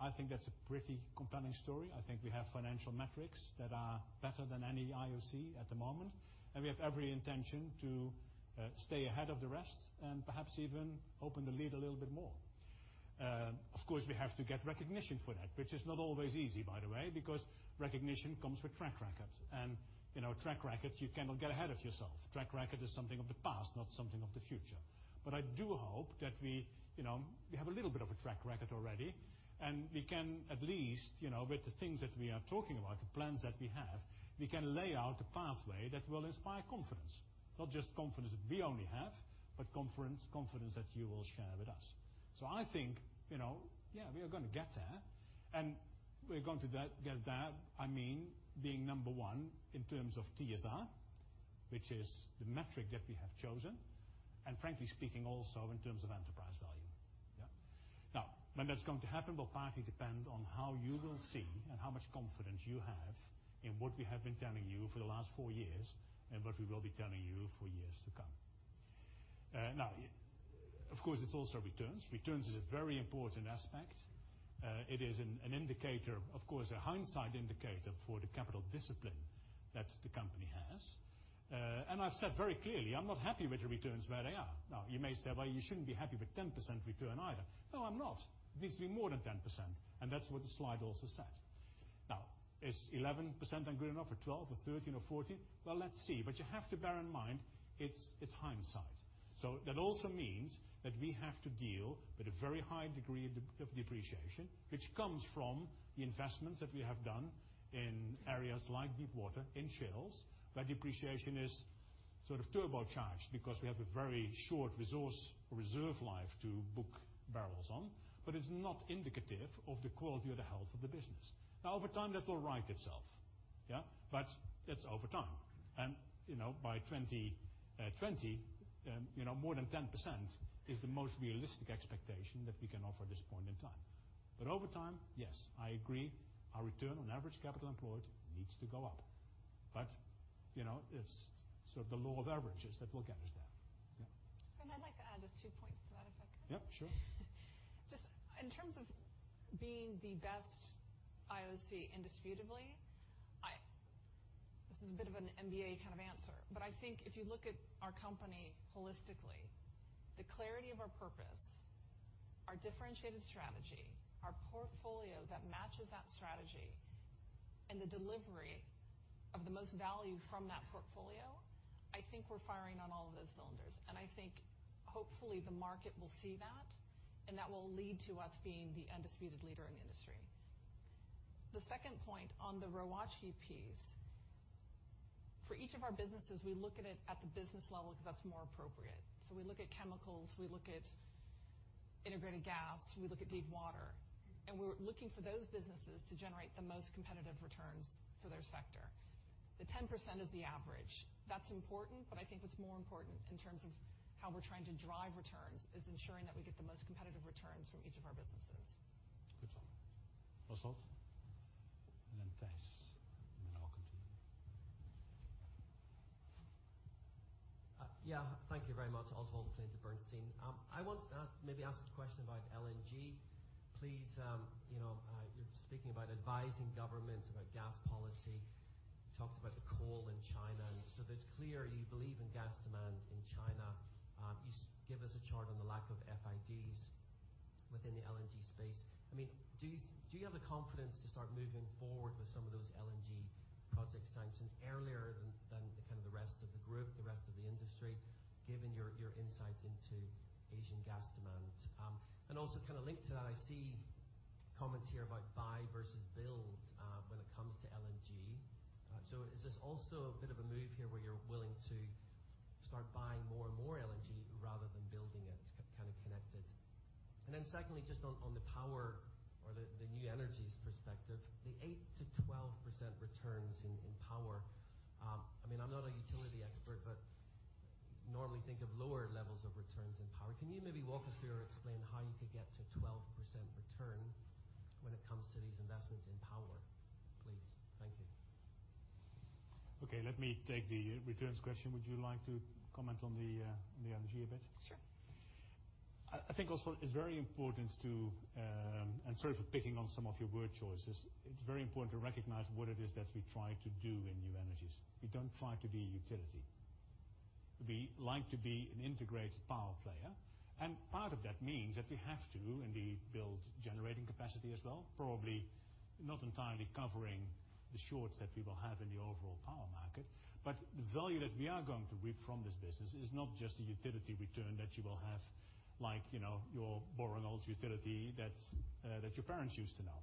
I think that's a pretty compelling story. I think we have financial metrics that are better than any IOC at the moment, and we have every intention to stay ahead of the rest and perhaps even open the lead a little bit more. We have to get recognition for that, which is not always easy, by the way, because recognition comes with track records. Track records you cannot get ahead of yourself. Track record is something of the past, not something of the future. I do hope that we have a little bit of a track record already, and we can at least, with the things that we are talking about, the plans that we have, we can lay out a pathway that will inspire confidence. Not just confidence that we only have, but confidence that you will share with us. I think, we are going to get there, and we're going to get there, I mean, being number one in terms of TSR, which is the metric that we have chosen, and frankly speaking, also in terms of enterprise value. When that's going to happen will partly depend on how you will see and how much confidence you have in what we have been telling you for the last four years, and what we will be telling you for years to come. Of course, it's also returns. Returns is a very important aspect. It is an indicator, of course, a hindsight indicator for the capital discipline that the company has. I've said very clearly, I'm not happy with the returns where they are. You may say, "Well, you shouldn't be happy with 10% return either." No, I'm not. It needs to be more than 10%, and that's what the slide also said. Is 11% then good enough, or 12, 13 or 14? Let's see. You have to bear in mind, it's hindsight. That also means that we have to deal with a very high degree of depreciation, which comes from the investments that we have done in areas like deep water and shales, where depreciation is sort of turbocharged because we have a very short resource reserve life to book barrels on. It's not indicative of the quality or the health of the business. Over time, that will right itself. It's over time. By 2020, more than 10% is the most realistic expectation that we can offer at this point in time. Over time, yes, I agree, our return on average capital employed needs to go up. It's sort of the law of averages that will get us there. Ben, I'd like to add just two points to that, if I could. Sure. Just in terms of being the best IOC indisputably, this is a bit of an MBA kind of answer. I think if you look at our company holistically, the clarity of our purpose, our differentiated strategy, our portfolio that matches that strategy, and the delivery of the most value from that portfolio, I think we're firing on all of those cylinders. I think hopefully the market will see that, and that will lead to us being the undisputed leader in the industry. The second point on the ROACE piece, for each of our businesses, we look at it at the business level because that's more appropriate. We look at chemicals, we look at Integrated Gas, we look at deep water, we're looking for those businesses to generate the most competitive returns for their sector. The 10% is the average. That's important, but I think what's more important in terms of how we're trying to drive returns is ensuring that we get the most competitive returns from each of our businesses. Good job. Oswald, and then Thijs, and then I'll come to you. Yeah. Thank you very much. Oswald Clint at Bernstein. I want to maybe ask a question about LNG. Please, you're speaking about advising governments about gas policy. You talked about the coal in China, and so it's clear you believe in gas demand in China. You give us a chart on the lack of FIDs within the LNG space. Do you have the confidence to start moving forward with some of those LNG project sanctions earlier than the rest of the group, the rest of the industry, given your insights into Asian gas demand? Also linked to that, I see comments here about buy versus build, when it comes to LNG. Is this also a bit of a move here where you're willing to start buying more and more LNG rather than building it? It's kind of connected. Then secondly, just on the power or the new energies perspective, the 8%-12% returns in power. I'm not a utility expert, but normally think of lower levels of returns in power. Can you maybe walk us through or explain how you could get to 12% return when it comes to these investments in power, please? Thank you. Okay. Let me take the returns question. Would you like to comment on the LNG a bit? Sure. I think also it's very important to, and sorry for picking on some of your word choices. It's very important to recognize what it is that we try to do in new energies. We don't try to be a utility. We like to be an integrated power player. Part of that means that we have to indeed build generating capacity as well, probably not entirely covering the shorts that we will have in the overall power market. The value that we are going to reap from this business is not just a utility return that you will have, like your boring old utility that your parents used to know.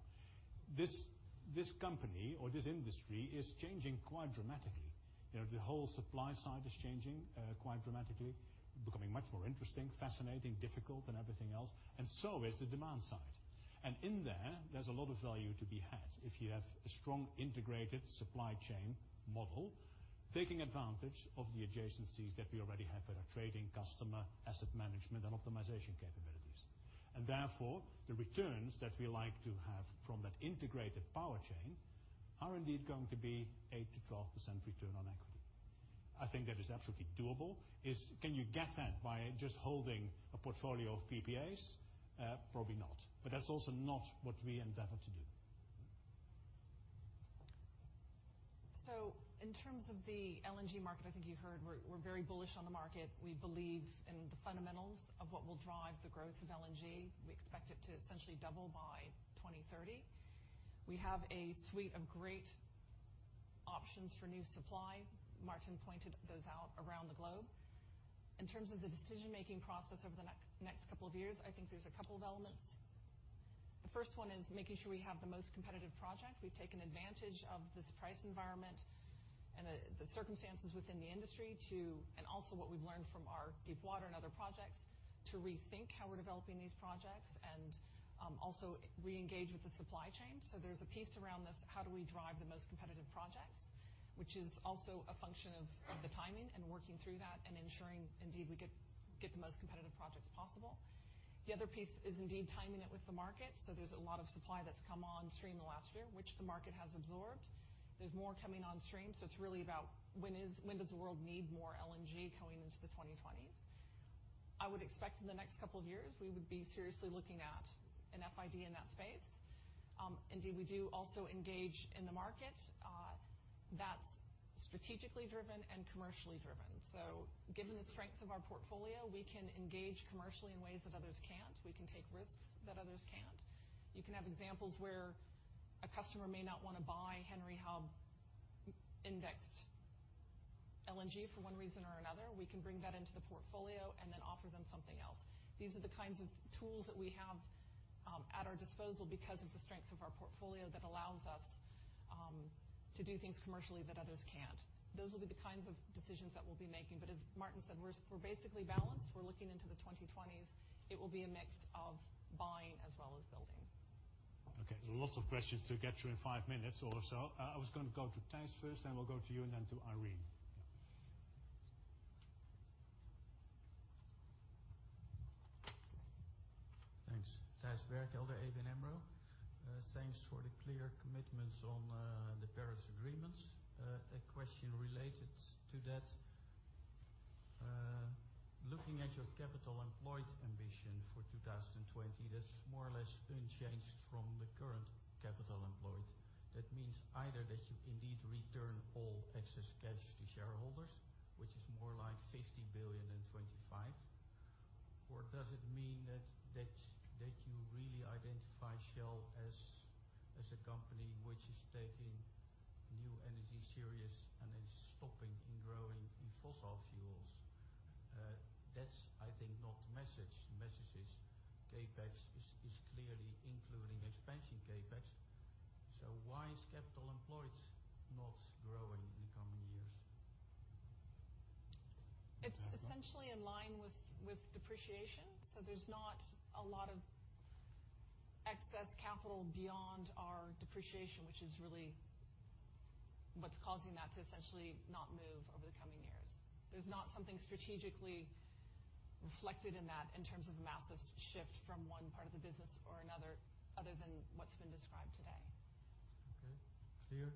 This company or this industry is changing quite dramatically. The whole supply side is changing quite dramatically, becoming much more interesting, fascinating, difficult, and everything else, and so is the demand side. In there's a lot of value to be had if you have a strong integrated supply chain model taking advantage of the adjacencies that we already have with our trading customer, asset management, and optimization capabilities. Therefore, the returns that we like to have from that integrated power chain are indeed going to be 8%-12% return on equity. I think that is absolutely doable. Can you get that by just holding a portfolio of PPAs? Probably not. That's also not what we endeavor to do. In terms of the LNG market, I think you heard we're very bullish on the market. We believe in the fundamentals of what will drive the growth of LNG. We expect it to essentially double by 2030. We have a suite of great options for new supply. Maarten pointed those out around the globe. In terms of the decision-making process over the next couple of years, I think there's a couple of elements. The first one is making sure we have the most competitive project. We've taken advantage of this price environment and the circumstances within the industry, and also what we've learned from our deep water and other projects to rethink how we're developing these projects and, also reengage with the supply chain. There's a piece around this, how do we drive the most competitive projects, which is also a function of the timing and working through that and ensuring indeed we get the most competitive projects possible. The other piece is indeed timing it with the market. There's a lot of supply that's come on stream in the last year, which the market has absorbed. There's more coming on stream. It's really about when does the world need more LNG going into the 2020s? I would expect in the next couple of years, we would be seriously looking at an FID in that space. Indeed, we do also engage in the market. That's strategically driven and commercially driven. Given the strength of our portfolio, we can engage commercially in ways that others can't. We can take risks that others can't. You can have examples where a customer may not want to buy Henry Hub indexed LNG for one reason or another. We can bring that into the portfolio and then offer them something else. These are the kinds of tools that we have, at our disposal because of the strength of our portfolio that allows us to do things commercially that others can't. Those will be the kinds of decisions that we'll be making. As Maarten said, we're basically balanced. We're looking into the 2020s. It will be a mix of buying as well as building. Okay. Lots of questions to get through in five minutes or so. I was going to go to Thijs first, then we'll go to you, and then to Irene. Thanks. Thijs Berkhout, ABN AMRO. Thanks for the clear commitments on the Paris Agreement. A question related to that. Looking at your capital employed ambition for 2020, that's more or less unchanged from the current capital employed. That means either that you indeed return all excess cash to shareholders, which is more like $50 billion and 25 Does it mean that you really identify Shell as a company which is taking new energy serious and is stopping in growing in fossil fuels? That's, I think, not message. Message is CapEx is clearly including expansion CapEx. Why is capital employed not growing in the coming years? It's essentially in line with depreciation. There's not a lot of excess capital beyond our depreciation, which is really what's causing that to essentially not move over the coming years. There's not something strategically reflected in that in terms of a massive shift from one part of the business or another, other than what's been described today. Okay, clear.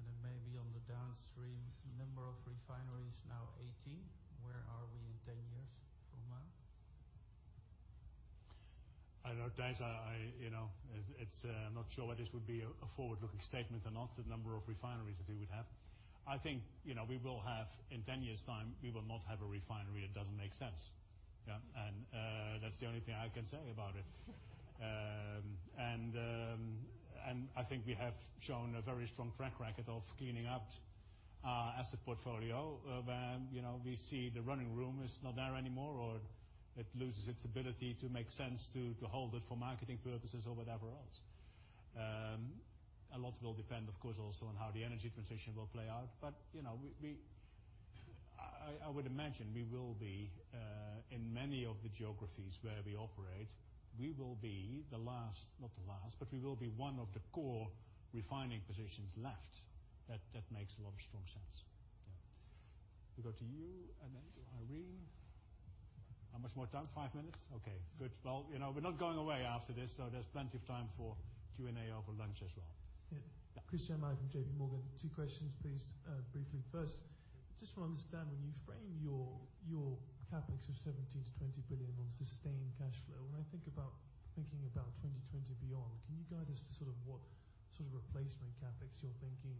Then maybe on the downstream, number of refineries now 18. Where are we in 10 years from now? I know, Thijs, I'm not sure whether this would be a forward-looking statement or not, the number of refineries that we would have. I think, we will have in 10 years' time, we will not have a refinery that doesn't make sense. Yeah. That's the only thing I can say about it. I think we have shown a very strong track record of cleaning up asset portfolio, where we see the running room is not there anymore, or it loses its ability to make sense to hold it for marketing purposes or whatever else. A lot will depend, of course, also on how the energy transition will play out. I would imagine we will be, in many of the geographies where we operate, we will be the last Not the last, but we will be one of the core refining positions left. That makes a lot of strong sense. Yeah. We go to you and then to Irene. How much more time? Five minutes? Okay, good. We're not going away after this, so there's plenty of time for Q&A over lunch as well. Yeah. Yeah. Christyan Malek from J.P. Morgan. Two questions, please, briefly. First, just want to understand when you frame your CapEx of $17 billion-$20 billion on sustained cash flow, when I think about thinking about 2020 beyond, can you guide us to what sort of replacement CapEx you're thinking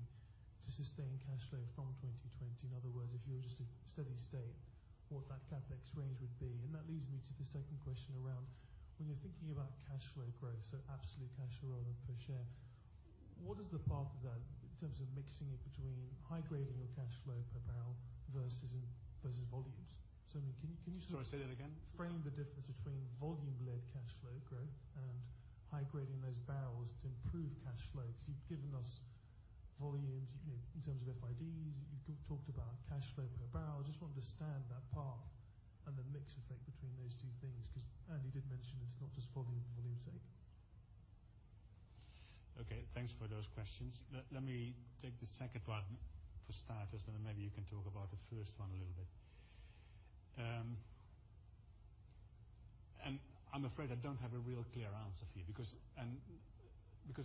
to sustain cash flow from 2020? In other words, if you were just a steady state, what that CapEx range would be? That leads me to the second question around when you're thinking about cash flow growth, so absolute cash flow rather than per share, what is the path of that in terms of mixing it between high-grading your cash flow per barrel versus volumes? Can you sort of- Sorry, say that again? Frame the difference between volume-led cash flow growth and high-grading those barrels to improve cash flow, because you've given us volumes, in terms of FIDs, you've talked about cash flow per barrel. I just want to understand that path and the mix effect between those two things, because Andy did mention it's not just volume for volume's sake. Okay. Thanks for those questions. Let me take the second one for starters, then maybe you can talk about the first one a little bit. I'm afraid I don't have a real clear answer for you because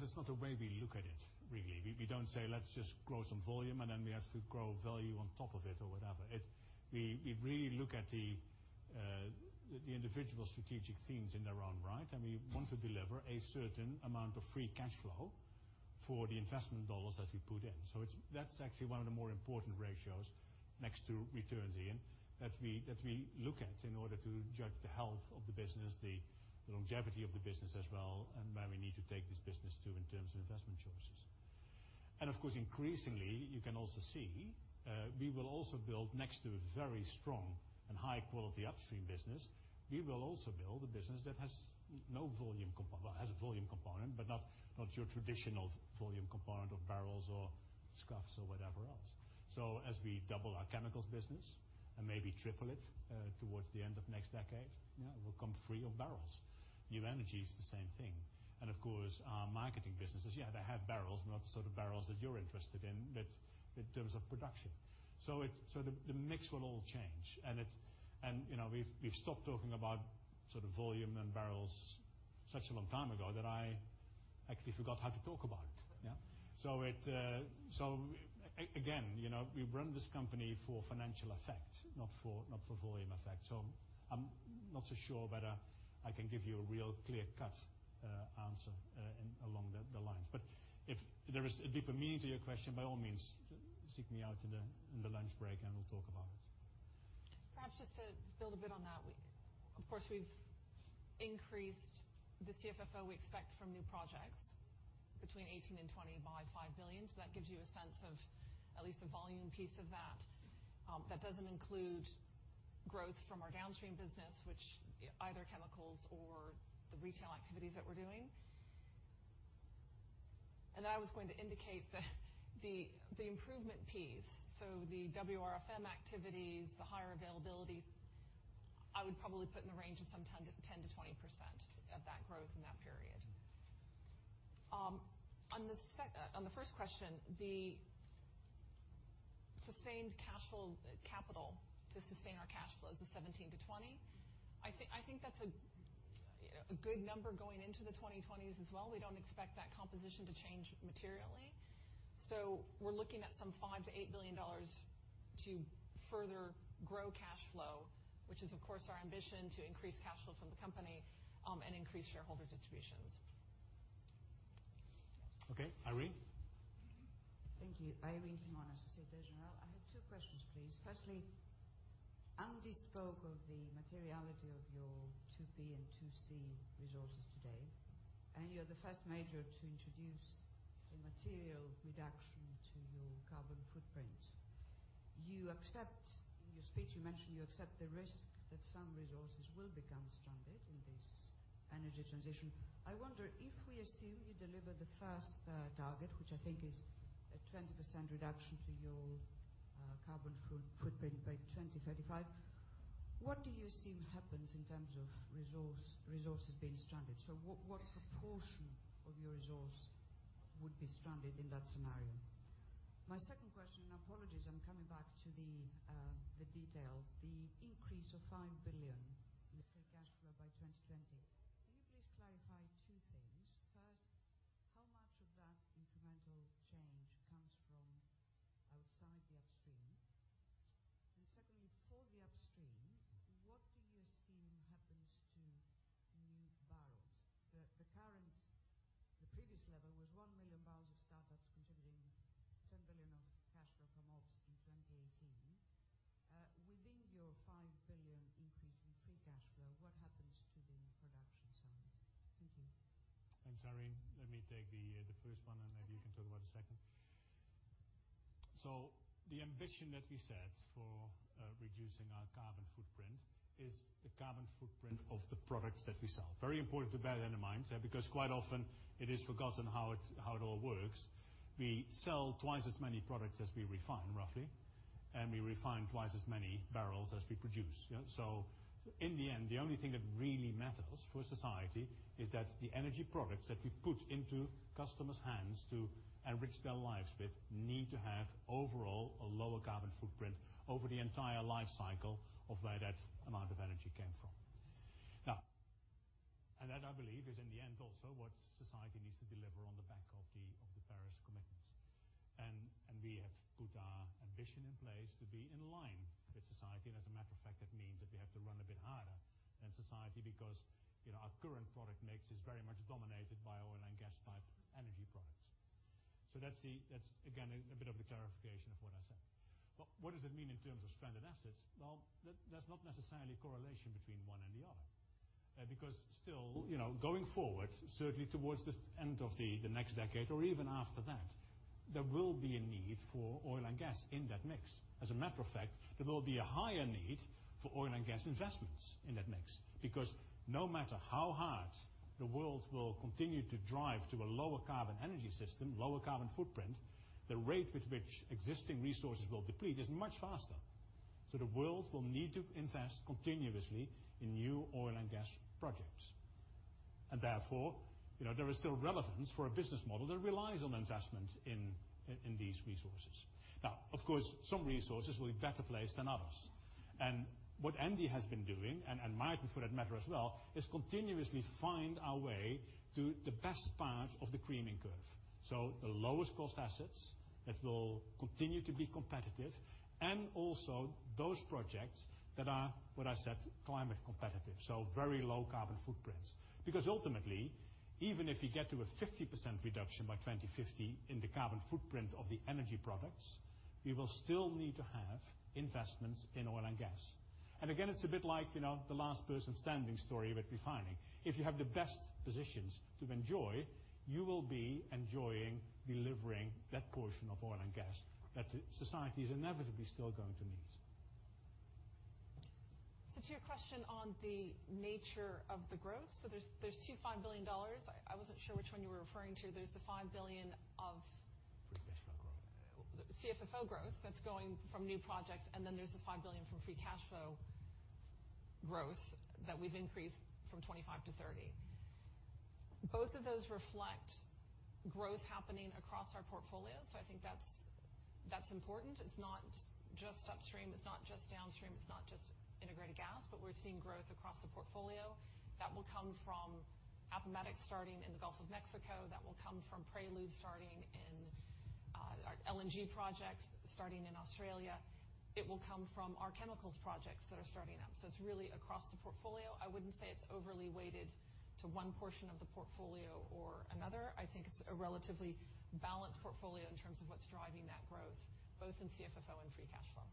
it's not the way we look at it, really. We don't say, "Let's just grow some volume, then we have to grow value on top of it," or whatever. We really look at the individual strategic themes in their own right, and we want to deliver a certain amount of free cash flow for the investment dollars that we put in. That's actually one of the more important ratios next to returns, Iain, that we look at in order to judge the health of the business, the longevity of the business as well, and where we need to take this business to in terms of investment choices. Of course, increasingly, you can also see, we will also build next to a very strong and high-quality upstream business. We will also build a business that has volume component, but not your traditional volume component of barrels or scfs or whatever else. As we double our chemicals business and maybe triple it towards the end of next decade, it will come free of barrels. New energy is the same thing. Of course, our marketing businesses, yeah, they have barrels, but not the sort of barrels that you're interested in, but in terms of production. The mix will all change, and we've stopped talking about volume and barrels such a long time ago that I actually forgot how to talk about it. Yeah. Again, we run this company for financial effect, not for volume effect. I'm not so sure whether I can give you a real clear cut answer along the lines. If there is a deeper meaning to your question, by all means, seek me out in the lunch break and we'll talk about it. Perhaps just to build a bit on that. Of course, we've increased the CFFO we expect from new projects between 2018 and 2020 by $5 billion, that gives you a sense of at least the volume piece of that. That doesn't include growth from our downstream business, which either chemicals or the retail activities that we're doing. Then I was going to indicate the improvement piece. The WRFM activities, the higher availability, I would probably put in the range of some 10%-20% of that growth in that period. On the first question, the sustained capital to sustain our cash flows is $17 billion-$20 billion. I think that's a good number going into the 2020s as well. We don't expect that composition to change materially. We're looking at some $5 billion-$8 billion to further grow cash flow, which is, of course, our ambition to increase cash flow from the company, and increase shareholder distributions. Okay, Irene. Thank you. Irene Himona, Societe Generale. I have two questions, please. Andy spoke of the materiality of your 2B and 2C resources today, you're the first major to introduce a material reduction to your carbon footprint. In your speech, you mentioned you accept the risk that some resources will become stranded in this energy transition. I wonder if we assume you deliver the first target, which I think is a 20% reduction to your carbon footprint by 2035, what do you assume happens in terms of resources being stranded? What proportion of your resource would be stranded in that scenario? My second question, apologies, I'm coming back to the detail, the increase of $5 billion in free cash flow by 2020. Can you please clarify two things? First, how much of that incremental change comes from outside the upstream? Secondly, for the upstream, what do you assume happens to new barrels? The previous level was one million barrels of startups contributing $10 billion of cash flow from ops in 2018. Within your $5 billion increase in free cash flow, what happens to the production side? Thank you. Thanks, Irene. Let me take the first one, and maybe you can talk about the second. The ambition that we set for reducing our carbon footprint is the carbon footprint of the products that we sell. Very important to bear that in mind, because quite often it is forgotten how it all works. We sell twice as many products as we refine, roughly, and we refine twice as many barrels as we produce. In the end, the only thing that really matters for society is that the energy products that we put into customers' hands to enrich their lives with need to have, overall, a lower carbon footprint over the entire life cycle of where that amount of energy came from. That, I believe, is in the end also what society needs to deliver on the back of the Paris commitments. We have put our ambition in place to be in line with society. As a matter of fact, that means that we have to run a bit harder than society because our current product mix is very much dominated by oil and gas-type energy products. That's, again, a bit of a clarification of what I said. What does it mean in terms of stranded assets? There's not necessarily a correlation between one and the other. Still, going forward, certainly towards the end of the next decade or even after that, there will be a need for oil and gas in that mix. As a matter of fact, there will be a higher need for oil and gas investments in that mix, because no matter how hard the world will continue to drive to a lower carbon energy system, lower carbon footprint, the rate with which existing resources will deplete is much faster. The world will need to invest continuously in new oil and gas projects. Therefore, there is still relevance for a business model that relies on investment in these resources. Of course, some resources will be better placed than others. What Andy has been doing, and Maarten for that matter as well, is continuously find our way to the best part of the creaming curve. The lowest cost assets that will continue to be competitive and also those projects that are, what I said, climate competitive, so very low carbon footprints. Ultimately, even if we get to a 50% reduction by 2050 in the carbon footprint of the energy products, we will still need to have investments in oil and gas. Again, it's a bit like the last person standing story with refining. If you have the best positions to enjoy, you will be enjoying delivering that portion of oil and gas that society is inevitably still going to need. To your question on the nature of the growth, there's two $5 billion. I wasn't sure which one you were referring to. There's the $5 billion of- Free cash flow growth CFFO growth that's going from new projects, there's the $5 billion from free cash flow growth that we've increased from 25 to 30. Both of those reflect growth happening across our portfolio. I think that's important. It's not just Upstream, it's not just Downstream, it's not just Integrated Gas, but we're seeing growth across the portfolio that will come from Appomattox starting in the Gulf of Mexico, that will come from Prelude starting in our LNG projects, starting in Australia. It will come from our chemicals projects that are starting up. It's really across the portfolio. I wouldn't say it's overly weighted to one portion of the portfolio or another. I think it's a relatively balanced portfolio in terms of what's driving that growth, both in CFFO and free cash flow.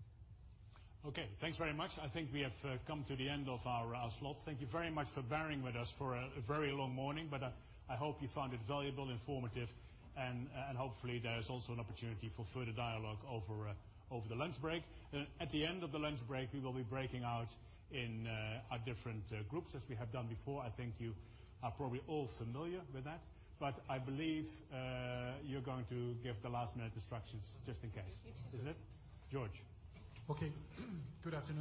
Okay, thanks very much. I think we have come to the end of our slot. Thank you very much for bearing with us for a very long morning, but I hope you found it valuable, informative, and hopefully, there's also an opportunity for further dialogue over the lunch break. At the end of the lunch break, we will be breaking out in our different groups as we have done before. I think you are probably all familiar with that. I believe you're going to give the last-minute instructions just in case. Is it? George. Okay. Good afternoon.